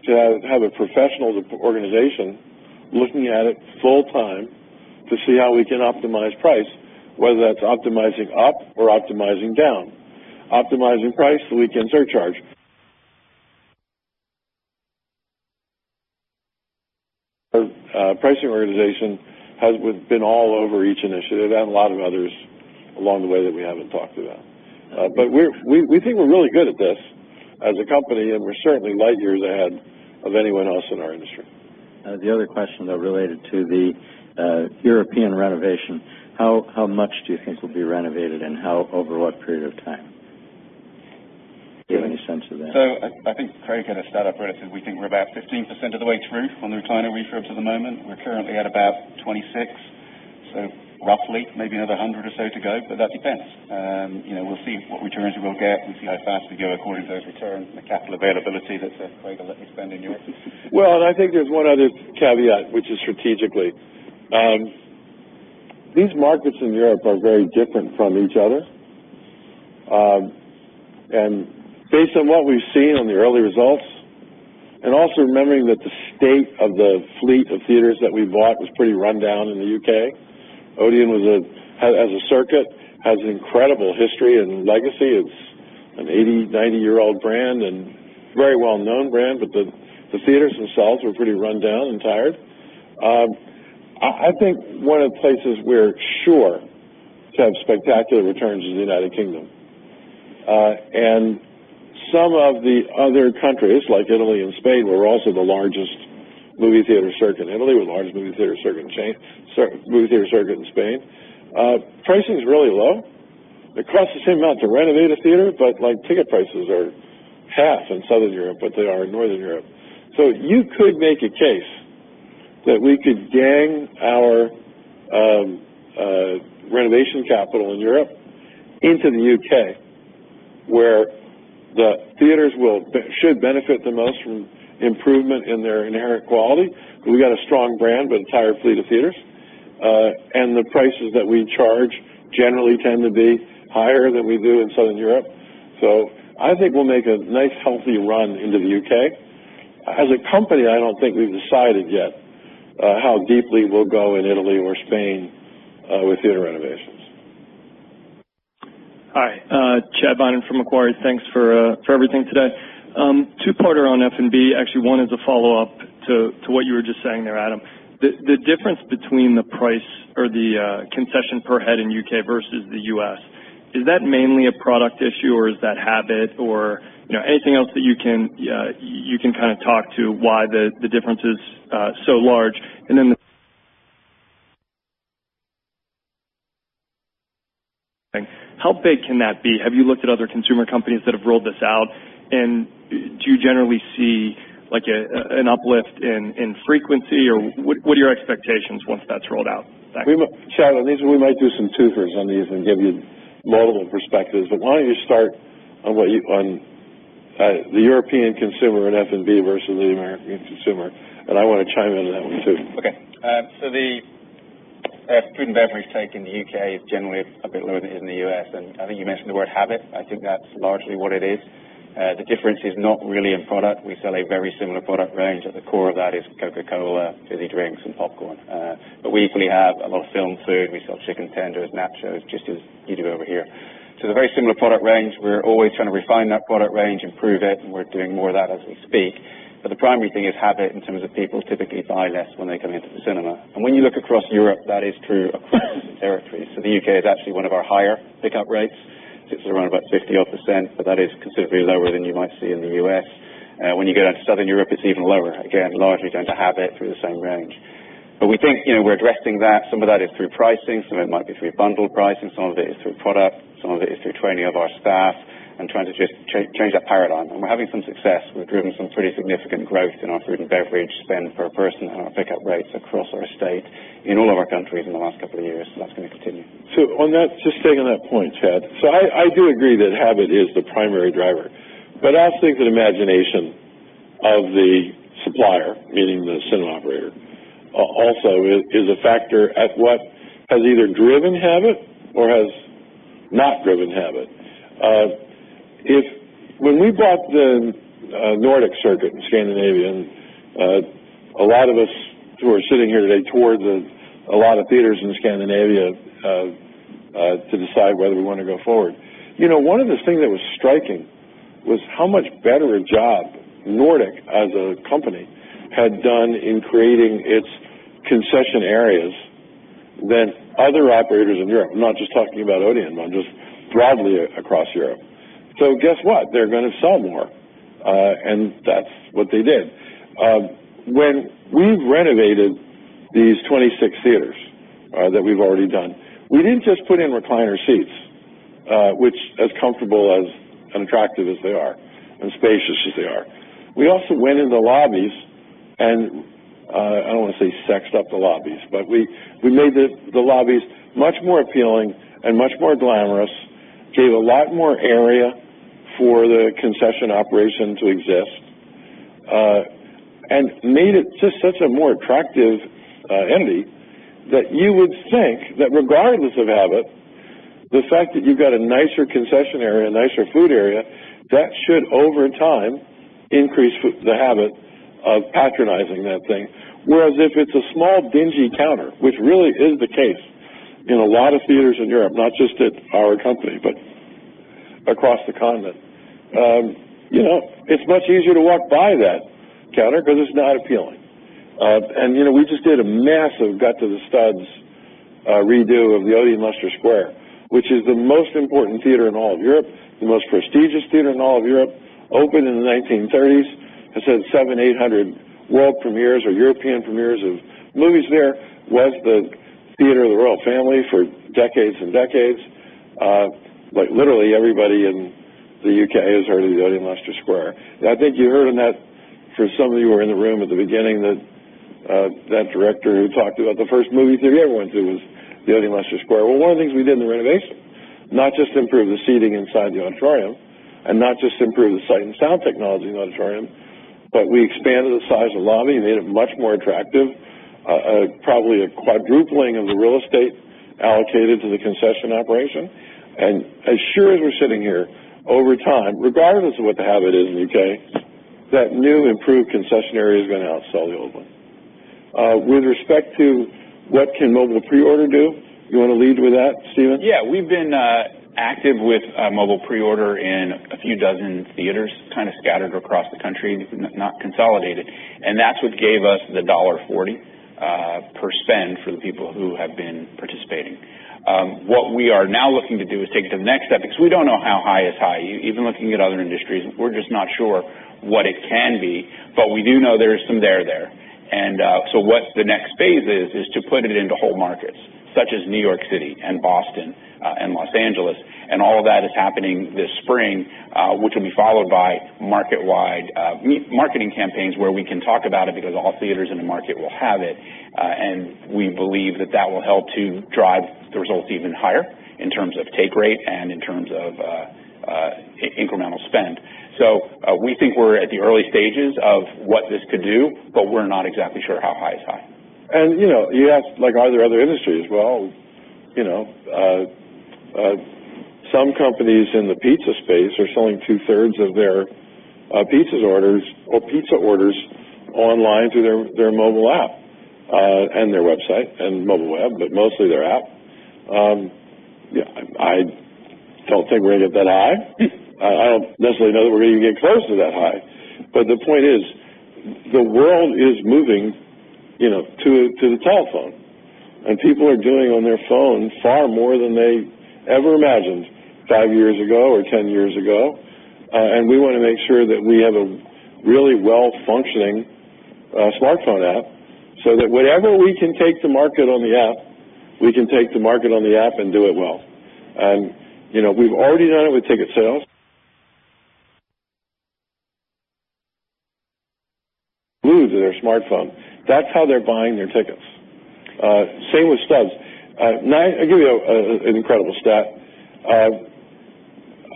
to have a professional organization looking at it full time to see how we can optimize price, whether that's optimizing up or optimizing down. Optimizing price, the weekend surcharge. Our pricing organization has been all over each initiative and a lot of others along the way that we haven't talked about. We think we're really good at this as a company, and we're certainly light years ahead of anyone else in our industry. The other question, though, related to the European renovation, how much do you think will be renovated and over what period of time? Do you have any sense of that? I think Craig can start up. We think we're about 15% of the way through on the recliner refurbs at the moment. We're currently at about 26, so roughly maybe another 100 or so to go, but that depends. We'll see what returns we'll get. We'll see how fast we go according to those returns and the capital availability that Craig will let me spend in Europe. I think there's one other caveat, which is strategically. These markets in Europe are very different from each other. Based on what we've seen on the early results, also remembering that the state of the fleet of theaters that we bought was pretty rundown in the U.K. ODEON, as a circuit, has incredible history and legacy. It's an 80, 90-year-old brand and very well-known brand, but the theaters themselves were pretty rundown and tired. I think one of the places we're sure to have spectacular returns is the United Kingdom. Some of the other countries, like Italy and Spain, we're also the largest movie theater circuit in Italy. We're the largest movie theater circuit in Spain. Pricing is really low. It costs the same amount to renovate a theater, but ticket prices are half in Southern Europe what they are in Northern Europe. You could make a case that we could gang our renovation capital in Europe into the U.K., where the theaters should benefit the most from improvement in their inherent quality. We got a strong brand with an entire fleet of theaters, and the prices that we charge generally tend to be higher than we do in Southern Europe. I think we'll make a nice, healthy run into the U.K. As a company, I don't think we've decided yet how deeply we'll go in Italy or Spain with theater renovations. Hi, Chad Beynon from Macquarie. Thanks for everything today. Two-parter on F&B. Actually, one is a follow-up to what you were just saying there, Adam. The difference between the price or the concession per head in U.K. versus the U.S., is that mainly a product issue or is that habit or anything else that you can kind of talk to why the difference is so large? How big can that be? Have you looked at other consumer companies that have rolled this out, and do you generally see an uplift in frequency, or what are your expectations once that's rolled out? Thanks. Chad, on these, we might do some two-fers on these and give you multiple perspectives, why don't you start on the European consumer in F&B versus the American consumer, I want to chime into that one, too. Okay. The food and beverage take in the U.K. is generally a bit lower than it is in the U.S., I think you mentioned the word habit. I think that's largely what it is. The difference is not really in product. We sell a very similar product range. At the core of that is Coca-Cola, fizzy drinks, and popcorn. We equally have a lot of film food. We sell chicken tenders, nachos, just as you do over here. It's a very similar product range. We're always trying to refine that product range, improve it, and we're doing more of that as we speak. The primary thing is habit in terms of people typically buy less when they're coming into the cinema. When you look across Europe, that is true across the territories. The U.K. is actually one of our higher pickup rates, sits around about 50-odd percent, but that is considerably lower than you might see in the U.S. When you go down to Southern Europe, it's even lower, again, largely down to habit through the same range. We think we're addressing that. Some of that is through pricing, some of it might be through bundled pricing, some of it is through product, some of it is through training of our staff and trying to just change that paradigm. We're having some success. We've driven some pretty significant growth in our food and beverage spend per person and our pickup rates across our estate in all of our countries in the last couple of years. That's going to continue. On that, just staying on that point, Chad. I do agree that habit is the primary driver, but I also think that imagination of the supplier, meaning the cinema operator, also is a factor at what has either driven habit or has not driven habit. When we bought the Nordic Circuit in Scandinavia, and a lot of us who are sitting here today toured a lot of theaters in Scandinavia to decide whether we want to go forward. One of the things that was striking was how much better a job Nordic, as a company, had done in creating its concession areas than other operators in Europe. I'm not just talking about ODEON. I'm just broadly across Europe. Guess what? They're gonna sell more, and that's what they did. When we renovated these 26 theaters that we've already done, we didn't just put in recliner seats, which as comfortable as and attractive as they are and spacious as they are. We also went in the lobbies and, I don't want to say sexed up the lobbies, but we made the lobbies much more appealing and much more glamorous, gave a lot more area for the concession operation to exist, and made it just such a more attractive entity that you would think that regardless of habit, the fact that you've got a nicer concession area, a nicer food area, that should, over time, increase the habit of patronizing that thing. Whereas if it's a small dingy counter, which really is the case in a lot of theaters in Europe, not just at our company, but across the continent. It's much easier to walk by that counter because it's not appealing. We just did a massive gut to the studs redo of the ODEON Leicester Square, which is the most important theater in all of Europe, the most prestigious theater in all of Europe, opened in the 1930s, has had 700, 800 world premieres or European premieres of movies there, was the theater of the royal family for decades and decades. Literally everybody in the U.K. has heard of the ODEON Leicester Square. I think you heard in that, for some of you who were in the room at the beginning, that director who talked about the first movie theater he ever went to was the ODEON Leicester Square. One of the things we did in the renovation, not just improve the seating inside the auditorium, not just improve the sight and sound technology in the auditorium, but we expanded the size of the lobby, made it much more attractive, probably a quadrupling of the real estate allocated to the concession operation. As sure as we're sitting here, over time, regardless of what the habit is in the U.K., that new improved concession area is going to outsell the old one. With respect to what can mobile preorder do, you want to lead with that, Stephen? Yeah. We've been active with mobile preorder in a few dozen theaters, kind of scattered across the country, not consolidated, that's what gave us the $1.40 per spend for the people who have been participating. What we are now looking to do is take it to the next step because we don't know how high is high. Even looking at other industries, we're just not sure what it can be, but we do know there is some there there. What the next phase is to put it into whole markets, such as New York City and Boston and Los Angeles, all of that is happening this spring, which will be followed by marketing campaigns where we can talk about it because all theaters in the market will have it. We believe that that will help to drive the results even higher in terms of take rate and in terms of incremental spend. We think we're at the early stages of what this could do, but we're not exactly sure how high is high. You asked, are there other industries? Some companies in the pizza space are selling two-thirds of their pizza orders online through their mobile app, their website and mobile web, but mostly their app. I don't think we're going to get that high. I don't necessarily know that we're even going to get close to that high. The point is, the world is moving to the telephone, people are doing on their phone far more than they ever imagined five years ago or 10 years ago, we want to make sure that we have a really well-functioning smartphone app, so that whatever we can take to market on the app, we can take to market on the app and do it well. We've already done it with ticket sales. Glued to their smartphone. That's how they're buying their tickets. Same with Stubs. I'll give you an incredible stat.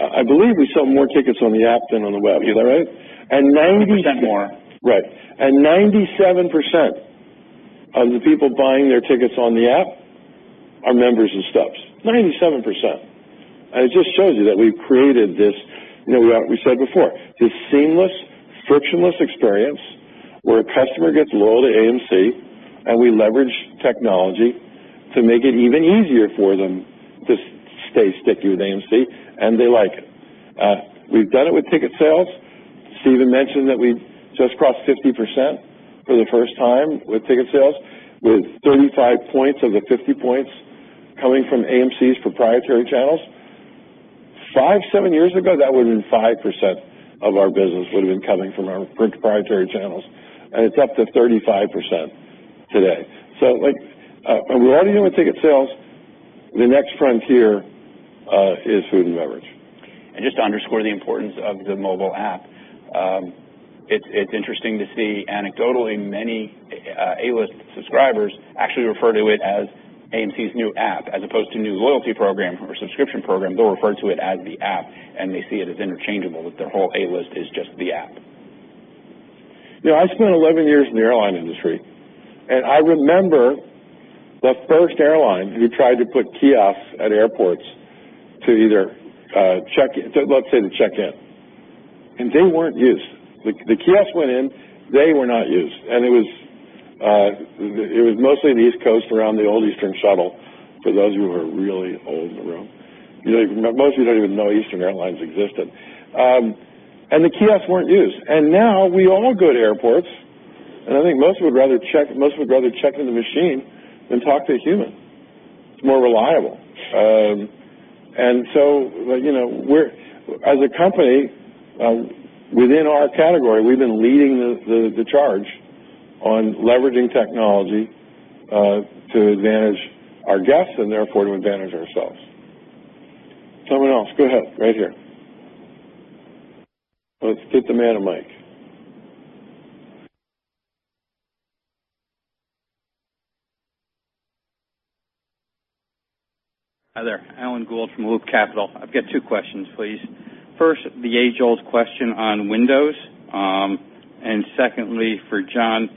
I believe we sell more tickets on the app than on the web. Is that right? 90%- 100% more. Right. 97% of the people buying their tickets on the app are members of Stubs, 97%. It just shows you that we've created this, we said before, this seamless, frictionless experience where a customer gets loyal to AMC, and we leverage technology to make it even easier for them to stay sticky with AMC, and they like it. We've done it with ticket sales. Stephen mentioned that we just crossed 50% for the first time with ticket sales, with 35 points of the 50 points coming from AMC's proprietary channels. Five, seven years ago, that would've been 5% of our business would've been coming from our proprietary channels, and it's up to 35% today. We're already doing it with ticket sales. The next frontier is food and beverage. Just to underscore the importance of the mobile app, it's interesting to see anecdotally many A-List subscribers actually refer to it as AMC's new app, as opposed to new loyalty program or subscription program. They'll refer to it as the app, and they see it as interchangeable with their whole A-List is just the app. I spent 11 years in the airline industry. I remember the first airline who tried to put kiosks at airports to let's say to check in. They weren't used. The kiosks went in, they were not used. It was mostly the East Coast around the old Eastern Air Lines Shuttle, for those of you who are really old in the room. Most of you don't even know Eastern Air Lines existed. The kiosks weren't used. Now we all go to airports. I think most of would rather check in the machine than talk to a human. It's more reliable. As a company, within our category, we've been leading the charge on leveraging technology to advantage our guests and therefore to advantage ourselves. Someone else. Go ahead, right here. Let's get the man a mic. Hi there, Alan Gould from Loop Capital. I've got two questions, please. First, the age-old question on windows. Secondly, for John,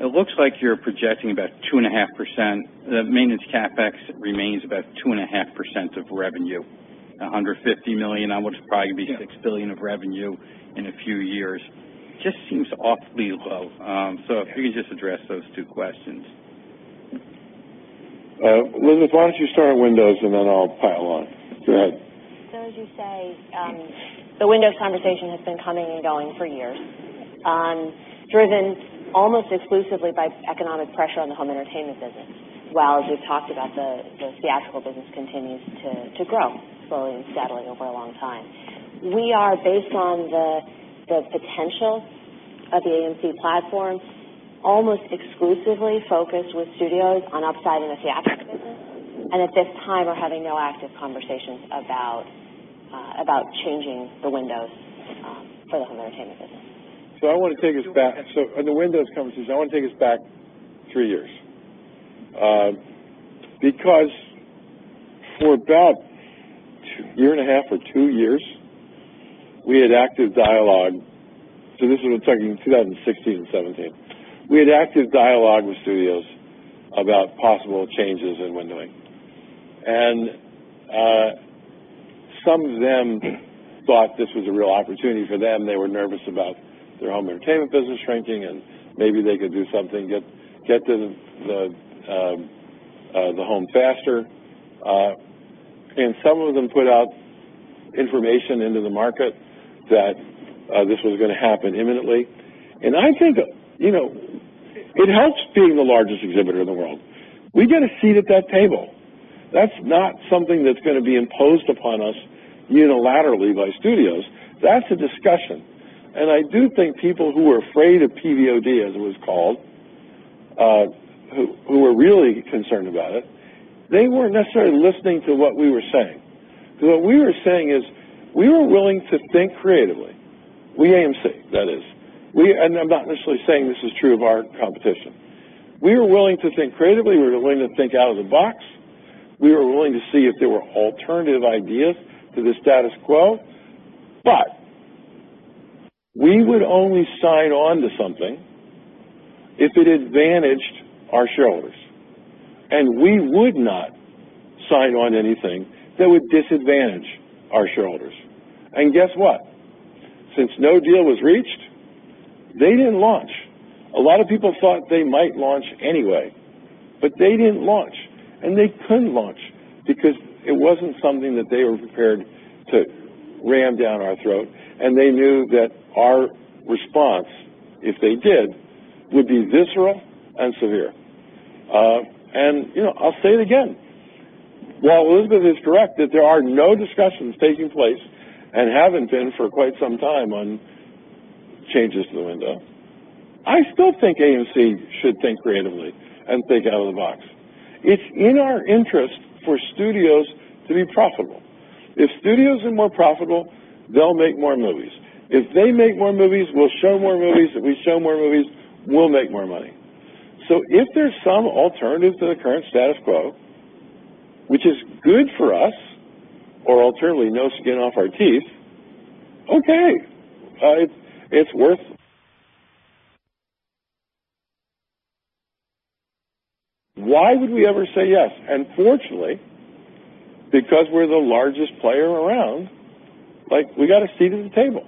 it looks like you're projecting about 2.5%, the maintenance CapEx remains about 2.5% of revenue, $150 million on what's probably going to be $6 billion of revenue in a few years. Just seems awfully low. If you could just address those two questions. Elizabeth, why don't you start on windows. Then I'll pile on. Go ahead. As you say, the windows conversation has been coming and going for years, driven almost exclusively by economic pressure on the home entertainment business, while, as we've talked about, the theatrical business continues to grow, slowly and steadily over a long time. We are, based on the potential of the AMC platform, almost exclusively focused with studios on upside in the theatrical business. At this time, we're having no active conversations about changing the windows for the home entertainment business. On the windows conversation, I want to take us back three years. For about a year and a half or two years, we had active dialogue. This is what I am talking, 2016 and 2017. We had active dialogue with studios about possible changes in windowing. Some of them thought this was a real opportunity for them. They were nervous about their home entertainment business shrinking, and maybe they could do something, get to the home faster. Some of them put out information into the market that this was going to happen imminently. I think it helps being the largest exhibitor in the world. We get a seat at that table. That is not something that is going to be imposed upon us unilaterally by studios. That is a discussion. I do think people who were afraid of PVOD, as it was called, who were really concerned about it, they were not necessarily listening to what we were saying. What we were saying is, we were willing to think creatively. We, AMC, that is. I am not necessarily saying this is true of our competition. We were willing to think creatively. We were willing to think out of the box. We were willing to see if there were alternative ideas to the status quo. We would only sign on to something if it advantaged our shareholders. We would not sign on anything that would disadvantage our shareholders. Guess what? Since no deal was reached, they did not launch. A lot of people thought they might launch anyway, but they did not launch, and they could not launch because it was not something that they were prepared to ram down our throat, and they knew that our response, if they did, would be visceral and severe. I will say it again. While Elizabeth is correct that there are no discussions taking place, and have not been for quite some time on changes to the window, I still think AMC should think creatively and think out of the box. It is in our interest for studios to be profitable. If studios are more profitable, they will make more movies. If they make more movies, we will show more movies. If we show more movies, we will make more money. If there is some alternative to the current status quo, which is good for us, or alternatively, no skin off our teeth, okay. Why would we ever say yes? Fortunately, because we are the largest player around, we got a seat at the table.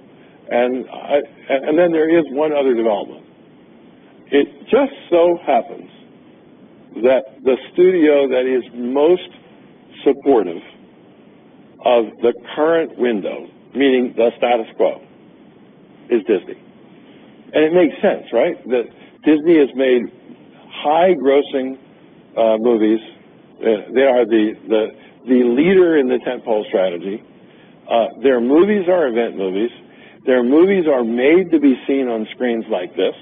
There is one other development. It just so happens that the studio that is most supportive of the current window, meaning the status quo, is Disney. It makes sense, right? Disney has made high grossing movies. They are the leader in the tent pole strategy. Their movies are event movies. Their movies are made to be seen on screens like this,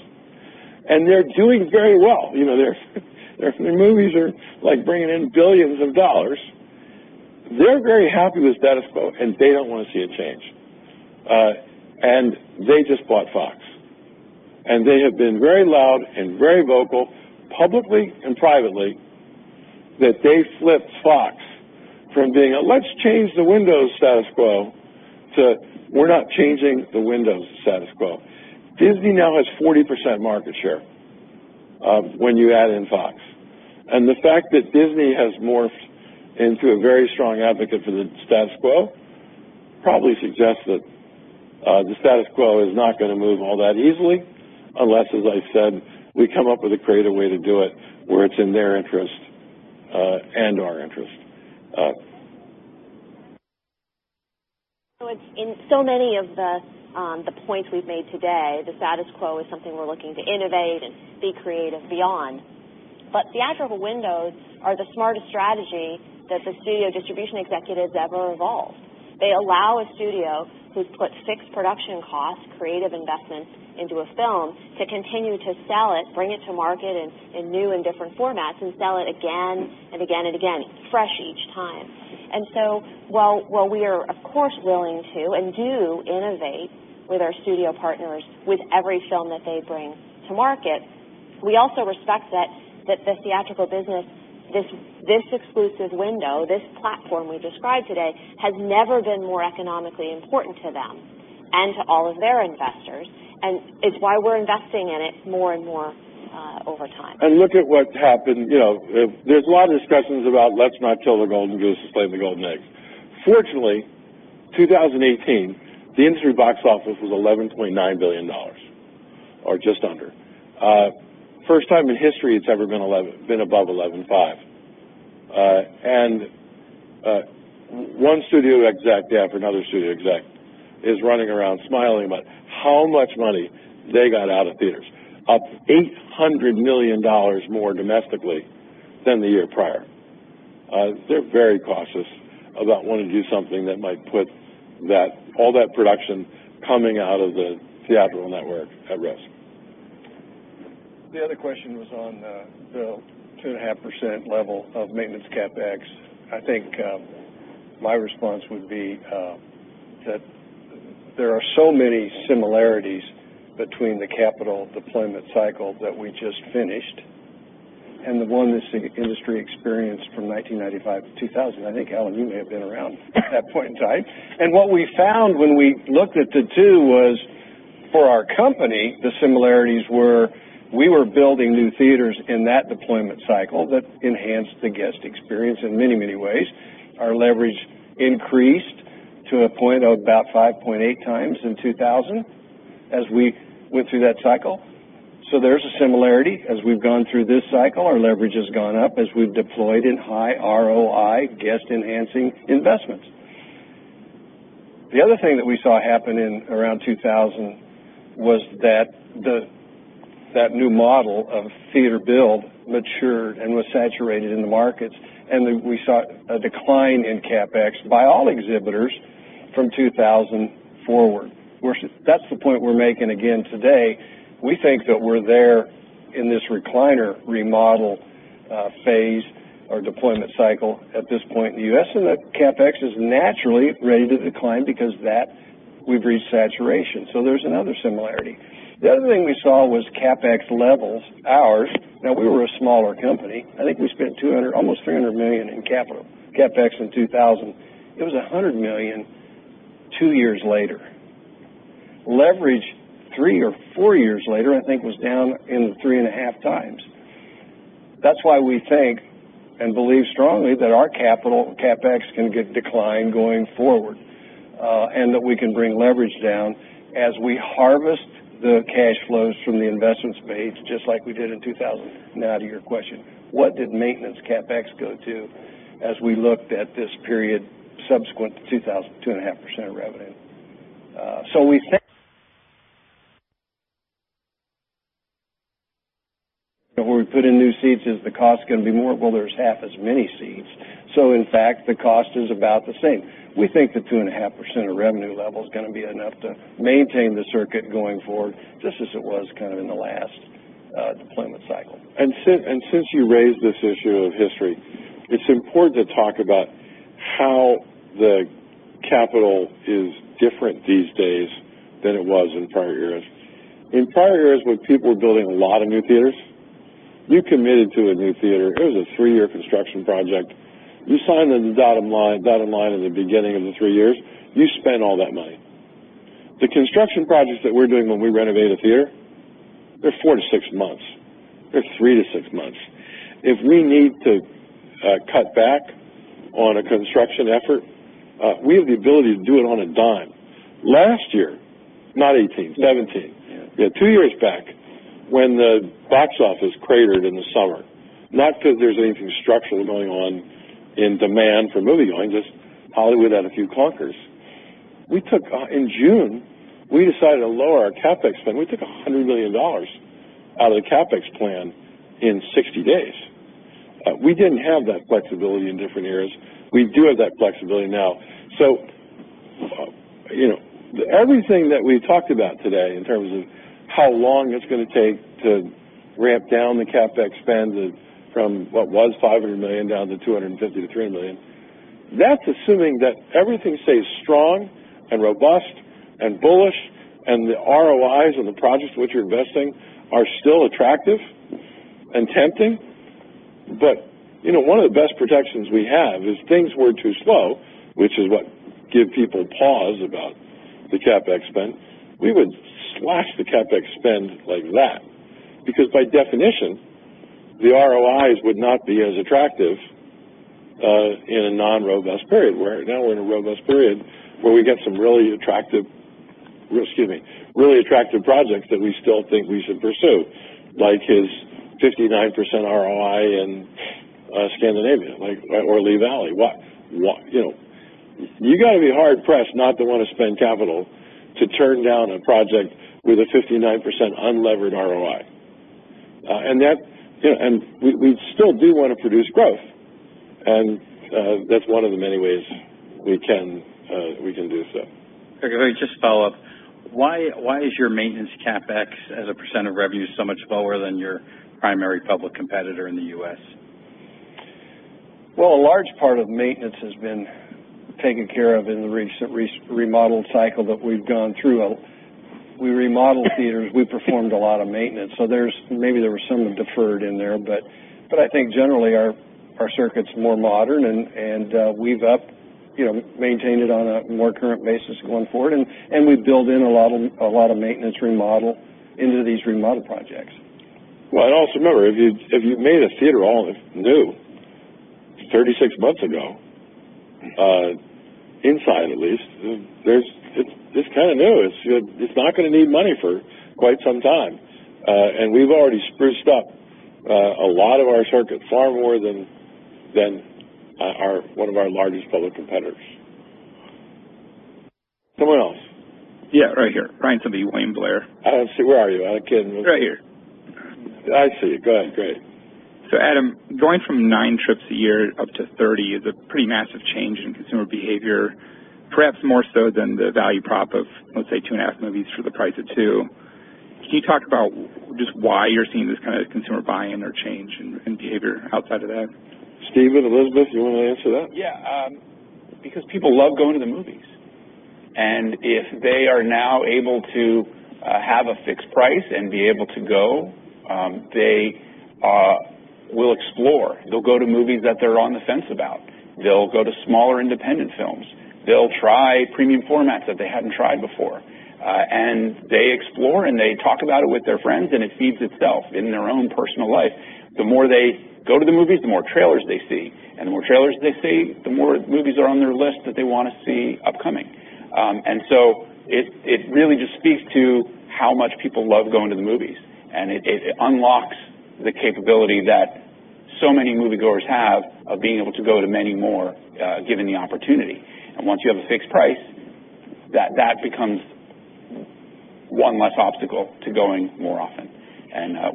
and they are doing very well. Their movies are bringing in billions of dollars. They are very happy with status quo, and they do not want to see a change. They just bought Fox. They have been very loud and very vocal, publicly and privately, that they flipped Fox from being a let's change the windows status quo, to we're not changing the windows status quo. Disney now has 40% market share when you add in Fox. The fact that Disney has morphed into a very strong advocate for the status quo probably suggests that the status quo is not going to move all that easily, unless, as I said, we come up with a creative way to do it where it's in their interest, and our interest. In so many of the points we've made today, the status quo is something we're looking to innovate and be creative beyond. But theatrical windows are the smartest strategy that the studio distribution executives ever evolved. They allow a studio who's put fixed production costs, creative investments into a film to continue to sell it, bring it to market in new and different formats, and sell it again and again and again, fresh each time. While we are, of course, willing to and do innovate with our studio partners with every film that they bring to market, we also respect that the theatrical business, this exclusive window, this platform we described today, has never been more economically important to them and to all of their investors, and it's why we're investing in it more and more over time. Look at what happened. There's a lot of discussions about let's not kill the golden goose that's laying the golden eggs. Fortunately, 2018, the industry box office was $11.9 billion, or just under. First time in history it's ever been above $11.5 billion. One studio exec after another studio exec is running around smiling about how much money they got out of theaters, up $800 million more domestically than the year prior. They're very cautious about wanting to do something that might put all that production coming out of the theatrical network at risk. The other question was on the 2.5% level of maintenance CapEx. I think my response would be that there are so many similarities between the capital deployment cycle that we just finished and the one this industry experienced from 1995 to 2000. I think, Alan, you may have been around that point in time. What we found when we looked at the two was, for our company, the similarities were we were building new theaters in that deployment cycle that enhanced the guest experience in many, many ways. Our leverage increased to a point of about 5.8 times in 2000 as we went through that cycle. There's a similarity. As we've gone through this cycle, our leverage has gone up as we've deployed in high ROI guest-enhancing investments. The other thing that we saw happen in around 2000 was that that new model of theater build matured and was saturated in the markets, and we saw a decline in CapEx by all exhibitors from 2000 forward. That's the point we're making again today. We think that we're there in this recliner remodel phase or deployment cycle at this point in the U.S., and that CapEx is naturally ready to decline because that we've reached saturation. There's another similarity. The other thing we saw was CapEx levels, ours. Now we were a smaller company. I think we spent $200 million, almost $300 million in capital CapEx in 2000. It was $100 million two years later. Leverage three or four years later, I think, was down in the 3.5 times. That's why we think and believe strongly that our capital CapEx can decline going forward, and that we can bring leverage down as we harvest the cash flows from the investments made, just like we did in 2000. Now to your question, what did maintenance CapEx go to as we looked at this period subsequent to 2.5% revenue? When we put in new seats is the cost going to be more? There's half as many seats, so in fact, the cost is about the same. We think the 2.5% of revenue level is going to be enough to maintain the circuit going forward, just as it was in the last deployment cycle. Since you raised this issue of history, it's important to talk about how the capital is different these days than it was in prior years. In prior years, when people were building a lot of new theaters, you committed to a new theater, it was a three-year construction project. You signed the dotted line at the beginning of the three years, you spent all that money. The construction projects that we're doing when we renovate a theater, they're 4-6 months. They're 3-6 months. If we need to cut back on a construction effort, we have the ability to do it on a dime. Last year, not 2018, 2017. Yeah. Two years back, when the box office cratered in the summer, not because there's anything structural going on in demand for moviegoing, just Hollywood had a few clunkers. In June, we decided to lower our CapEx spend. We took $100 million out of the CapEx plan in 60 days. We didn't have that flexibility in different years. We do have that flexibility now. Everything that we've talked about today in terms of how long it's going to take to ramp down the CapEx spend from what was $500 million down to $250 million-$300 million, that's assuming that everything stays strong and robust and bullish, and the ROIs on the projects which you're investing are still attractive and tempting. One of the best protections we have is if things were too slow, which is what give people pause about the CapEx spend, we would slash the CapEx spend like that. Because by definition, the ROIs would not be as attractive in a non-robust period. Where now we're in a robust period where we get some really attractive projects that we still think we should pursue, like his 59% ROI in Scandinavia, or Lee Valley. You've got to be hard pressed not to want to spend capital to turn down a project with a 59% unlevered ROI. We still do want to produce growth, and that's one of the many ways we can do so. Craig, if I could just follow up. Why is your maintenance CapEx as a % of revenue so much lower than your primary public competitor in the U.S.? A large part of maintenance has been taken care of in the recent remodel cycle that we've gone through. We remodeled theaters, we performed a lot of maintenance. Maybe there was some deferred in there, but I think generally our circuit's more modern and we've maintained it on a more current basis going forward, and we build in a lot of maintenance remodel into these remodel projects. Also remember, if you made a theater all new 36 months ago, inside at least, it's kind of new. It's not going to need money for quite some time. We've already spruced up a lot of our circuits, far more than one of our largest public competitors. Someone else? Yeah. Right here. Ryan Tubby, William Blair. I don't see. Where are you? Right here. I see you. Go ahead. Great. Adam, going from nine trips a year up to 30 is a pretty massive change in consumer behavior, perhaps more so than the value prop of, let's say, two and a half movies for the price of two. Can you talk about just why you're seeing this kind of consumer buy-in or change in behavior outside of that? Steven, Elizabeth, you want to answer that? Yeah. Because people love going to the movies. If they are now able to have a fixed price and be able to go, they will explore. They'll go to movies that they're on the fence about. They'll go to smaller independent films. They'll try premium formats that they hadn't tried before. They explore, and they talk about it with their friends, and it feeds itself in their own personal life. The more they go to the movies, the more trailers they see. The more trailers they see, the more movies are on their list that they want to see upcoming. It really just speaks to how much people love going to the movies. It unlocks the capability that so many moviegoers have of being able to go to many more, given the opportunity. Once you have a fixed price, that becomes one less obstacle to going more often.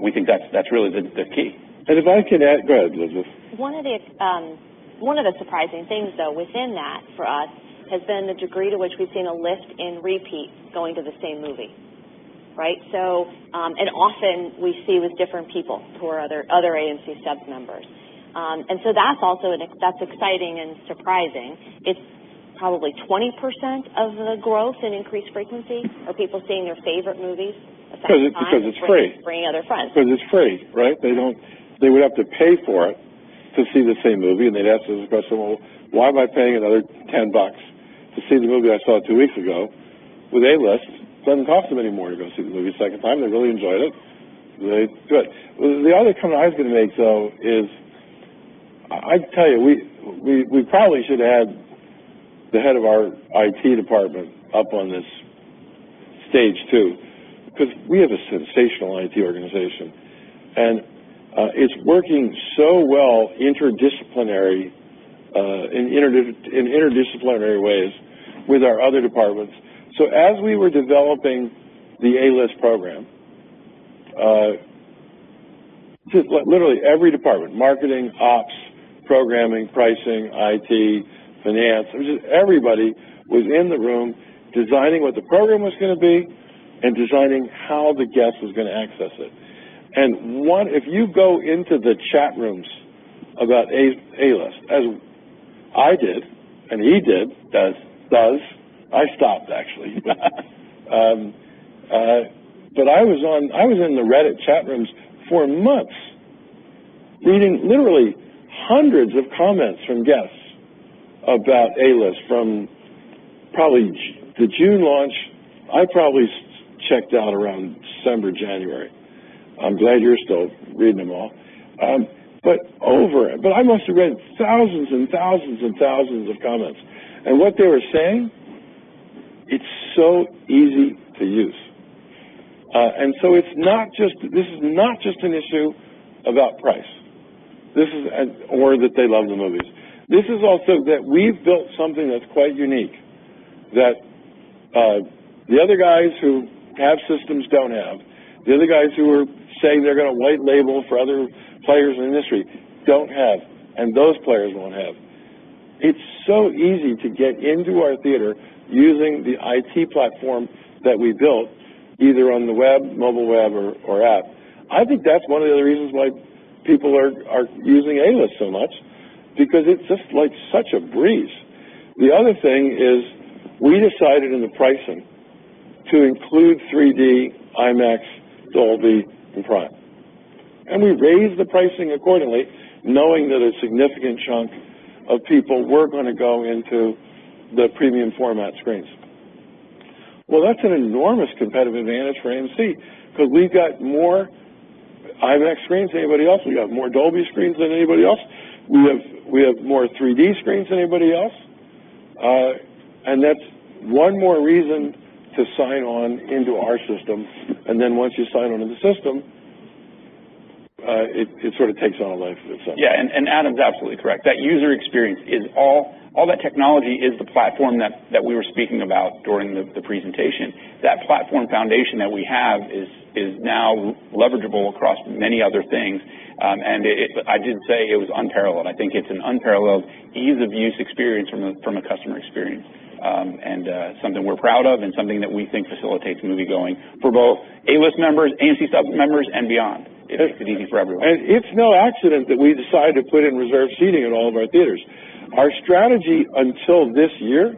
We think that's really the key. If I can add. Go ahead, Elizabeth. One of the surprising things, though, within that for us, has been the degree to which we've seen a lift in repeat going to the same movie. Right? Often we see with different people who are other AMC Stubs members. That's exciting and surprising. It's probably 20% of the growth in increased frequency are people seeing their favorite movies a second time- Because it's free bringing other friends. It's free, right? They would have to pay for it to see the same movie, and they'd ask those questions, "Well, why am I paying another $10 to see the movie I saw 2 weeks ago?" With A-List, it doesn't cost them any more to go see the movie a second time. They really enjoyed it. Good. The other comment I was going to make, though, is I tell you, we probably should add the head of our IT department up on this stage, too, because we have a sensational IT organization, and it's working so well in interdisciplinary ways with our other departments. As we were developing the A-List program, just literally every department, marketing, ops, programming, pricing, IT, finance, it was just everybody was in the room designing what the program was going to be and designing how the guest was going to access it. If you go into the chat rooms about A-List, as I did, and he did, does, I stopped actually. I was in the Reddit chat rooms for months, reading literally hundreds of comments from guests about A-List from probably the June launch. I probably checked out around December, January. I'm glad you're still reading them all. I must have read thousands and thousands and thousands of comments. What they were saying, it's so easy to use. This is not just an issue about price, or that they love the movies. This is also that we've built something that's quite unique, that the other guys who have systems don't have, the other guys who are saying they're going to white label for other players in the industry don't have, and those players won't have. It's so easy to get into our theater using the IT platform that we built, either on the web, mobile web, or app. I think that's one of the other reasons why people are using A-List so much, because it's just such a breeze. The other thing is, we decided in the pricing to include 3D, IMAX, Dolby, and Prime. We raised the pricing accordingly, knowing that a significant chunk of people were going to go into the premium format screens. Well, that's an enormous competitive advantage for AMC, because we've got more IMAX screens than anybody else, we have more Dolby screens than anybody else, we have more 3D screens than anybody else. That's one more reason to sign on into our system. Once you sign on to the system, it sort of takes on a life of itself. Adam is absolutely correct. That user experience, all that technology is the platform that we were speaking about during the presentation. That platform foundation that we have is now leverageable across many other things. I did say it was unparalleled. I think it's an unparalleled ease of use experience from a customer experience. Something we're proud of and something that we think facilitates moviegoing for both A-List members, AMC Stubs members, and beyond. It makes it easy for everyone. It's no accident that we decided to put in reserved seating in all of our theaters. Our strategy until this year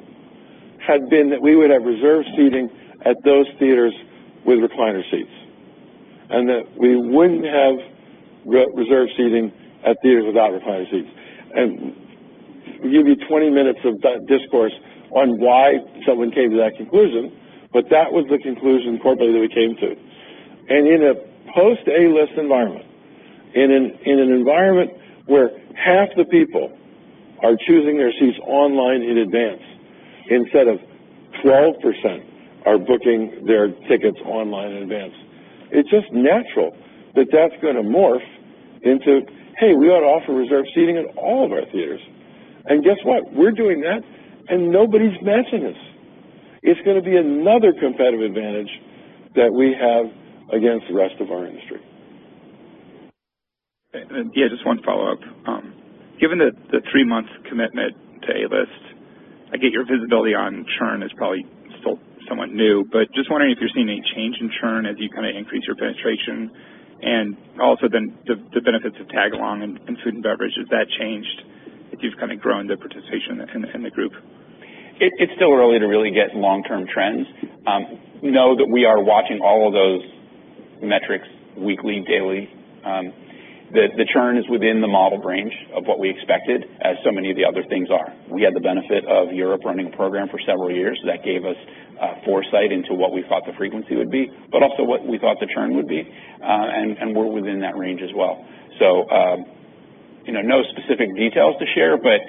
had been that we would have reserved seating at those theaters with recliner seats, that we wouldn't have reserved seating at theaters without recliner seats. I can give you 20 minutes of discourse on why someone came to that conclusion, but that was the conclusion corporately that we came to. In a post A-List environment, in an environment where half the people are choosing their seats online in advance, instead of 12% are booking their tickets online in advance, it's just natural that that's going to morph into, hey, we ought to offer reserved seating in all of our theaters. Guess what? We're doing that, nobody's matching us. It's going to be another competitive advantage that we have against the rest of our industry. Yeah, just one follow-up. Given the three-month commitment to A-List, I get your visibility on churn is probably still somewhat new, but just wondering if you're seeing any change in churn as you increase your penetration, also then the benefits of tag-along and food and beverage. Has that changed as you've grown the participation in the group? It's still early to really get long-term trends. Know that we are watching all of those metrics weekly, daily. The churn is within the modeled range of what we expected, as so many of the other things are. We had the benefit of Europe running a program for several years. That gave us foresight into what we thought the frequency would be, but also what we thought the churn would be. We're within that range as well. No specific details to share, but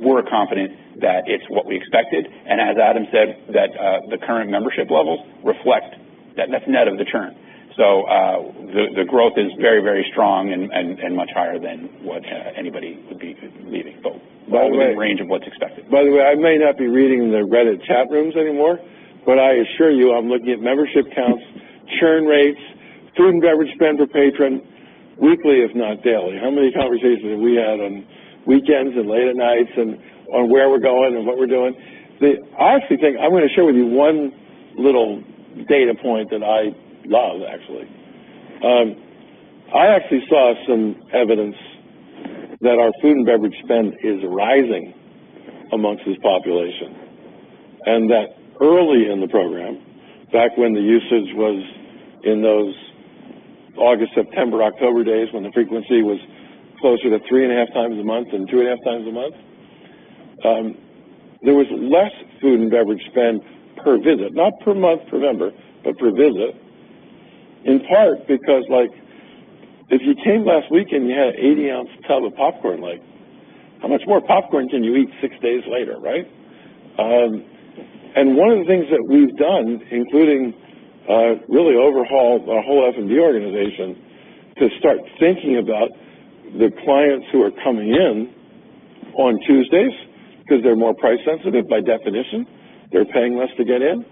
we're confident that it's what we expected. As Adam said, that the current membership levels reflect that that's net of the churn. The growth is very, very strong and much higher than what anybody would be believing, but well within range of what's expected. By the way, I may not be reading the Reddit chat rooms anymore, but I assure you, I'm looking at membership counts, churn rates, food and beverage spend per patron weekly, if not daily. How many conversations have we had on weekends and late at nights on where we're going and what we're doing? I actually think I'm going to share with you one little data point that I love, actually. I actually saw some evidence that our food and beverage spend is rising amongst this population, that early in the program, back when the usage was in those August, September, October days when the frequency was closer to three and a half times a month than two and a half times a month, there was less food and beverage spend per visit, not per month, per member, but per visit, in part because if you came last week and you had an 80-ounce tub of popcorn, how much more popcorn can you eat six days later, right? One of the things that we've done, including really overhaul our whole F&B organization, to start thinking about the clients who are coming in on Tuesdays, because they're more price sensitive by definition, they're paying less to get in,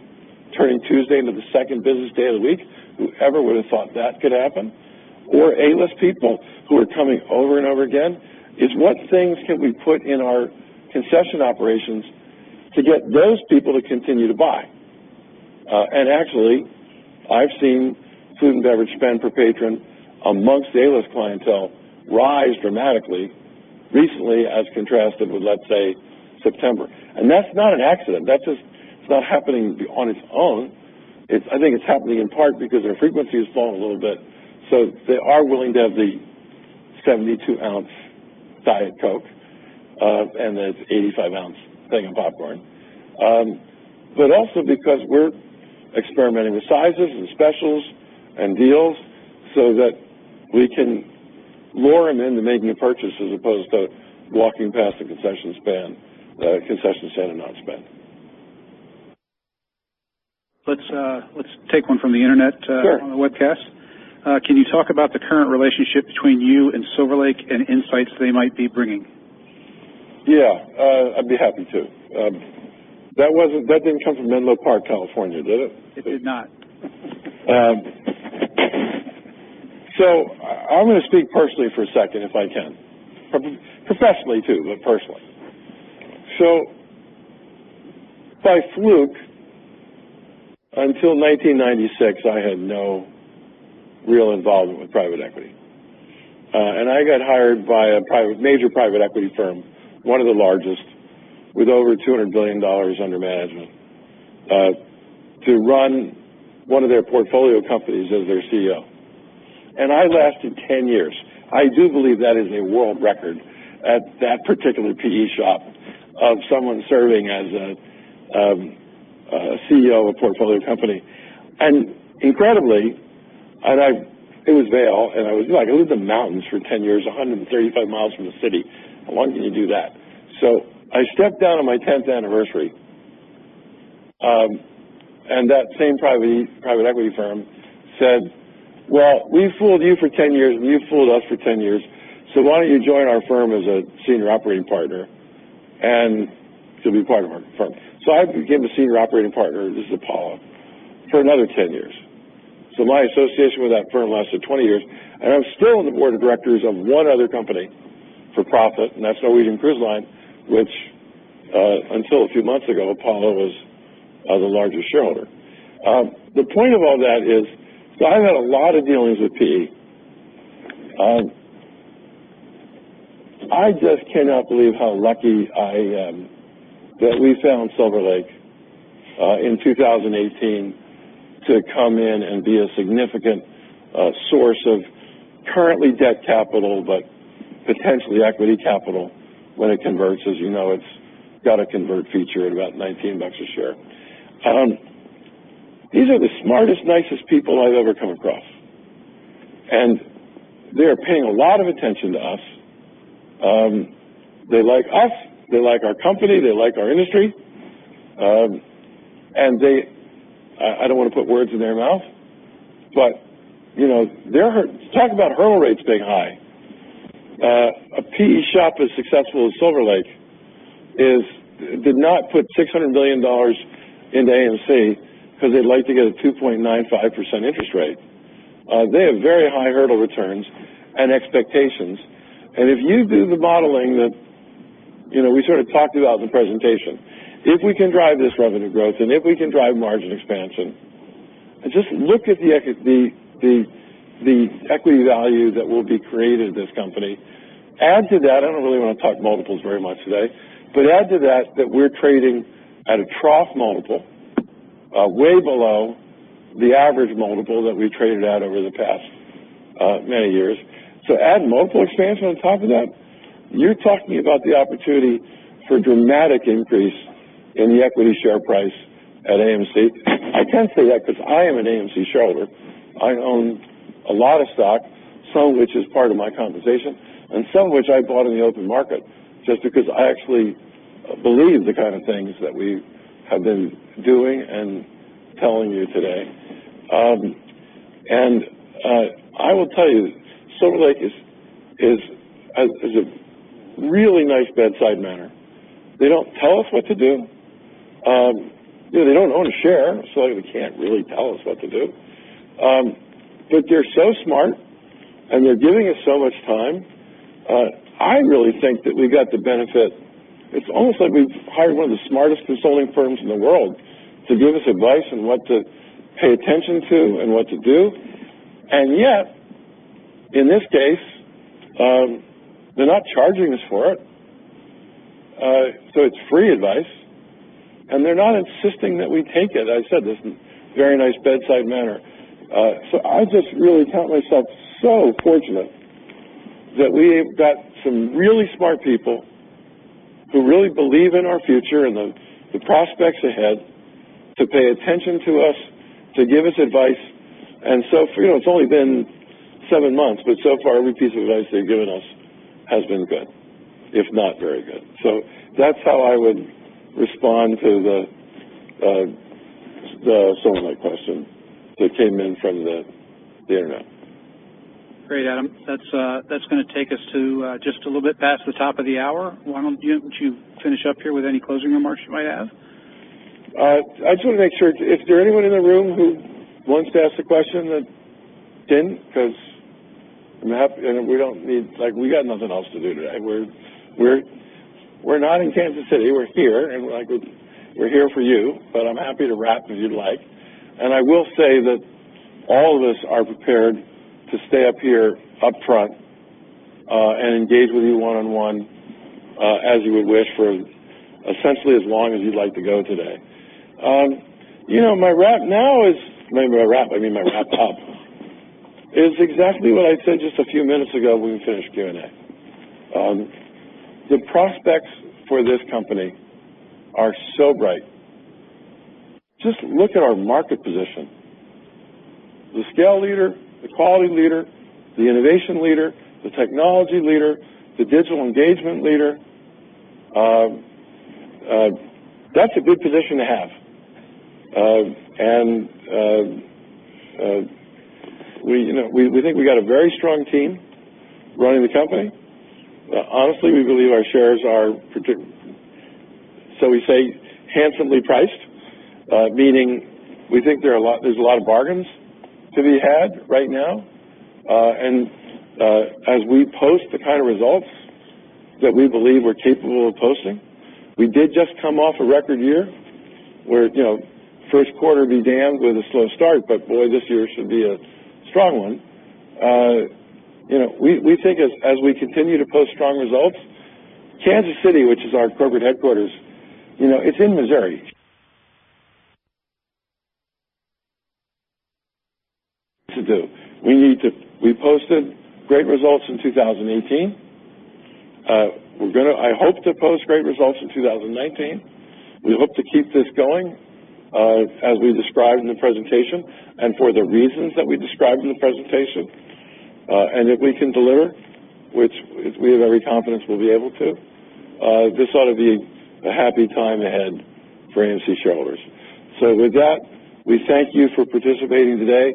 turning Tuesdays into the second business day of the week. Whoever would've thought that could happen? A-List people who are coming over and over again, is what things can we put in our concession operations to get those people to continue to buy. Actually, I've seen food and beverage spend per patron amongst A-List clientele rise dramatically recently as contrasted with, let's say, September. That's not an accident. That's just, it's not happening on its own. I think it's happening in part because their frequency has fallen a little bit, so they are willing to have the 72-ounce Diet Coke, and the 85-ounce thing of popcorn. Also because we're experimenting with sizes and specials and deals so that we can lure them into making a purchase as opposed to walking past a concession stand and not spend. Let's take one from the internet. Sure on the webcast. Can you talk about the current relationship between you and Silver Lake and insights they might be bringing? Yeah. I'd be happy to. That didn't come from Menlo Park, California, did it? It did not. I'm going to speak personally for a second if I can. Professionally too, but personally. By fluke, until 1996, I had no real involvement with private equity. I got hired by a major private equity firm, one of the largest, with over $200 billion under management, to run one of their portfolio companies as their CEO. I lasted 10 years. I do believe that is a world record at that particular PE shop of someone serving as a CEO of a portfolio company. Incredibly, it was Vail, and I lived in the mountains for 10 years, 135 miles from the city. I wanted to do that. I stepped down on my 10th anniversary, and that same private equity firm said, "Well, we fooled you for 10 years and you fooled us for 10 years, why don't you join our firm as a senior operating partner to be part of our firm?" I became a senior operating partner as Apollo for another 10 years. My association with that firm lasted 20 years, and I'm still on the board of directors of one other company for profit, and that's Norwegian Cruise Line, which, until a few months ago, Apollo was the largest shareholder. The point of all that is so I've had a lot of dealings with PE. I just cannot believe how lucky I am that we found Silver Lake in 2018 to come in and be a significant source of currently debt capital, but potentially equity capital when it converts. As you know, it's got a convert feature at about $19 a share. These are the smartest, nicest people I've ever come across. They are paying a lot of attention to us. They like us, they like our company, they like our industry. I don't want to put words in their mouth, but talk about hurdle rates being high. A PE shop as successful as Silver Lake did not put $600 million into AMC because they'd like to get a 2.95% interest rate. They have very high hurdle returns and expectations, and if you do the modeling that we sort of talked about in the presentation, if we can drive this revenue growth and if we can drive margin expansion, and just look at the equity value that will be created at this company. Add to that, I don't really want to talk multiples very much today, but add to that we're trading at a trough multiple, way below the average multiple that we traded at over the past many years. Add multiple expansion on top of that, you're talking about the opportunity for dramatic increase in the equity share price at AMC. I can say that because I am an AMC shareholder. I own a lot of stock, some of which is part of my compensation, and some of which I bought in the open market, just because I actually believe the kind of things that we have been doing and telling you today. I will tell you, Silver Lake has a really nice bedside manner. They don't tell us what to do. They don't own a share, so they can't really tell us what to do. They're so smart, and they're giving us so much time. I really think that we got the benefit. It's almost like we've hired one of the smartest consulting firms in the world to give us advice on what to pay attention to and what to do. Yet, in this case, they're not charging us for it, so it's free advice, and they're not insisting that we take it. I said, this very nice bedside manner. I just really count myself so fortunate that we got some really smart people who really believe in our future and the prospects ahead to pay attention to us, to give us advice. It's only been seven months, but so far every piece of advice they've given us has been good, if not very good. That's how I would respond to some of my questions that came in from the internet. Great, Adam. That's going to take us to just a little bit past the top of the hour. Why don't you finish up here with any closing remarks you might have? I just want to make sure, is there anyone in the room who wants to ask a question that didn't? We got nothing else to do today. We're not in Kansas City, we're here, and we're here for you, but I'm happy to wrap if you'd like. I will say that all of us are prepared to stay up here upfront and engage with you one-on-one, as you would wish for essentially as long as you'd like to go today. My wrap-up, I mean, is exactly what I said just a few minutes ago when we finished Q&A. The prospects for this company are so bright. Just look at our market position. The scale leader, the quality leader, the innovation leader, the technology leader, the digital engagement leader. That's a good position to have. We think we got a very strong team running the company. Honestly, we believe our shares are, so we say, handsomely priced, meaning we think there's a lot of bargains to be had right now. As we post the kind of results that we believe we're capable of posting, we did just come off a record year where first quarter be damned with a slow start, but boy, this year should be a strong one. We think as we continue to post strong results, Kansas City, which is our corporate headquarters, it's in Missouri. To do. We posted great results in 2018. I hope to post great results in 2019. We hope to keep this going as we described in the presentation and for the reasons that we described in the presentation. If we can deliver, which we have every confidence we'll be able to, this ought to be a happy time ahead for AMC shareholders. With that, we thank you for participating today.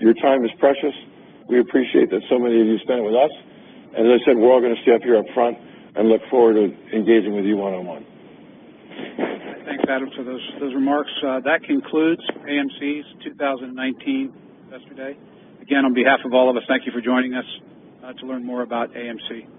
Your time is precious. We appreciate that so many of you spent with us. As I said, we're all going to stay up here up front and look forward to engaging with you one-on-one. Thanks, Adam, for those remarks. That concludes AMC's 2019 Investor Day. Again, on behalf of all of us, thank you for joining us to learn more about AMC.